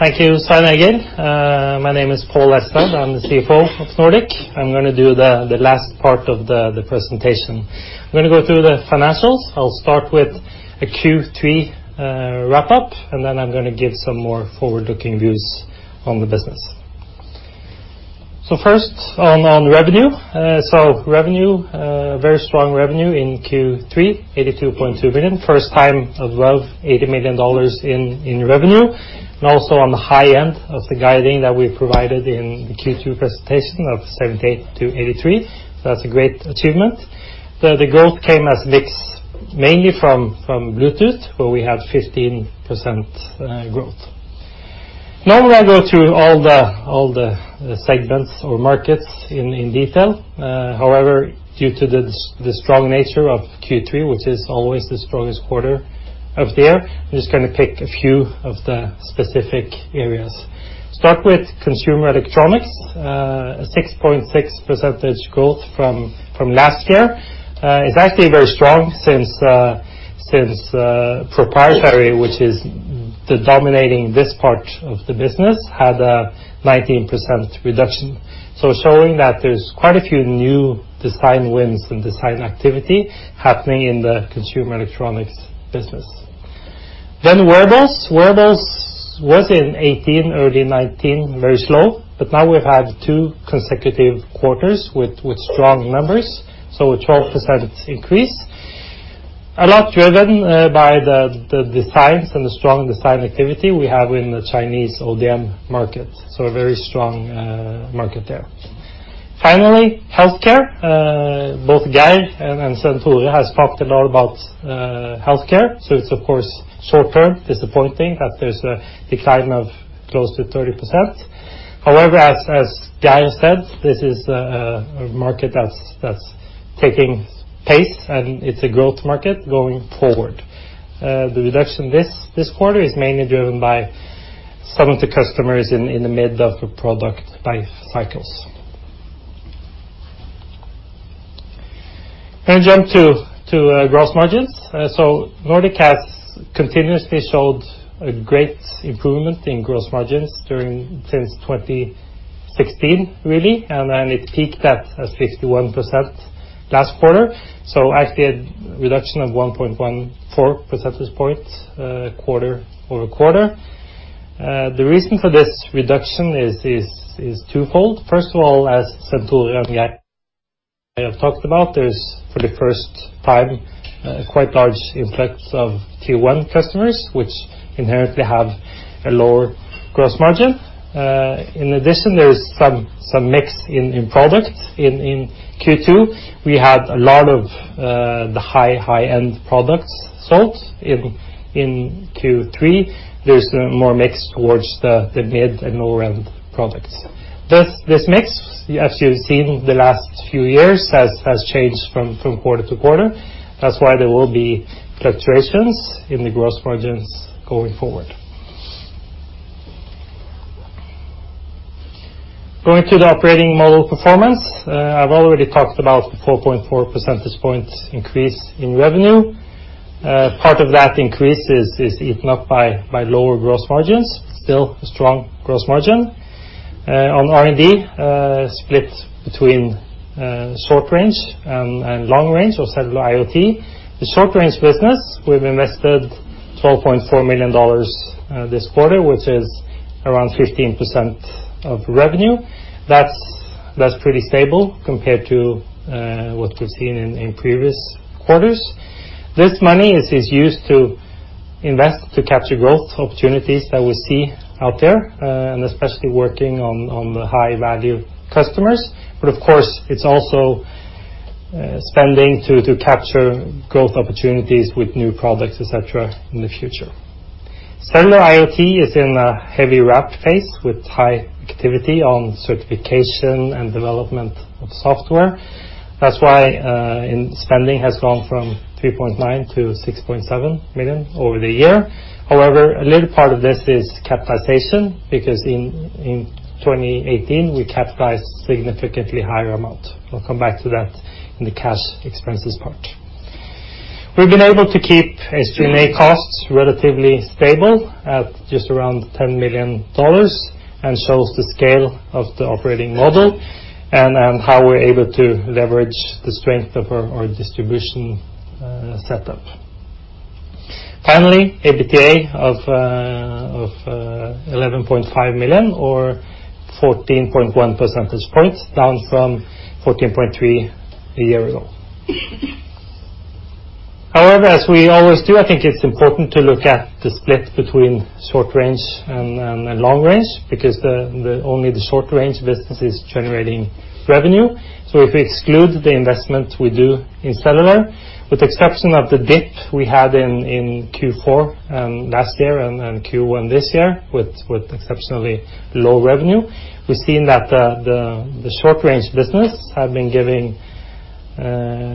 Okay. Okay. Thank you, Svein-Egil. My name is Pål Elstad. I'm the CFO of Nordic. I'm going to do the last part of the presentation. I'm going to go through the financials. I'll start with a Q3 wrap-up. Then I'm going to give some more forward-looking views on the business. First, on revenue. Revenue, very strong revenue in Q3, $82.2 million. First time above $80 million in revenue. Also on the high end of the guiding that we provided in the Q2 presentation of $78 million to 83. That's a great achievement. The growth came as mix, mainly from Bluetooth, where we had 15% growth. Normally, I go through all the segments or markets in detail. However, due to the strong nature of Q3, which is always the strongest quarter of the year, I'm just going to pick a few of the specific areas. Start with consumer electronics. 6.6% growth from last year. It's actually very strong since proprietary, which is dominating this part of the business, had a 19% reduction. Showing that there's quite a few new design wins and design activity happening in the consumer electronics business. Wearables. Wearables was in 2018, early 2019, very slow, but now we've had two consecutive quarters with strong numbers. A 12% increase. A lot driven by the designs and the strong design activity we have in the Chinese ODM market. A very strong market there. Healthcare. Both Geir and Svenn-Tore has talked a lot about healthcare. It's of course short term disappointing that there's a decline of close to 30%. As Geir said, this is a market that's taking pace and it's a growth market going forward. The reduction this quarter is mainly driven by some of the customers in the mid of the product life cycles. Going to jump to gross margins. Nordic has continuously showed a great improvement in gross margins since 2016, really. It peaked at 61% last quarter. Actually a reduction of 1.14 percentage points quarter-over-quarter. The reason for this reduction is twofold. First of all, as Svenn-Tore and Geir have talked about, there's for the first time quite large influx of Q1 customers, which inherently have a lower gross margin. In addition, there is some mix in products. In Q2, we had a lot of the high end products sold. In Q3, there's more mix towards the mid and lower end products. This mix, as you've seen the last few years, has changed from quarter-to-quarter. That's why there will be fluctuations in the gross margins going forward. Going to the operating model performance. I've already talked about the 4.4 percentage points increase in revenue. Part of that increase is eaten up by lower gross margins, still a strong gross margin. On R&D, split between short range and long range or Cellular IoT. The short range business, we've invested NOK 12.4 million this quarter, which is around 15% of revenue. That's pretty stable compared to what we've seen in previous quarters. This money is used to invest to capture growth opportunities that we see out there, and especially working on the high-value customers. Of course, it's also spending to capture growth opportunities with new products, et cetera, in the future. Cellular IoT is in a heavy ramp phase with high activity on certification and development of software. That's why spending has gone from 3.9 to 6.7 million over the year. However, a little part of this is capitalization because in 2018 we capitalized a significantly higher amount. I'll come back to that in the cash expenses part. We've been able to keep SG&A costs relatively stable at just around NOK 10 million, and shows the scale of the operating model, and how we're able to leverage the strength of our distribution setup. Finally, EBITDA of 11.5 million or 14.1 percentage points, down from 14.3 a year ago. However, as we always do, I think it's important to look at the split between short range and long range, because only the short-range business is generating revenue. If we exclude the investment we do in cellular, with the exception of the dip we had in Q4 last year and Q1 this year with exceptionally low revenue, we've seen that the short-range business had been giving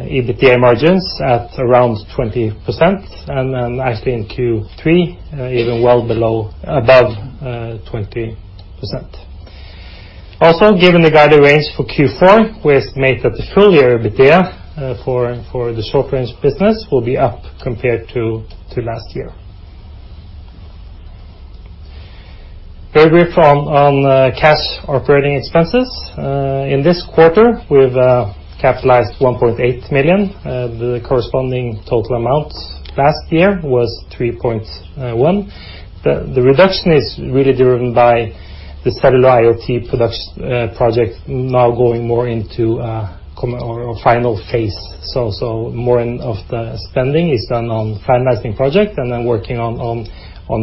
EBITDA margins at around 20% and actually in Q3 even well above 20%. Given the guided range for Q4, we estimate that the full year EBITDA for the short-range business will be up compared to last year. Very brief on cash operating expenses. In this quarter, we've capitalized 1.8 million. The corresponding total amount last year was 3.1. The reduction is really driven by the cellular IoT project now going more into our final phase. More of the spending is done on finalizing project and then working on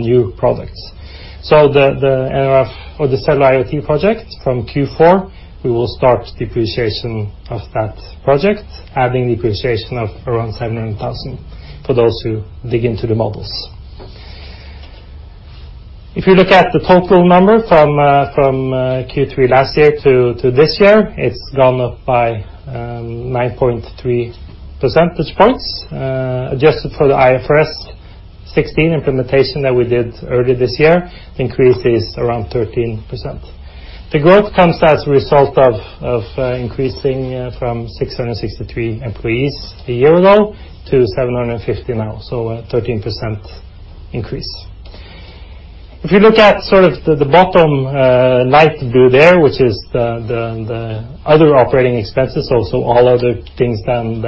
new products. For the cellular IoT project from Q4, we will start depreciation of that project, adding depreciation of around 700,000 for those who dig into the models. If you look at the total number from Q3 last year to this year, it's gone up by 9.3 percentage points. Adjusted for the IFRS 16 implementation that we did earlier this year, the increase is around 13%. The growth comes as a result of increasing from 663 employees a year ago to 750 now, so a 13% increase. If you look at sort of the bottom light blue there, which is the other operating expenses, so all other things than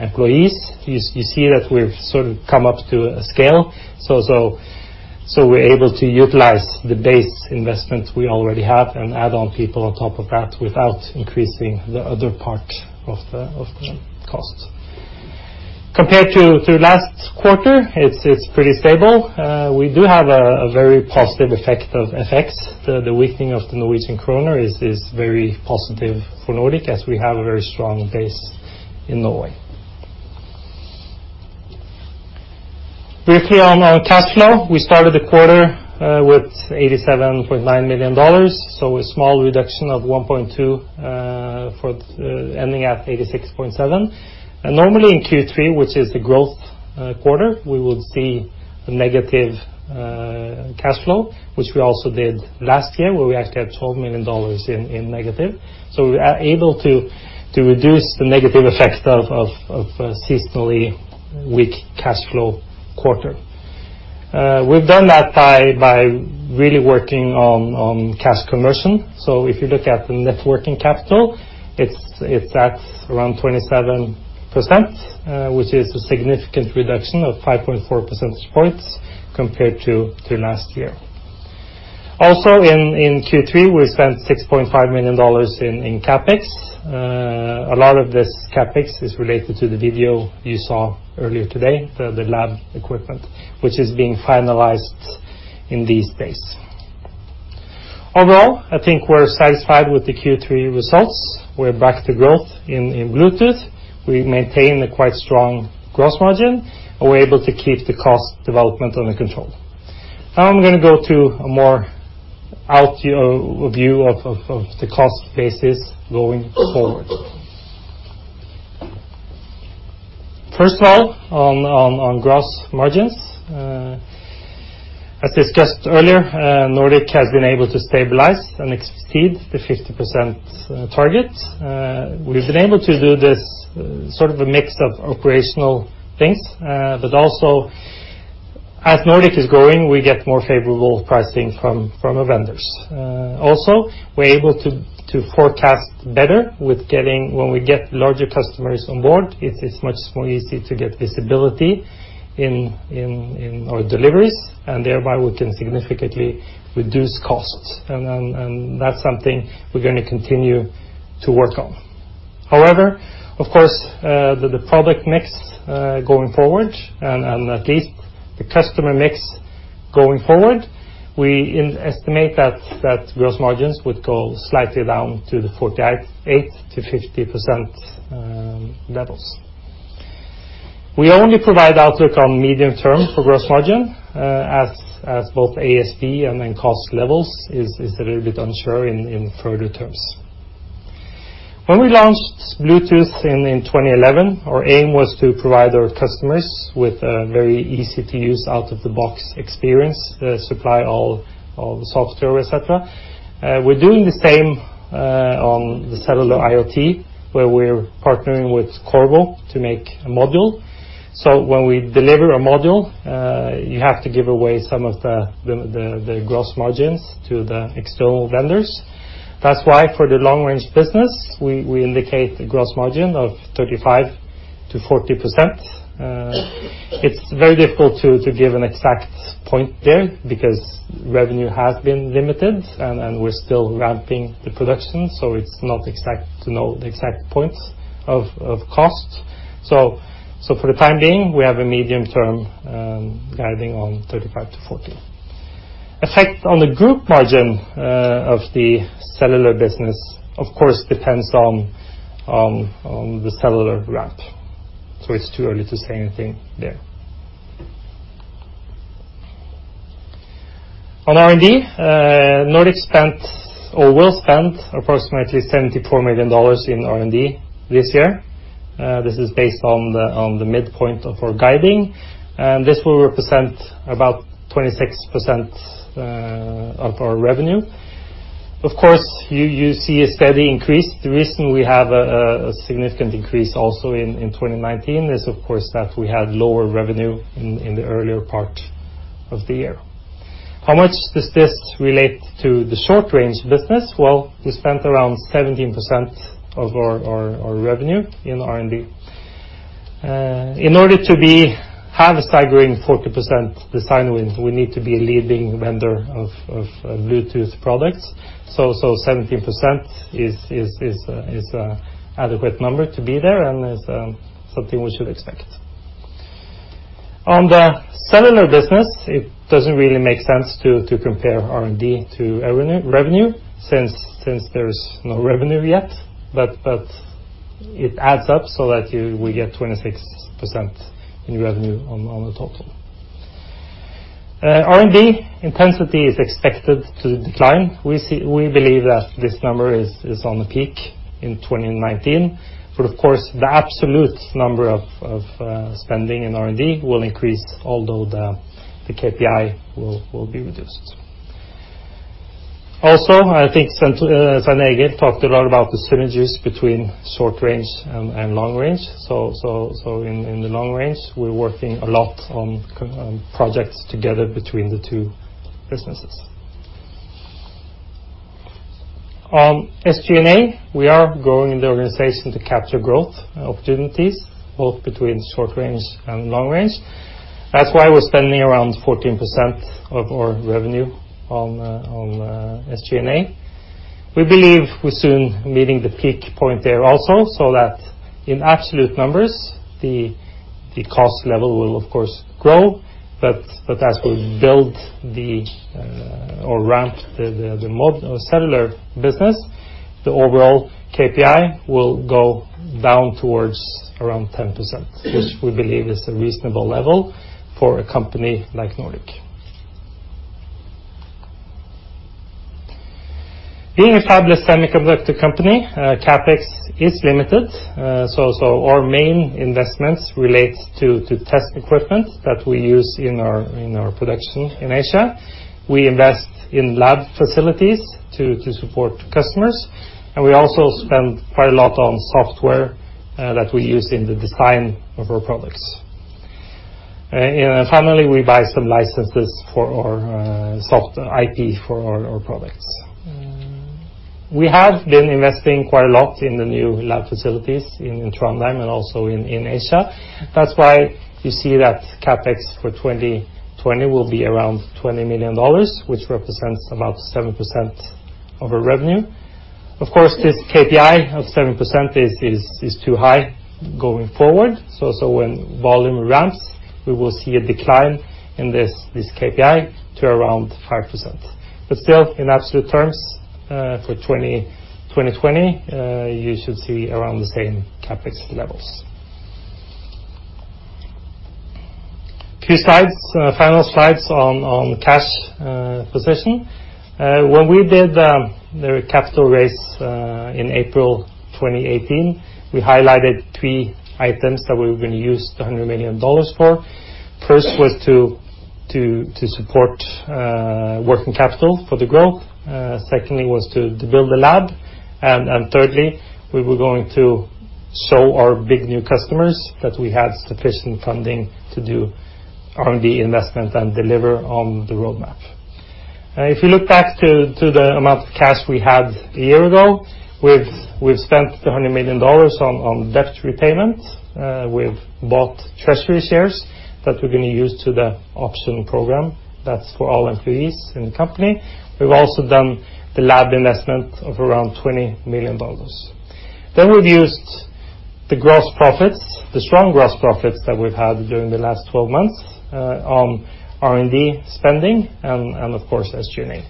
employees, you see that we've sort of come up to a scale. We're able to utilize the base investment we already have and add on people on top of that without increasing the other part of the costs. Compared to last quarter, it's pretty stable. We do have a very positive effect of FX. The weakening of the Norwegian kroner is very positive for Nordic as we have a very strong base in Norway. Briefly on our cash flow. We started the quarter with NOK 87.9 million. A small reduction of 1.2, ending at 86.7. Normally in Q3, which is the growth quarter, we will see a negative cash flow, which we also did last year, where we actually had NOK 12 million in negative. We are able to reduce the negative effects of seasonally weak cash flow quarter. We've done that by really working on cash conversion. If you look at the net working capital, it's at around 27%, which is a significant reduction of 5.4 percentage points compared to last year. Also in Q3, we spent NOK 6.5 million in CapEx. A lot of this CapEx is related to the video you saw earlier today, the lab equipment, which is being finalized in these days. Overall, I think we're satisfied with the Q3 results. We're back to growth in Bluetooth. We maintain a quite strong gross margin, and we're able to keep the cost development under control. Now I'm going to go to a more out view of the cost basis going forward. First of all, on gross margins. As discussed earlier, Nordic has been able to stabilize and exceed the 50% target. We've been able to do this sort of a mix of operational things. As Nordic is growing, we get more favorable pricing from our vendors. We're able to forecast better when we get larger customers on board, it is much more easy to get visibility in our deliveries, and thereby we can significantly reduce costs. That's something we're going to continue to work on. Of course, the product mix, going forward and at least the customer mix going forward, we estimate that gross margins would go slightly down to the 48%-50% levels. We only provide outlook on medium-term for gross margin, as both ASP and cost levels is a little bit unsure in further terms. We launched Bluetooth in 2011, our aim was to provide our customers with a very easy-to-use, out-of-the-box experience, supply all the software, et cetera. We're doing the same on the cellular IoT, where we're partnering with Qorvo to make a module. When we deliver a module, you have to give away some of the gross margins to the external vendors. That's why, for the long-range business, we indicate a gross margin of 35%-40%. It's very difficult to give an exact point there because revenue has been limited and we're still ramping the production, so it's not exact to know the exact points of cost. For the time being, we have a medium-term guiding on 35%-40%. Effect on the group margin of the cellular business, of course, depends on the cellular ramp. It's too early to say anything there. On R&D, Nordic spent or will spend approximately NOK 74 million in R&D this year. This is based on the midpoint of our guiding, and this will represent about 26% of our revenue. Of course, you see a steady increase. The reason we have a significant increase also in 2019 is, of course, that we had lower revenue in the earlier part of the year. How much does this relate to the short-range business? Well, we spent around 17% of our revenue in R&D. In order to have a staggering 40% design win, we need to be a leading vendor of Bluetooth products. 17% is a adequate number to be there and is something we should expect. On the cellular business, it doesn't really make sense to compare R&D to revenue, since there's no revenue yet. It adds up so that we get 26% in revenue on the total. R&D intensity is expected to decline. We believe that this number is on the peak in 2019. Of course, the absolute number of spending in R&D will increase, although the KPI will be reduced. Also, I think Svein-Egil Nielsen talked a lot about the synergies between short range and long range. In the long range, we're working a lot on projects together between the two businesses. On SG&A, we are growing the organization to capture growth opportunities, both between short range and long range. That's why we're spending around 14% of our revenue on SG&A. We believe we're soon meeting the peak point there also, so that in absolute numbers, the cost level will, of course, grow. As we build or ramp the cellular business, the overall KPI will go down towards around 10%, which we believe is a reasonable level for a company like Nordic. Being a fabless semiconductor company, CapEx is limited. Our main investments relate to test equipment that we use in our production in Asia. We invest in lab facilities to support customers. We also spend quite a lot on software that we use in the design of our products. Finally, we buy some licenses for our soft IP for our products. We have been investing quite a lot in the new lab facilities in Trondheim and also in Asia. That's why you see that CapEx for 2020 will be around NOK 20 million, which represents about 7% of our revenue. Of course, this KPI of 7% is too high going forward. When volume ramps, we will see a decline in this KPI to around 5%. Still, in absolute terms, for 2020, you should see around the same CapEx levels. Few slides, final slides on cash position. When we did the capital raise in April 2018, we highlighted three items that we were going to use the NOK 100 million for. First was to support working capital for the growth. Secondly was to build the lab. Thirdly, our big new customers that we had sufficient funding to do R&D investment and deliver on the roadmap. If you look back to the amount of cash we had a year ago, we've spent NOK 200 million on debt repayment. We've bought treasury shares that we're going to use to the option program. That's for all employees in the company. We've also done the lab investment of around NOK 20 million. We've used the strong gross profits that we've had during the last 12 months, on R&D spending and of course, SG&A.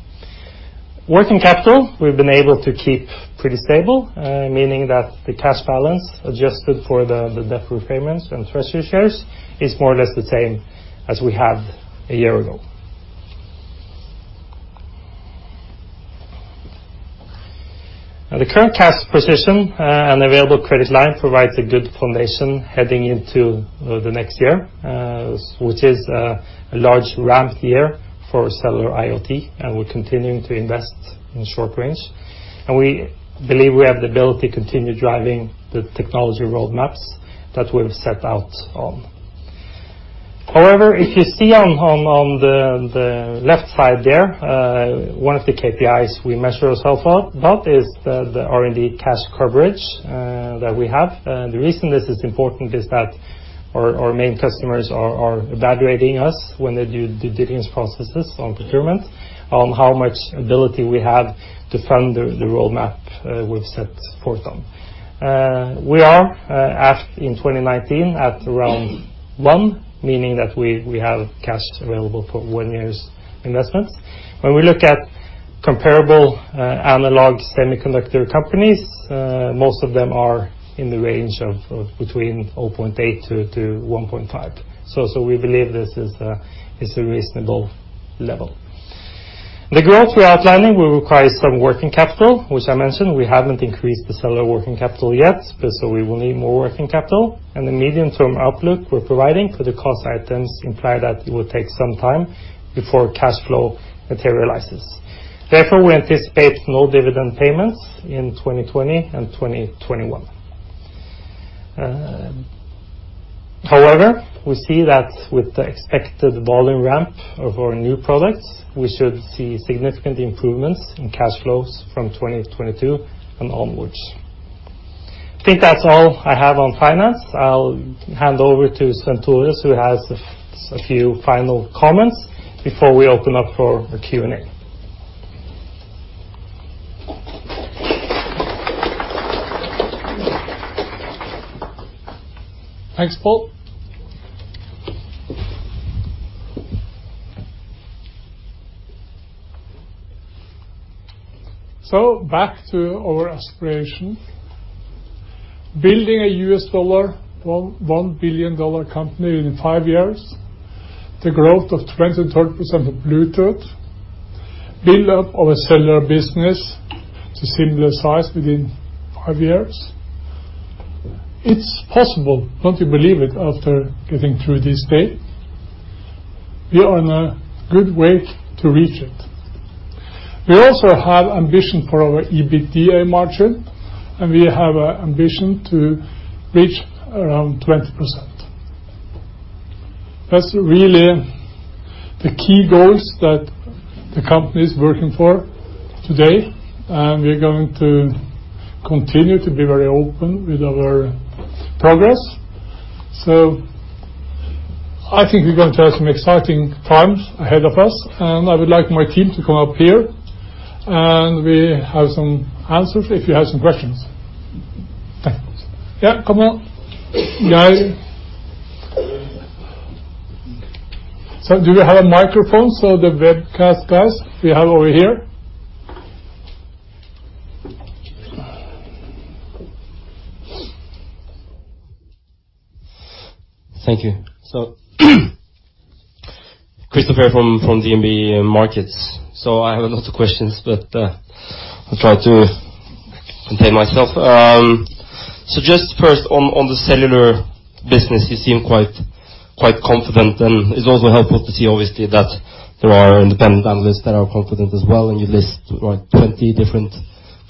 Working capital, we've been able to keep pretty stable, meaning that the cash balance adjusted for the debt repayments and treasury shares is more or less the same as we had a year ago. The current cash position, and available credit line provides a good foundation heading into the next year, which is a large ramp year for cellular IoT, and we're continuing to invest in short range. We believe we have the ability to continue driving the technology roadmaps that we've set out on. However, if you see on the left side there, one of the KPIs we measure ourselves on, that is the R&D cash coverage that we have. The reason this is important is that our main customers are evaluating us when they do due diligence processes on procurement, on how much ability we have to fund the roadmap we've set forth on. We are at in 2019 at around one, meaning that we have cash available for one year's investment. When we look at comparable analog semiconductor companies, most of them are in the range of between 0.8 to 1.5. We believe this is a reasonable level. The growth we're outlining will require some working capital, which I mentioned, we haven't increased the cellular working capital yet, but so we will need more working capital and the medium-term outlook we're providing for the cost items imply that it will take some time before cash flow materializes. Therefore, we anticipate no dividend payments in 2020 and 2021. However, we see that with the expected volume ramp of our new products, we should see significant improvements in cash flows from 2022 and onwards. I think that's all I have on finance. I'll hand over to Svenn-Tore who has a few final comments before we open up for Q&A. Thanks, Pål. Back to our aspiration. Building a $1 billion company within five years. The growth of 20%, 30% of Bluetooth. Build up of a cellular business to similar size within five years. It's possible, don't you believe it after getting through this day? We are on a good way to reach it. We also have ambition for our EBITDA margin, and we have an ambition to reach around 20%. That's really the key goals that the company is working for today, and we're going to continue to be very open with our progress. I think we're going to have some exciting times ahead of us, and I would like my team to come up here, and we have some answers if you have some questions. Thanks. Yeah, come on, guys. Do we have a microphone so the webcast guys we have over here? Thank you. Christoffer from DNB Markets. I have a lot of questions, but I'll try to contain myself. Just first on the cellular business, you seem quite confident and it's also helpful to see obviously that there are independent analysts that are confident as well, and you list like 20 different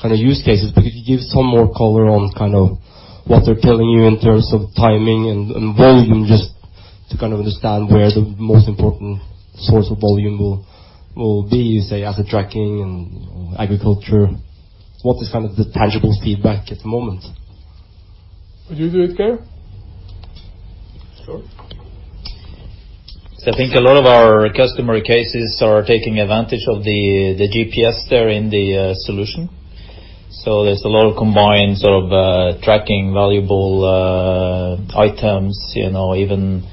kind of use cases. Could you give some more color on kind of what they're telling you in terms of timing and volume just to kind of understand where the most important source of volume will be, you say asset tracking and agriculture. What is kind of the tangible feedback at the moment? Would you do it, Geir? I think a lot of our customer cases are taking advantage of the GPS there in the solution. There's a lot of combines of tracking valuable items, even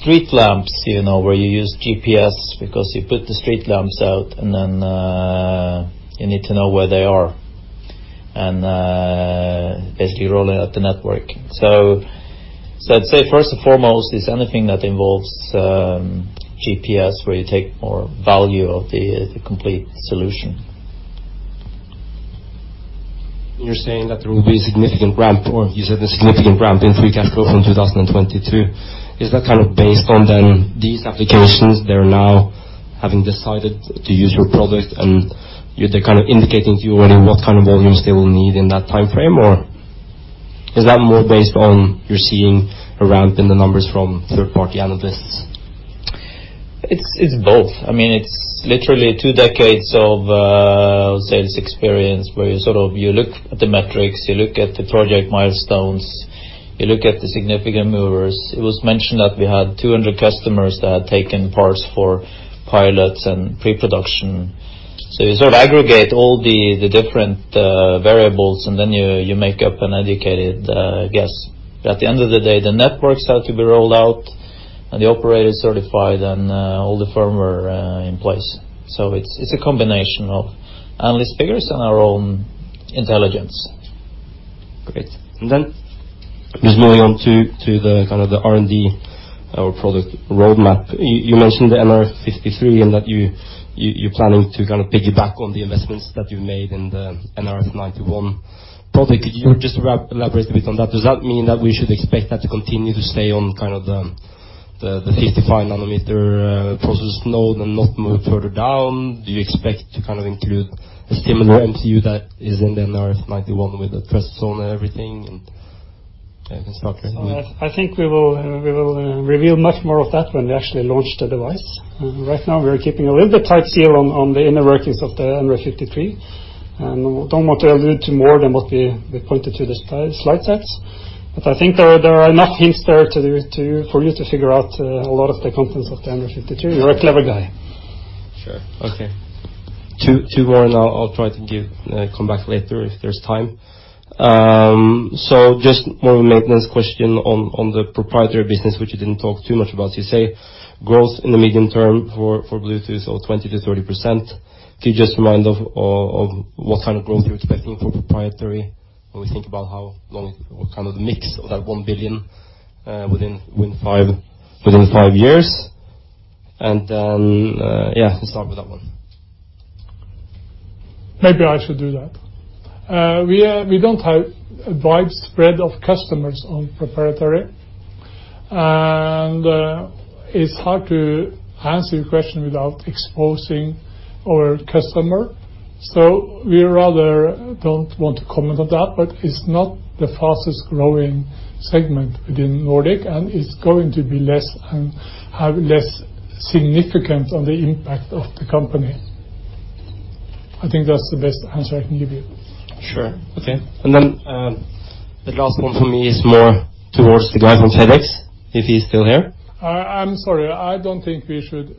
street lamps where you use GPS because you put the street lamps out and then you need to know where they are and basically rolling out the network. I'd say first and foremost is anything that involves GPS where you take more value of the complete solution. You're saying that there will be a significant ramp, or you said a significant ramp in free cash flow from 2022. Is that kind of based on then these applications, they're now having decided to use your product and they're kind of indicating to you already what kind of volumes they will need in that time frame, or? Is that more based on you're seeing a ramp in the numbers from third-party analysts? It's both. It's literally 2 decades of sales experience where you look at the metrics, you look at the project milestones, you look at the significant movers. It was mentioned that we had 200 customers that had taken parts for pilots and pre-production. You aggregate all the different variables, and then you make up an educated guess. At the end of the day, the networks have to be rolled out and the operators certified and all the firmware in place. It's a combination of analyst figures and our own intelligence. Great. Then just moving on to the R&D or product roadmap. You mentioned the nRF53 and that you're planning to kind of piggyback on the investments that you've made in the nRF91 project. Could you just elaborate a bit on that? Does that mean that we should expect that to continue to stay on the 55 nanometer process node and not move further down? Do you expect to include a similar MCU that is in the nRF91 with the trust zone and everything? Yeah, you can start, Kjetil. I think we will reveal much more of that when we actually launch the device. Right now, we are keeping a little bit tight seal on the inner workings of the nRF53, and don't want to allude to more than what we pointed to the slide decks. I think there are enough hints there for you to figure out a lot of the contents of the nRF53. You're a clever guy. Sure, okay. Two more and I'll try to come back later if there's time. Just more of a maintenance question on the proprietary business, which you didn't talk too much about. You say growth in the medium term for Bluetooth of 20%-30%. Can you just remind of what kind of growth you're expecting for proprietary when we think about how long, what kind of mix of that 1 billion within five years. Yeah, we'll start with that one. Maybe I should do that. We don't have a wide spread of customers on proprietary, and it's hard to answer your question without exposing our customer. We rather don't want to comment on that, but it's not the fastest growing segment within Nordic, and it's going to have less significance on the impact of the company. I think that's the best answer I can give you. Sure, okay. The last one for me is more towards the guy from FedEx, if he's still here. I'm sorry, I don't think we should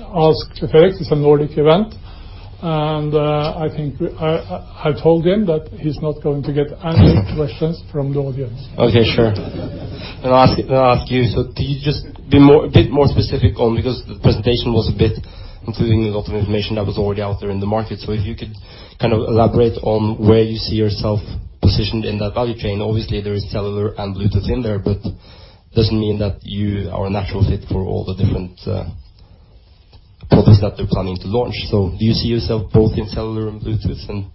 ask FedEx. It's a Nordic event. I told him that he's not going to get any questions from the audience. Okay, sure. I'll ask you. Can you just be a bit more specific on, because the presentation was including a lot of information that was already out there in the market? If you could elaborate on where you see yourself positioned in that value chain. Obviously, there is cellular and Bluetooth in there, doesn't mean that you are a natural fit for all the different products that they're planning to launch. Do you see yourself both in cellular and Bluetooth, and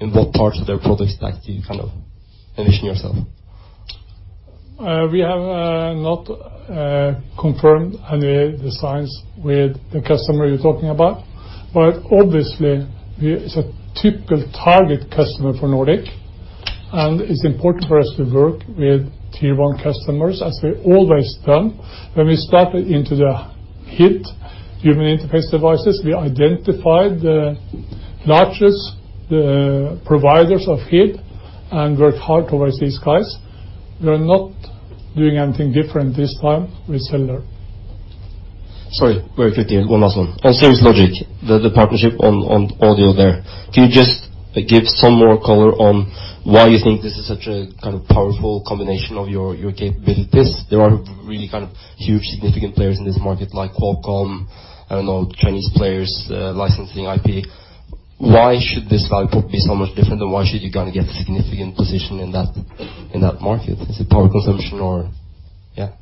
in what parts of their products do you envision yourself? We have not confirmed any designs with the customer you're talking about. Obviously, it's a typical target customer for Nordic, and it's important for us to work with tier 1 customers, as we've always done. When we started into the HID, human interface devices, we identified the largest providers of HID and worked hard towards these guys. We're not doing anything different this time with cellular. Sorry, very quickly, one last one. On Cirrus Logic, the partnership on audio there. Can you just give some more color on why you think this is such a powerful combination of your capabilities? There are really kind of huge significant players in this market like Qualcomm, I don't know, Chinese players licensing IP. Why should this go-to-market be so much different and why should you get a significant position in that market? Is it power consumption or Yeah.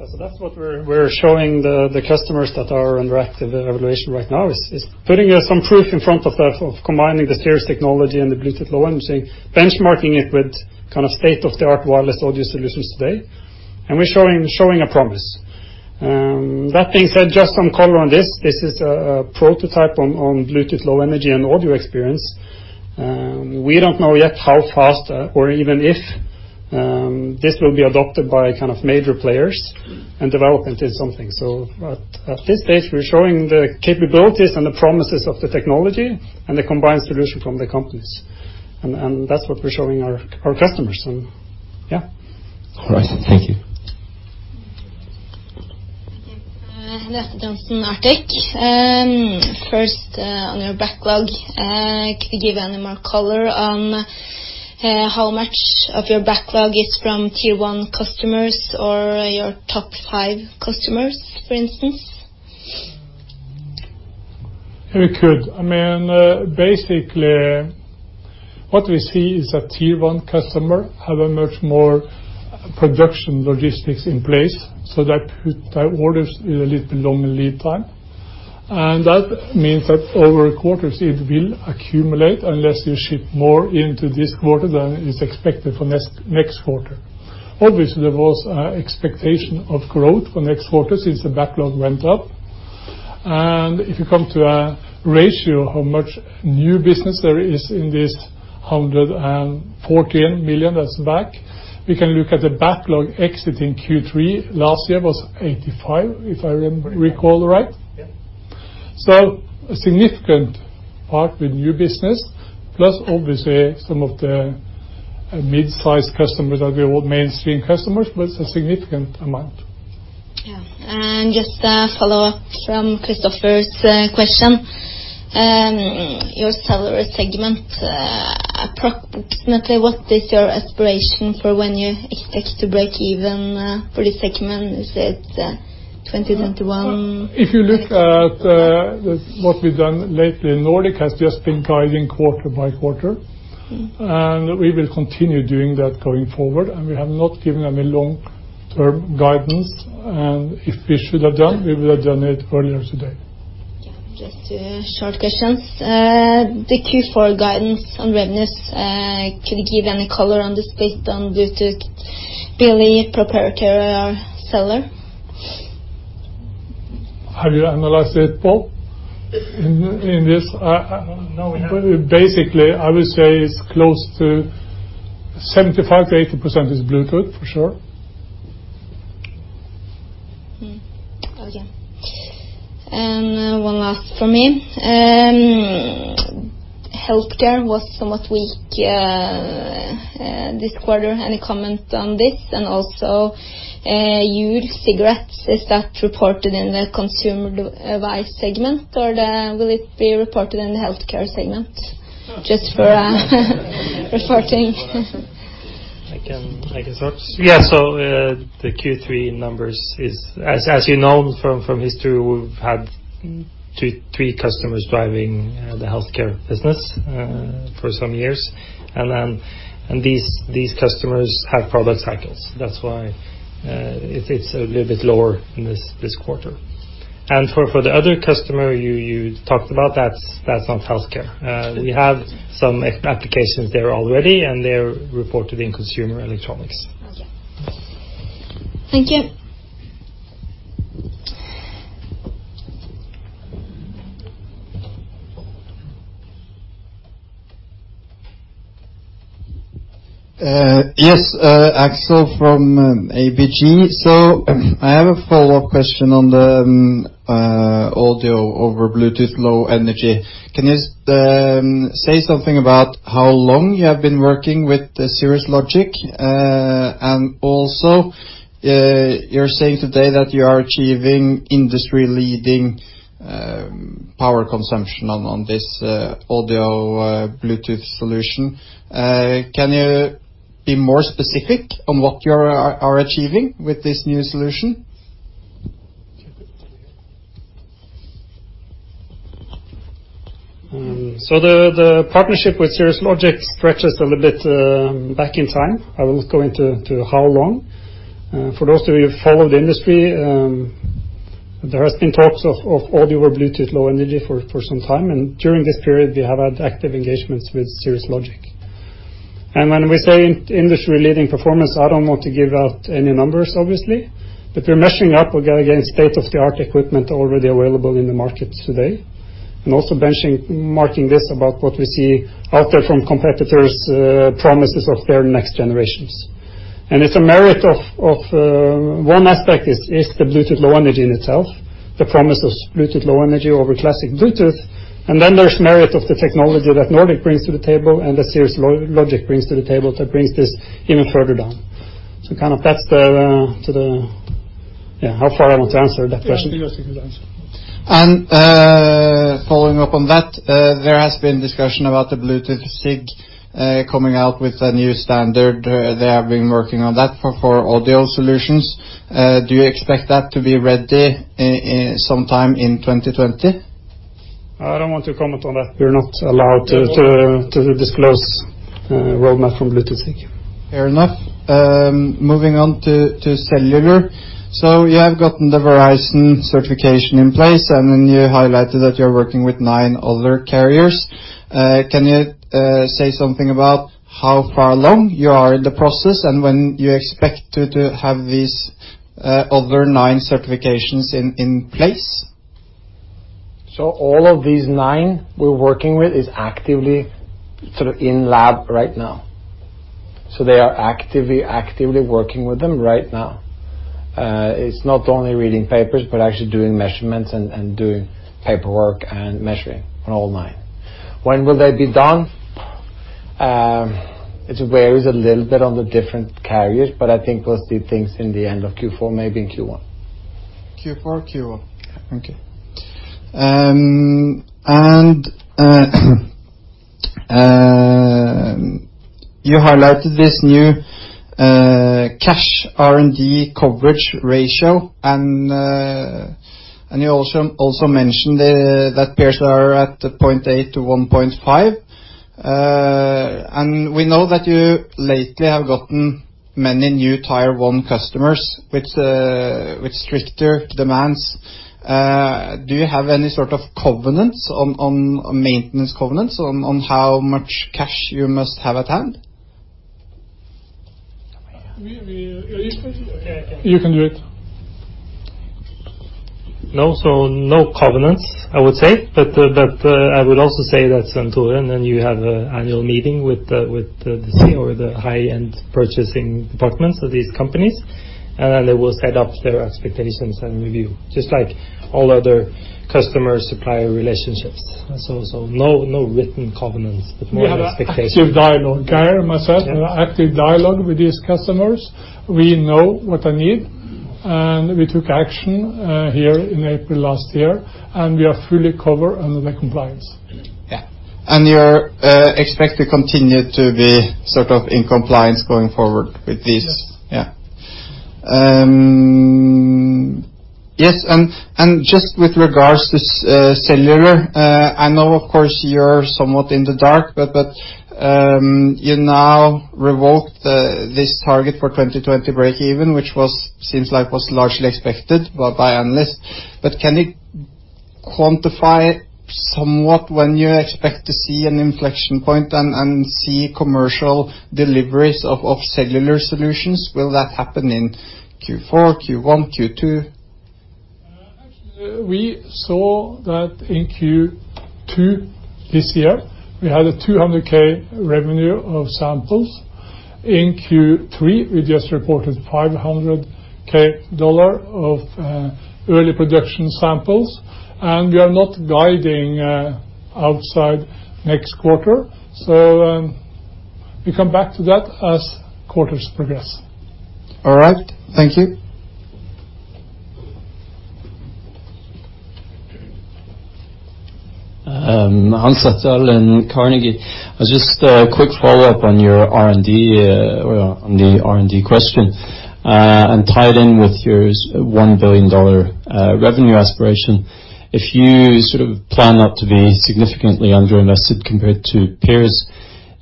Yeah, that's what we're showing the customers that are under active evaluation right now, is putting some proof in front of combining the Cirrus technology and the Bluetooth Low Energy, benchmarking it with kind of state-of-the-art wireless audio solutions today. We're showing a promise. That being said, just some color on this. This is a prototype on Bluetooth Low Energy and audio experience. We don't know yet how fast or even if this will be adopted by major players and developed into something. At this stage, we're showing the capabilities and the promises of the technology and the combined solution from the companies. That's what we're showing our customers. Yeah. All right. Thank you. Hilde Johnson, Arctic. First, on your backlog, can you give any more color on how much of your backlog is from tier 1 customers or your top five customers, for instance? We could. Basically, what we see is that tier 1 customer have a much more production logistics in place. That put their orders in a little bit longer lead time. That means that over quarters, it will accumulate unless you ship more into this quarter than is expected for next quarter. Obviously, there was expectation of growth for next quarter since the backlog went up. And if you come to a ratio of how much new business there is in this 114 million that's back, we can look at the backlog exiting Q3 last year was 85, if I recall right. Yeah. A significant part with new business plus obviously some of the mid-size customers that were mainstream customers, but it's a significant amount. Yeah. Just a follow-up from Christoffer's question. Your cellular segment, approximately what is your aspiration for when you expect to break even for this segment? Is it 2021? If you look at what we've done lately, Nordic has just been guiding quarter by quarter, we will continue doing that going forward, we have not given any long-term guidance. If we should have done, we would have done it earlier today. Yeah. Just two short questions. The Q4 guidance on revenues, could you give any color on this based on BLE proprietary or cellular? Have you analyzed it, Pål? No. Basically, I would say it's close to 75%-80% is Bluetooth, for sure. Okay. One last from me. Healthcare was somewhat weak this quarter. Any comment on this? Also Juul cigarettes, is that reported in the consumer device segment, or will it be reported in the healthcare segment? Just for reporting. I can start. Yeah. The Q3 numbers is, as you know from history, we've had three customers driving the healthcare business for some years. These customers have product cycles. That's why it's a little bit lower in this quarter. For the other customer you talked about, that's not healthcare. We have some applications there already, and they're reported in consumer electronics. Okay. Thank you. Yes. Axel from ABG. I have a follow-up question on the audio over Bluetooth Low Energy. Can you say something about how long you have been working with the Cirrus Logic? Also, you're saying today that you are achieving industry-leading power consumption on this audio Bluetooth solution. Can you be more specific on what you are achieving with this new solution? The partnership with Cirrus Logic stretches a little bit back in time. I won't go into how long. For those of you who follow the industry, there has been talks of audio over Bluetooth Low Energy for some time, and during this period we have had active engagements with Cirrus Logic. When we say industry-leading performance, I don't want to give out any numbers, obviously, but we're measuring up against state-of-the-art equipment already available in the market today. Also benchmarking this about what we see out there from competitors' promises of their next generations. It's a merit of one aspect is the Bluetooth Low Energy in itself, the promise of Bluetooth Low Energy over classic Bluetooth. Then there's merit of the technology that Nordic brings to the table and that Cirrus Logic brings to the table that brings this even further down. Kind of that's how far I want to answer that question. Yes, that's a good answer. Following up on that, there has been discussion about the Bluetooth SIG coming out with a new standard. They have been working on that for audio solutions. Do you expect that to be ready sometime in 2020? I don't want to comment on that. We're not allowed to disclose roadmap from Bluetooth, thank you. Fair enough. Moving on to cellular. You have gotten the Verizon certification in place, and then you highlighted that you're working with nine other carriers. Can you say something about how far along you are in the process and when you expect to have these other nine certifications in place? All of these nine we're working with is actively sort of in lab right now. They are actively working with them right now. It's not only reading papers, but actually doing measurements and doing paperwork and measuring on all nine. When will they be done? It varies a little bit on the different carriers, but I think we'll see things in the end of Q4, maybe in Q1. Q4, Q1. Okay. You highlighted this new cash R&D coverage ratio, and you also mentioned that peers are at the 0.8 to 1.5. We know that you lately have gotten many new tier 1 customers with stricter demands. Do you have any sort of maintenance covenants on how much cash you must have at hand? You can do it. No. No covenants, I would say. I would also say that, Svenn-Tore, you have annual meeting with the C or the high-end purchasing departments of these companies, and they will set up their expectations and review, just like all other customer-supplier relationships. No written covenants, but more of expectations. We have active dialogue, Geir, myself. Yeah. We have active dialogue with these customers. We know what they need. We took action here in April last year, and we are fully covered under the compliance. Yeah. You're expected to continue to be sort of in compliance going forward with these? Yes. Yeah. Yes, just with regards to cellular, I know of course you're somewhat in the dark, but you now revoked this target for 2020 breakeven, which seems like was largely expected by analysts. Can you quantify somewhat when you expect to see an inflection point and see commercial deliveries of cellular solutions? Will that happen in Q4, Q1, Q2? Actually, we saw that in Q2 this year, we had 200,000 revenue of samples. In Q3, we just reported NOK 500,000 of early production samples. We are not guiding outside next quarter. We come back to that as quarters progress. All right. Thank you. Hans Olav in Carnegie. Just a quick follow-up on the R&D question, and tie it in with your NOK 1 billion revenue aspiration. If you sort of plan not to be significantly under-invested compared to peers,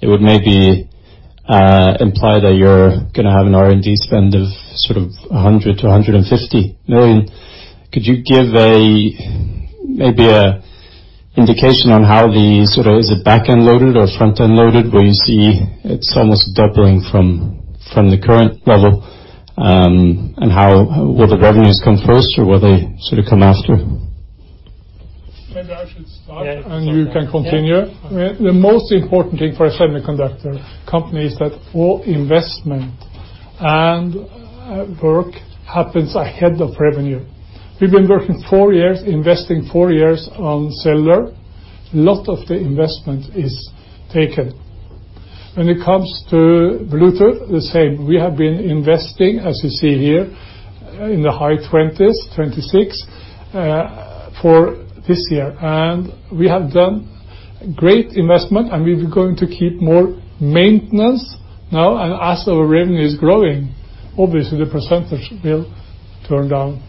it would maybe imply that you're going to have an R&D spend of sort of 100 million-150 million. Could you give maybe an indication on how the, sort of, is it back-end loaded or front-end loaded, where you see it's almost doubling from the current level? Will the revenues come first or will they sort of come after? Maybe I should start- Yeah You can continue. I mean, the most important thing for a semiconductor company is that all investment and work happens ahead of revenue. We've been working four years, investing four years on cellular. Lot of the investment is taken. When it comes to Bluetooth, the same. We have been investing, as you see here, in the high 20s, 26 for this year. We have done great investment, and we were going to keep more maintenance now, and as our revenue is growing, obviously the percentage will turn down.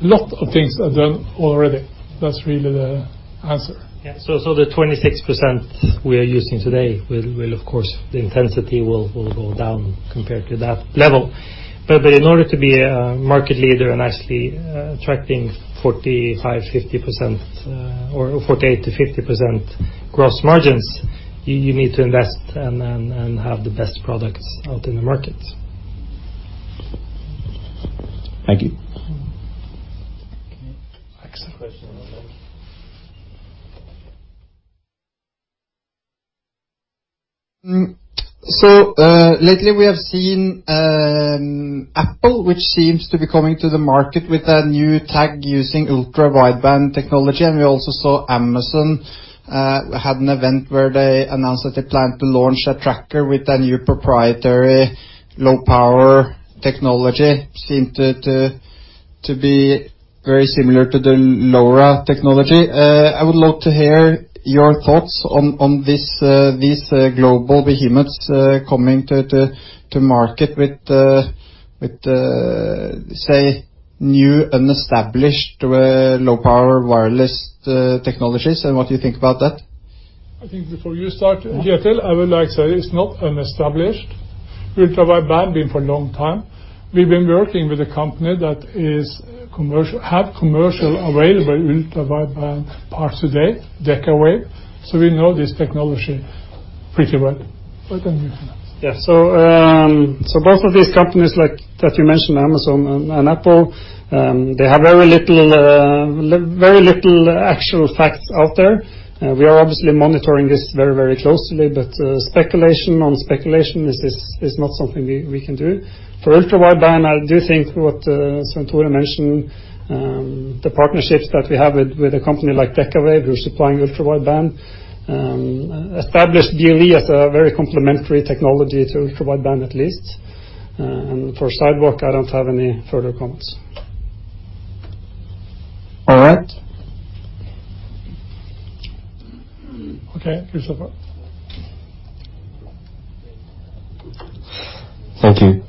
Lot of things are done already. That's really the answer. Yeah. The 26% we are using today will of course, the intensity will go down compared to that level. In order to be a market leader and actually attracting 45%-50% or 48%-50% gross margins, you need to invest and have the best products out in the market. Thank you. Okay. Next. Question on that. Lately we have seen Apple, which seems to be coming to the market with a new tag using Ultra-wideband technology, and we also saw Amazon had an event where they announced that they planned to launch a tracker with a new proprietary low-power technology, seemed to be very similar to the LoRa technology. I would love to hear your thoughts on these global behemoths coming to market with, say, new, unestablished low-power wireless technologies, and what do you think about that? I think before you start, Kjetil, I would like to say it's not unestablished. Ultra-wideband been for a long time. We've been working with a company that have commercial available Ultra-wideband parts today, Decawave. We know this technology pretty well. You can answer. Yeah. Both of these companies like you mentioned, Amazon and Apple, they have very little actual facts out there. We are obviously monitoring this very closely, but speculation on speculation is not something we can do. For Ultra-wideband, I do think what Svein-Tore mentioned, the partnerships that we have with a company like Decawave, who's supplying Ultra-wideband, established BLE as a very complementary technology to Ultra-wideband at least. For Sidewalk, I don't have any further comments. All right. Okay. Christoffer. Thank you.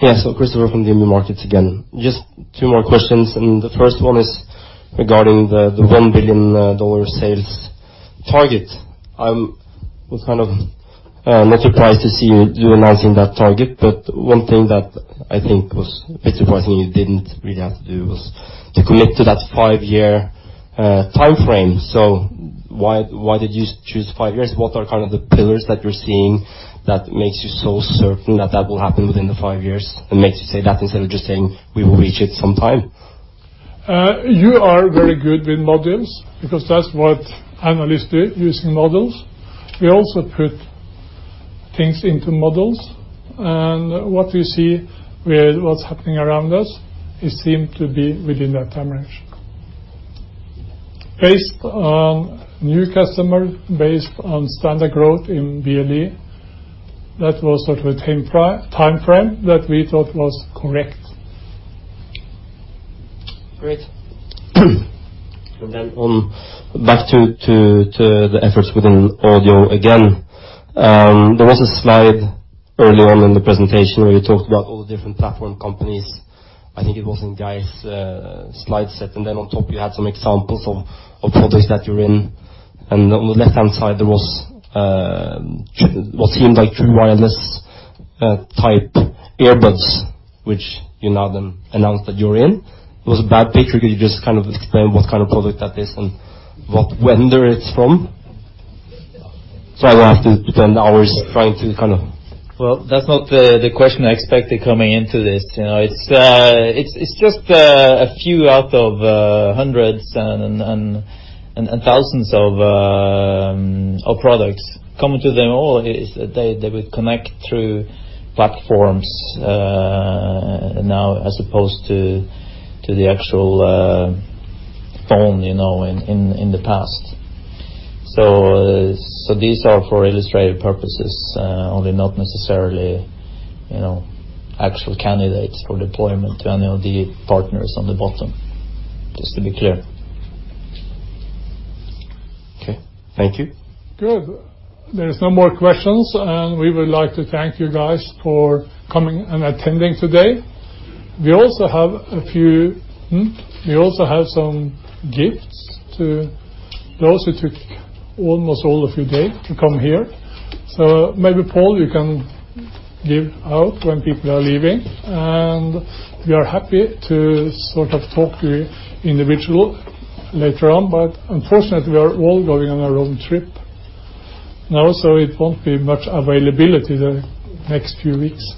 Yes. Christoffer from DNB Markets again. Just two more questions. The first one is regarding the NOK 1 billion sales target. I'm kind of not surprised to see you announcing that target. One thing that I think was a bit surprising you didn't really have to do was to commit to that five-year timeframe. Why did you choose five years? What are the pillars that you're seeing that makes you so certain that that will happen within the five years and makes you say that instead of just saying we will reach it sometime? You are very good with models because that's what analysts do, using models. We also put things into models and what we see with what's happening around us, it seem to be within that time range. Based on new customer, based on standard growth in BLE, that was sort of a time frame that we thought was correct. Great. Back to the efforts within audio again. There was a slide early on in the presentation where you talked about all the different platform companies. I think it was in Geir's slide set, and then on top you had some examples of products that you're in. On the left-hand side, there was what seemed like true wireless type earbuds, which you now then announced that you're in. It was a bad picture. Can you just explain what kind of product that is and what vendor it's from? I don't have to spend hours trying to kind of Well, that's not the question I expected coming into this. It's just a few out of hundreds and thousands of products. Common to them all is that they would connect through platforms, now as opposed to the actual phone in the past. These are for illustrative purposes, only not necessarily actual candidates for deployment to any of the partners on the bottom. Just to be clear. Okay. Thank you. Good. There is no more questions, and we would like to thank you guys for coming and attending today. We also have some gifts to those who took almost all of your day to come here. Maybe, Pål, you can give out when people are leaving. We are happy to sort of talk to you individual later on, but unfortunately, we are all going on our own trip now, so it won't be much availability the next few weeks.